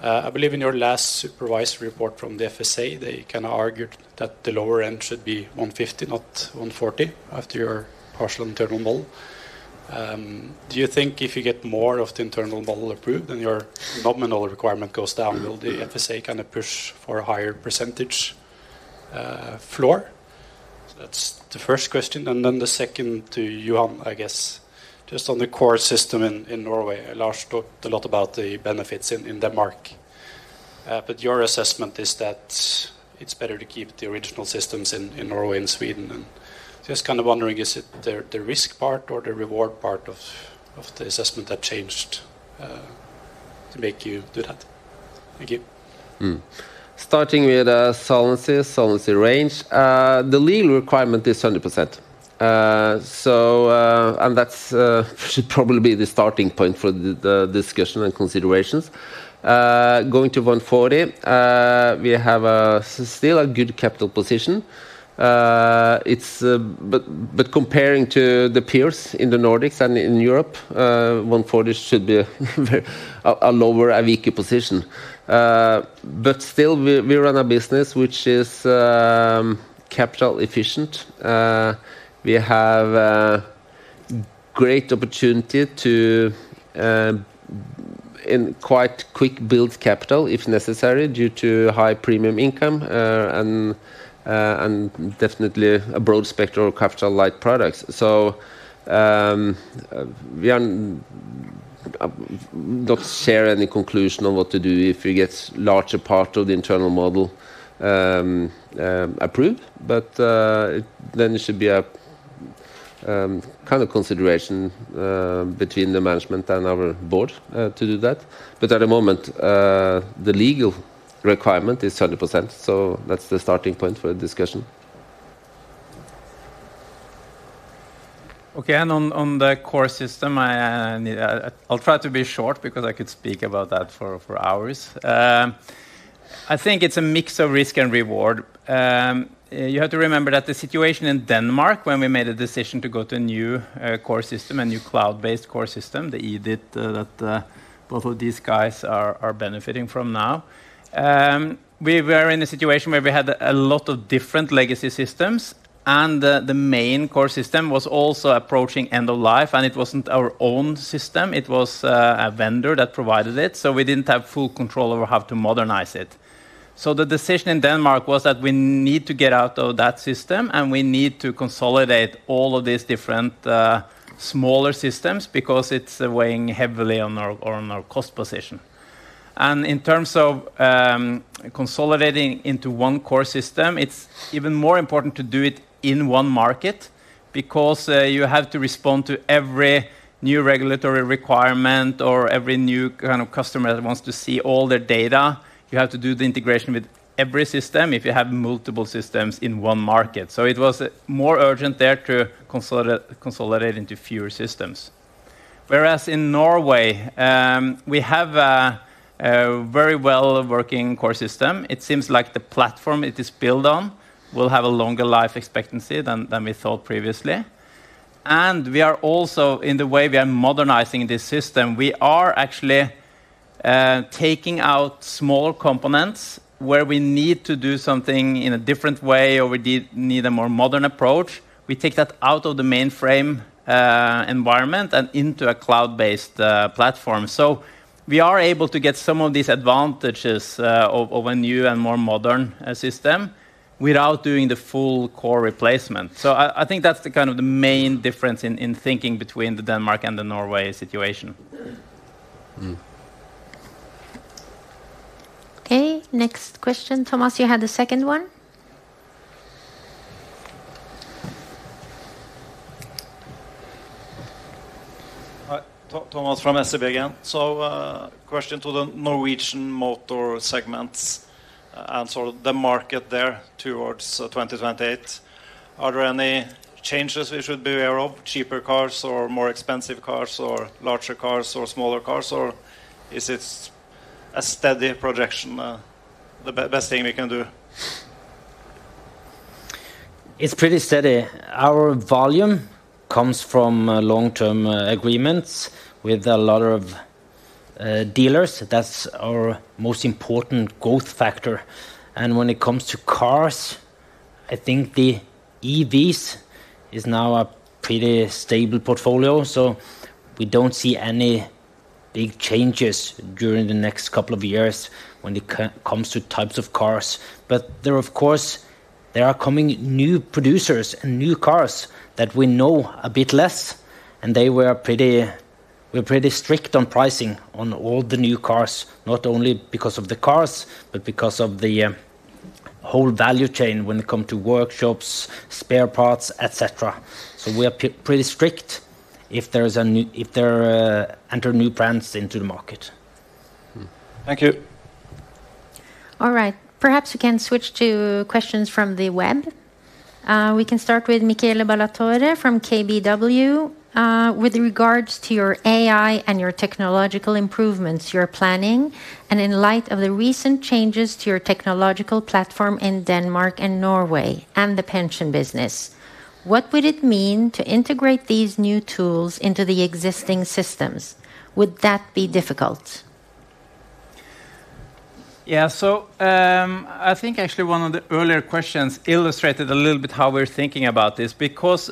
I believe in your last supervisory report from the FSA, they kinda argued that the lower end should be 150%, not 140%, after your partial internal model. Do you think if you get more of the internal model approved, then your nominal requirement goes down, will the FSA kind of push for a higher percentage floor? That's the first question. Then the second to you, I guess, just on the core system in Norway. Lars talked a lot about the benefits in Denmark, but your assessment is that it's better to keep the original systems in Norway and Sweden. Just kind of wondering, is it the risk part or the reward part of the assessment that changed to make you do that? Thank you. Starting with solvency range. The legal requirement is 100%. That's should probably be the starting point for the discussion and considerations. Going to 140%, we have a still a good capital position. It's but comparing to the peers in the Nordics and in Europe, 140% should be a lower, a weaker position. Still, we run a business which is capital efficient. We have a great opportunity to in quite quick build capital, if necessary, due to high premium income and definitely a broad spectrum of capital light products. We are not share any conclusion on what to do if we gets larger part of the internal model approved. Then it should be a kind of consideration between the management and our board to do that. At the moment, the legal requirement is 100%, so that's the starting point for the discussion. Okay. On the core system, I'll try to be short because I could speak about that for hours. I think it's a mix of risk and reward. You have to remember that the situation in Denmark when we made a decision to go to a new core system, a new cloud-based core system, the EDITH, that both of these guys are benefiting from now. We were in a situation where we had a lot of different legacy systems, and the main core system was also approaching end of life, and it wasn't our own system, it was a vendor that provided it, so we didn't have full control over how to modernize it. The decision in Denmark was that we need to get out of that system, and we need to consolidate all of these different smaller systems because it's weighing heavily on our cost position. In terms of consolidating into one core system, it's even more important to do it in one market because you have to respond to every new regulatory requirement or every new kind of customer that wants to see all their data. You have to do the integration with every system if you have multiple systems in one market. It was more urgent there to consolidate into fewer systems. Whereas in Norway, we have a very well-working core system. It seems like the platform it is built on will have a longer life expectancy than we thought previously. We are also, in the way we are modernizing this system, we are actually taking out small components where we need to do something in a different way or we need a more modern approach. We take that out of the mainframe environment and into a cloud-based platform. We are able to get some of these advantages of a new and more modern system without doing the full core replacement. I think that's the kind of the main difference in thinking between the Denmark and the Norway situation. Mm. Okay, next question. Thomas, you had the 2nd one? Hi. Thomas from SEB again. Question to the Norwegian motor segments, the market there towards 2028? Are there any changes we should be aware of, cheaper cars or more expensive cars or larger cars or smaller cars, or is it a steady projection, the best thing we can do? It's pretty steady. Our volume comes from long-term agreements with a lot of dealers. That's our most important growth factor. When it comes to cars, I think the EVs is now a pretty stable portfolio, so we don't see any big changes during the next couple of years when it comes to types of cars. There, of course, there are coming new producers and new cars that we know a bit less, and we're pretty strict on pricing on all the new cars, not only because of the cars, but because of the whole value chain when it come to workshops, spare parts, et cetera. We are pretty strict if there enter new brands into the market. Thank you. All right. Perhaps we can switch to questions from the web. We can start with Michele Ballatore from KBW. With regards to your AI and your technological improvements you're planning, and in light of the recent changes to your technological platform in Denmark and Norway and the pension business, what would it mean to integrate these new tools into the existing systems? Would that be difficult? Yeah. I think actually one of the earlier questions illustrated a little bit how we're thinking about this. Because,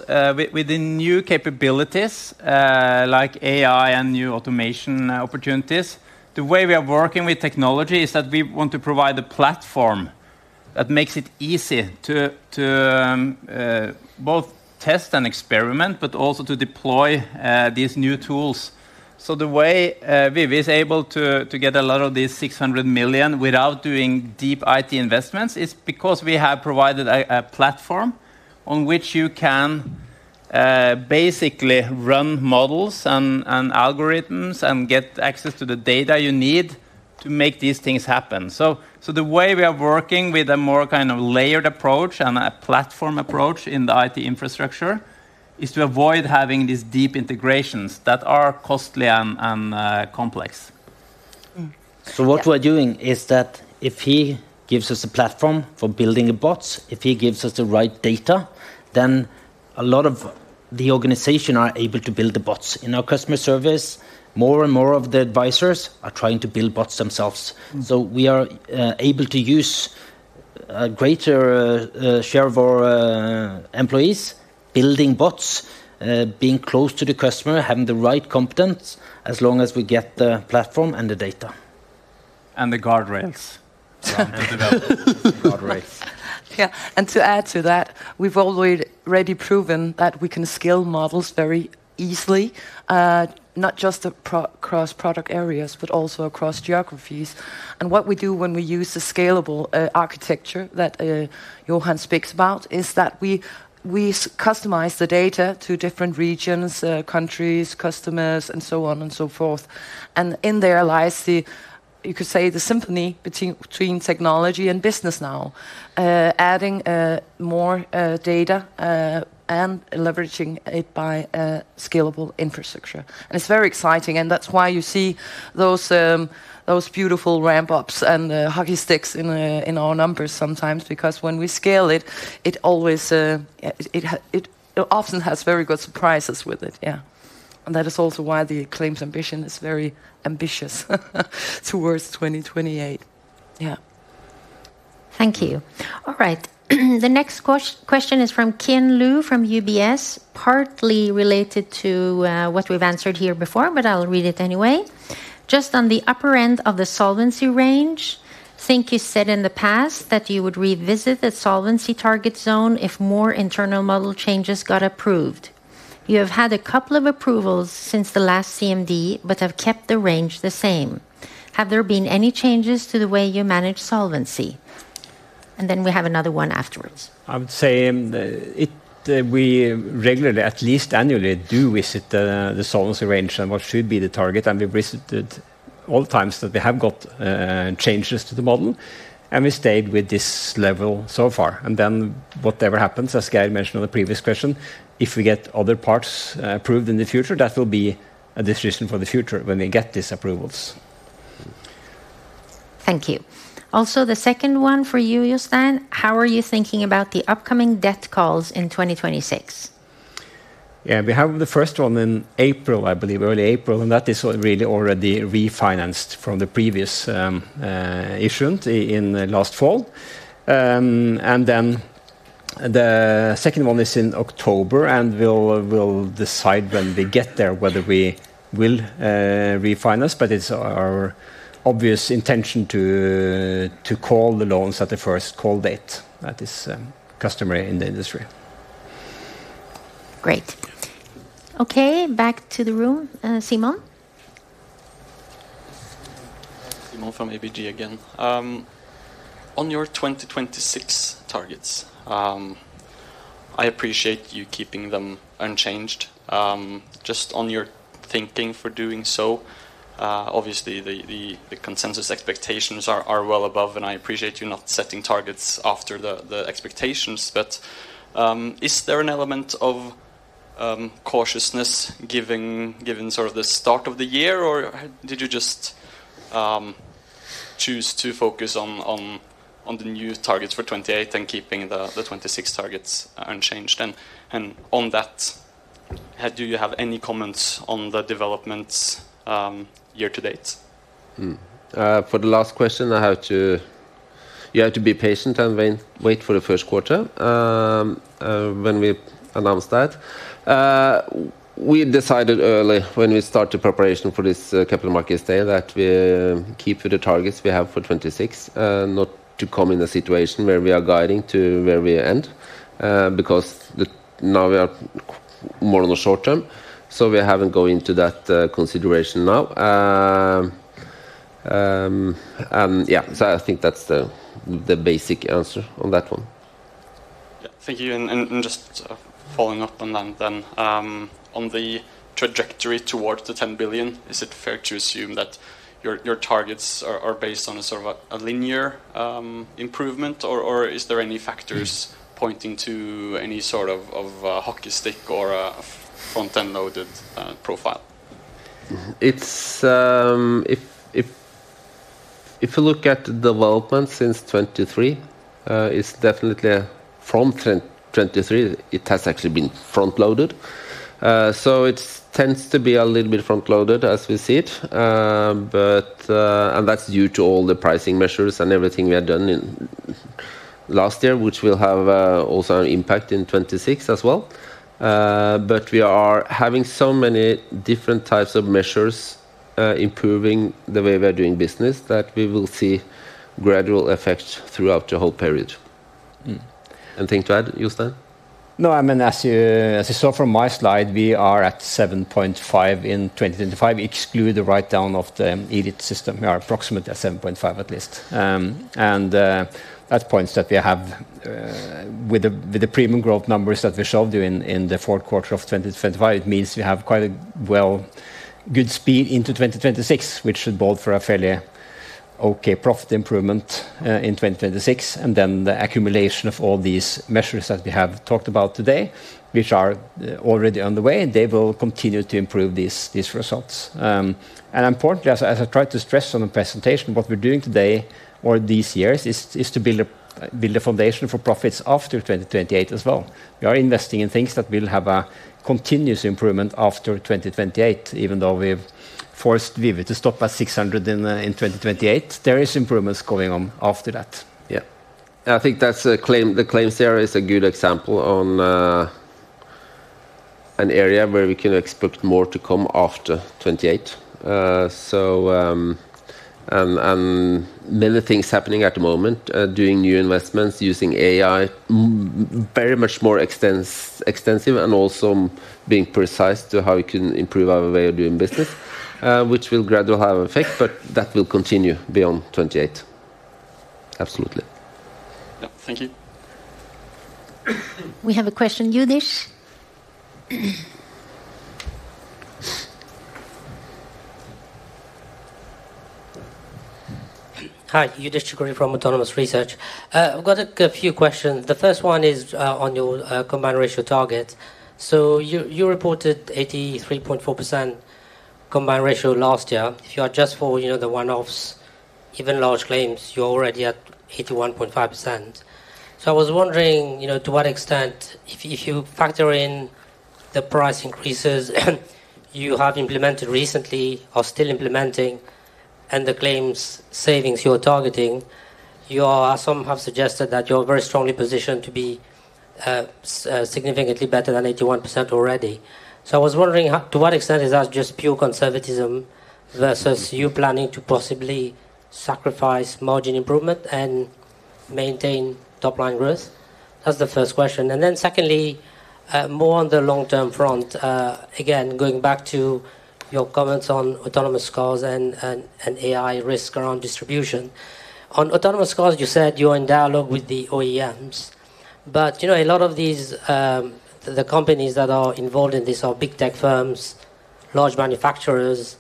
with the new capabilities, like AI and new automation opportunities, the way we are working with technology is that we want to provide a platform that makes it easy to, both test and experiment, but also to deploy these new tools. The way Viv is able to get a lot of these 600 million without doing deep IT investments is because we have provided a platform on which you can basically run models and algorithms, and get access to the data you need to make these things happen. The way we are working with a more kind of layered approach and a platform approach in the IT infrastructure, is to avoid having these deep integrations that are costly and complex. Yeah. What we're doing is that if he gives us a platform for building a bots, if he gives us the right data, then a lot of the organization are able to build the bots. In our customer service, more and more of the advisors are trying to build bots themselves. Mm. We are able to use a greater share of our employees building bots, being close to the customer, having the right competence, as long as we get the platform and the data. The guardrails. The development guardrails. Yeah, to add to that, we've already proven that we can scale models very easily, not just across product areas, but also across geographies. What we do when we use the scalable architecture that Johan speaks about, is that we customize the data to different regions, countries, customers, and so on and so forth. In there lies the, you could say, the symphony between technology and business now. Adding more data and leveraging it by a scalable infrastructure. It's very exciting, and that's why you see those beautiful ramp-ups and hockey sticks in our numbers sometimes, because when we scale it always... It often has very good surprises with it. Yeah. That is also why the claims ambition is very ambitious, towards 2028. Yeah. Thank you. All right, the next question is from Qian Lu, from UBS, partly related to what we've answered here before, but I'll read it anyway. Just on the upper end of the solvency range, think you said in the past that you would revisit the solvency target zone if more internal model changes got approved. You have had a couple of approvals since the last CMD, but have kept the range the same. Have there been any changes to the way you manage solvency? We have another one afterwards. I would say, it, we regularly, at least annually, do visit the solvency range and what should be the target, and we visited all the times that we have got changes to the model, and we stayed with this level so far. Whatever happens, as Geir mentioned on the previous question, if we get other parts approved in the future, that will be a decision for the future when we get these approvals. Thank you. Also, the second one for you, Jostein, how are you thinking about the upcoming debt calls in 2026? Yeah, we have the first one in April, I believe, early April, and that is really already refinanced from the previous issuance in last fall. The second one is in October, and we'll decide when we get there, whether we will refinance, but it's our obvious intention to call the loans at the first call date. That is customary in the industry. Great. Okay, back to the room. Simon? Simon from ABG again. On your 2026 targets, I appreciate you keeping them unchanged. Just on your thinking for doing so, obviously, the consensus expectations are well above, and I appreciate you not setting targets after the expectations. Is there an element of cautiousness given sort of the start of the year, or did you just choose to focus on the new targets for 2028 and keeping the 2026 targets unchanged? On that, do you have any comments on the developments year to date? You have to be patient and wait for the first quarter when we announce that. We decided early when we start the preparation for this Capital Markets Day, that we keep with the targets we have for 2026, not to come in a situation where we are guiding to where we end, now we are more on the short term, so we haven't go into that consideration now. Yeah, I think that's the basic answer on that one. Yeah, thank you. Just following up on that then, on the trajectory towards the 10 billion, is it fair to assume that your targets are based on a sort of a linear improvement? Or is there any factors pointing to any sort of a hockey stick or a front-end loaded profile? It's, if you look at the development since 2023, it's definitely from 2023, it has actually been front-loaded. It's tends to be a little bit front-loaded as we see it. That's due to all the pricing measures and everything we had done in last year, which will have also an impact in 2026 as well. We are having so many different types of measures, improving the way we are doing business, that we will see gradual effect throughout the whole period. Mm. Anything to add, Jostein? No, I mean, as you saw from my slide, we are at 7.5 in 2025, exclude the write-down of the EDITH system. We are approximately at 7.5, at least. At points that we have with the premium growth numbers that we showed you in the fourth quarter of 2025, it means we have quite a good speed into 2026, which should bode for a fairly okay profit improvement in 2026. The accumulation of all these measures that we have talked about today, which are already on the way, and they will continue to improve these results. Importantly, as I tried to stress on the presentation, what we're doing today or these years is to build a foundation for profits after 2028 as well. We are investing in things that will have a continuous improvement after 2028, even though we've forced Vivi to stop at 600 in 2028. There is improvements going on after that. Yeah. I think that's the claims there is a good example on, an area where we can expect more to come after 2028. Many things happening at the moment, doing new investments, using AI, very much more extensive, and also being precise to how we can improve our way of doing business, which will gradually have an effect, but that will continue beyond 2028. Absolutely. Yeah. Thank you. We have a question, Youdish. Hi, Youdish Chicooree from Autonomous Research. I've got a few questions. The 1st one is on your combined ratio target. You reported 83.4% combined ratio last year. If you adjust for, you know, the one-offs, even large claims, you're already at 81.5%. I was wondering, you know, to what extent, if you factor in the price increases you have implemented recently or still implementing, and the claims savings you are targeting, some have suggested that you're very strongly positioned to be significantly better than 81% already. I was wondering to what extent is that just pure conservatism versus you planning to possibly sacrifice margin improvement and maintain top line growth? That's the first question. Secondly, more on the long-term front, again, going back to your comments on autonomous cars and AI risk around distribution. On autonomous cars, you said you are in dialogue with the OEMs, but, you know, a lot of these, the companies that are involved in this are big tech firms, large manufacturers.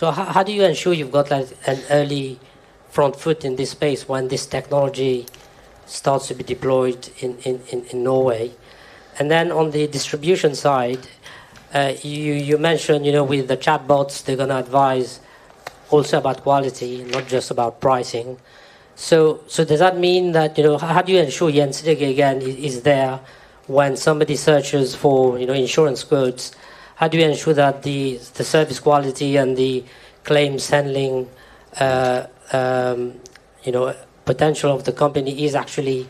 How do you ensure you've got, like, an early front foot in this space when this technology starts to be deployed in Norway? On the distribution side, you mentioned, you know, with the chatbots, they're gonna advise also about quality, not just about pricing. Does that mean that, you know? How do you ensure Gjensidige, again, is there when somebody searches for, you know, insurance quotes? How do you ensure that the service quality and the claims handling, you know, potential of the company is actually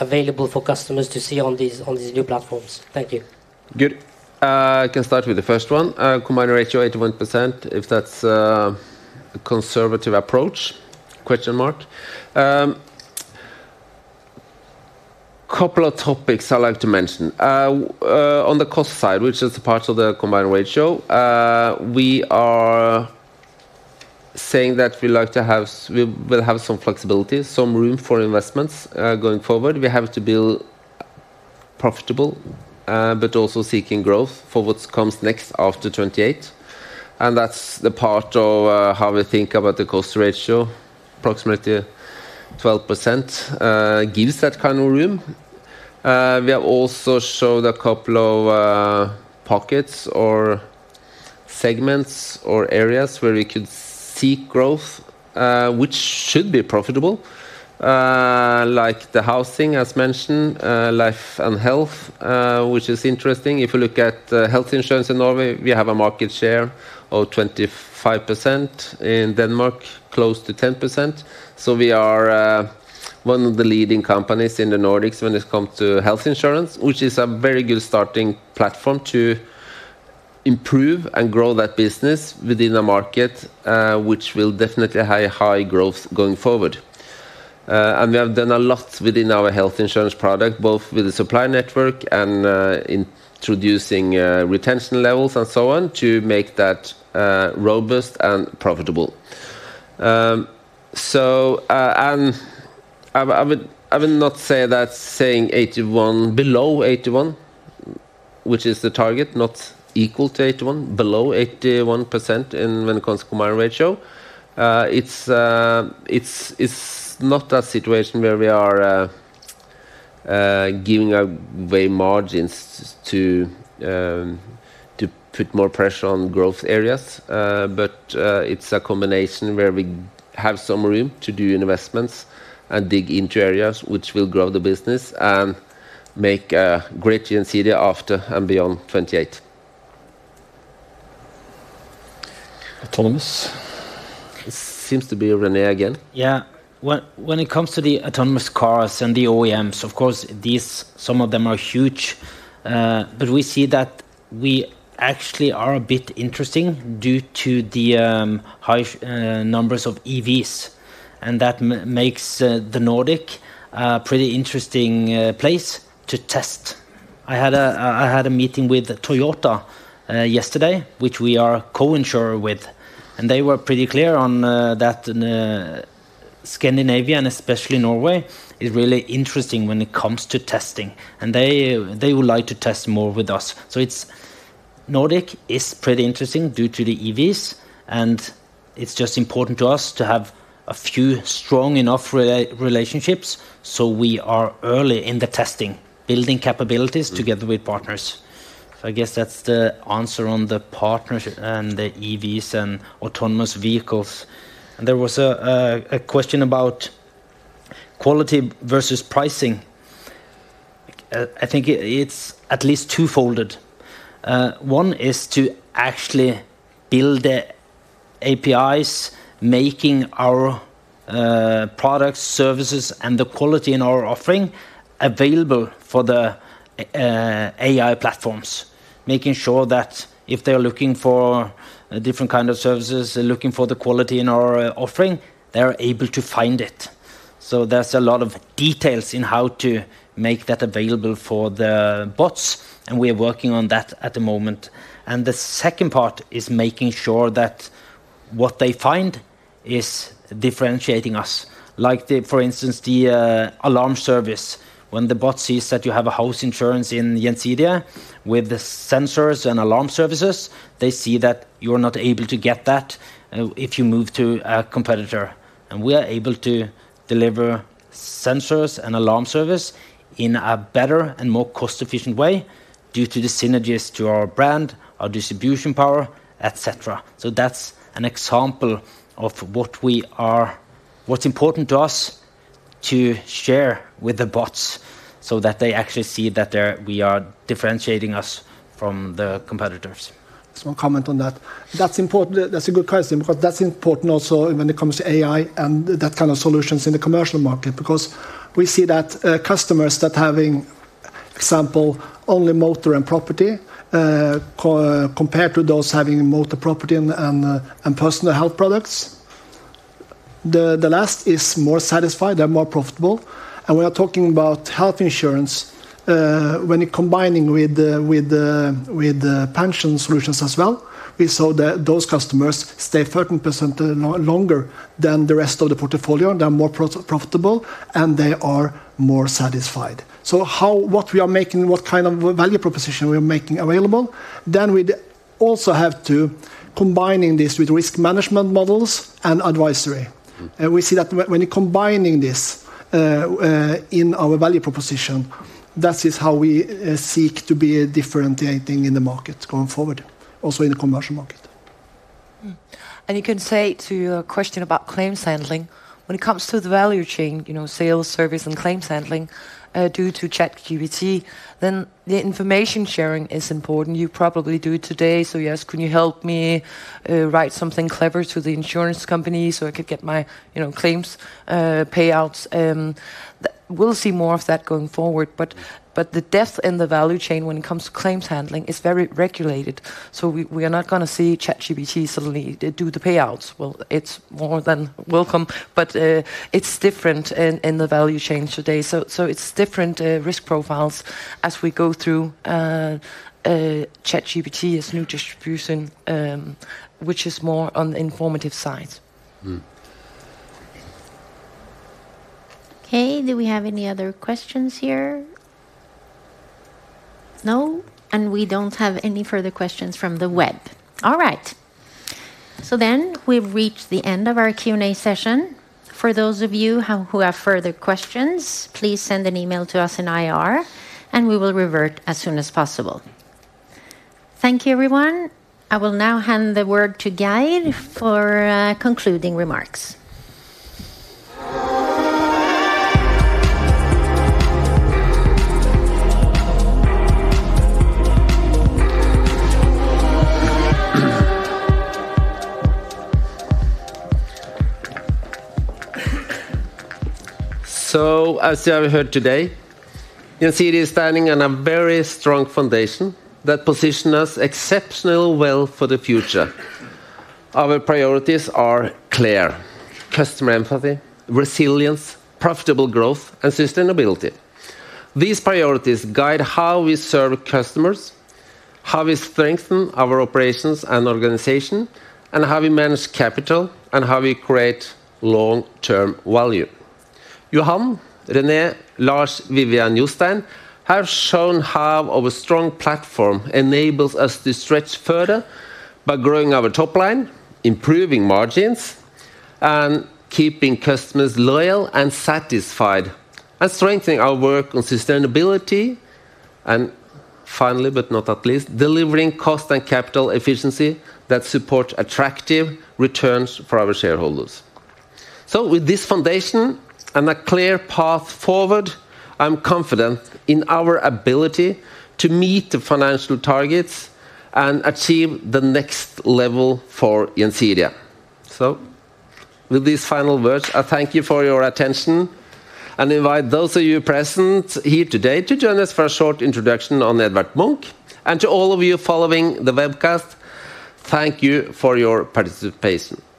available for customers to see on these new platforms? Thank you. Good. I can start with the first one. Combined ratio, 81%, if that's a conservative approach, question mark. Couple of topics I'd like to mention. On the cost side, which is part of the combined ratio, we are saying that we will have some flexibility, some room for investments going forward. We have to build profitable, but also seeking growth for what comes next after 2028, and that's the part of how we think about the cost ratio. Approximately 12% gives that kind of room. We have also showed a couple of pockets or segments or areas where we could seek growth, which should be profitable, like the housing, as mentioned, life and health, which is interesting. If you look at health insurance in Norway, we have a market share of 25%. In Denmark, close to 10%. We are one of the leading companies in the Nordics when it comes to health insurance, which is a very good starting platform to improve and grow that business within the market, which will definitely have high growth going forward. We have done a lot within our health insurance product, both with the supply network and introducing retention levels and so on, to make that robust and profitable. I would not say that saying 81%, below 81%, which is the target, not equal to 81, below 81% in when it comes to combined ratio. It's not a situation where we are giving away margins to put more pressure on growth areas. It's a combination where we have some room to do investments and dig into areas which will grow the business and make a great Gjensidige after and beyond 2028. Autonomous. It seems to be René again. Yeah. When it comes to the autonomous cars and the OEMs, of course, these, some of them are huge, but we see that we actually are a bit interesting due to the high numbers of EVs, and that makes the Nordic a pretty interesting place to test. I had a meeting with Toyota yesterday, which we are a co-insurer with, and they were pretty clear on that Scandinavia and especially Norway, is really interesting when it comes to testing. They would like to test more with us. Nordic is pretty interesting due to the EVs, and it's just important to us to have a few strong enough relationships, so we are early in the testing, building capabilities together with partners. I guess that's the answer on the partnership and the EVs and autonomous vehicles. There was a question about quality versus pricing. I think it's at least twofolded. One is to actually build the APIs, making our products, services, and the quality in our offering available for the AI platforms. Making sure that if they are looking for different kind of services, they're looking for the quality in our offering, they are able to find it. There's a lot of details in how to make that available for the bots, and we are working on that at the moment. The second part is making sure that what they find is differentiating us. Like the, for instance, the alarm service. When the bot sees that you have a house insurance in Gjensidige with the sensors and alarm services, they see that you are not able to get that, if you move to a competitor. We are able to deliver sensors and alarm service in a better and more cost-efficient way due to the synergies to our brand, our distribution power, et cetera. That's an example of what's important to us to share with the bots so that they actually see that we are differentiating us from the competitors. Just one comment on that. That's important. That's a good question. That's important also when it comes to AI and that kind of solutions in the commercial market. We see that customers that having example only motor and property compared to those having motor, property, and personal health products, the last is more satisfied, they're more profitable. We are talking about health insurance when you're combining with the pension solutions as well, we saw that those customers stay 13% longer than the rest of the portfolio, and they're more profitable, and they are more satisfied. What we are making, what kind of value proposition we are making available, then we also have to combining this with risk management models and advisory. Mm-hmm. We see that when you're combining this in our value proposition, that is how we seek to be differentiating in the market going forward, also in the commercial market. You can say to your question about claims handling, when it comes to the value chain, you know, sales, service, and claims handling, due to ChatGPT, then the information sharing is important. You probably do it today, so yes, "Can you help me write something clever to the insurance company so I could get my, you know, claims payouts?" We'll see more of that going forward. The depth in the value chain when it comes to claims handling is very regulated. We are not gonna see ChatGPT suddenly do the payouts. Well, it's more than welcome, but it's different in the value chains today. It's different risk profiles as we go through ChatGPT as new distribution, which is more on the informative side. Mm-hmm. Okay. Do we have any other questions here? No, we don't have any further questions from the web. All right. We've reached the end of our Q&A session. For those of you who have further questions, please send an email to us in IR. We will revert as soon as possible. Thank you, everyone. I will now hand the word to Geir for concluding remarks. As you have heard today, Gjensidige is standing on a very strong foundation that position us exceptionally well for the future. Our priorities are clear: customer empathy, resilience, profitable growth, and sustainability. These priorities guide how we serve customers, how we strengthen our operations and organization, and how we manage capital, and how we create long-term value. Johan, René, Lars, Vivi, Jostein, have shown how our strong platform enables us to stretch further by growing our top line, improving margins, and keeping customers loyal and satisfied, and strengthening our work on sustainability. Finally, but not at least, delivering cost and capital efficiency that support attractive returns for our shareholders. With this foundation and a clear path forward, I'm confident in our ability to meet the financial targets and achieve the next level for Gjensidige. With these final words, I thank you for your attention and invite those of you present here today to join us for a short introduction on Edvard Munch. To all of you following the webcast, thank you for your participation. Thank you.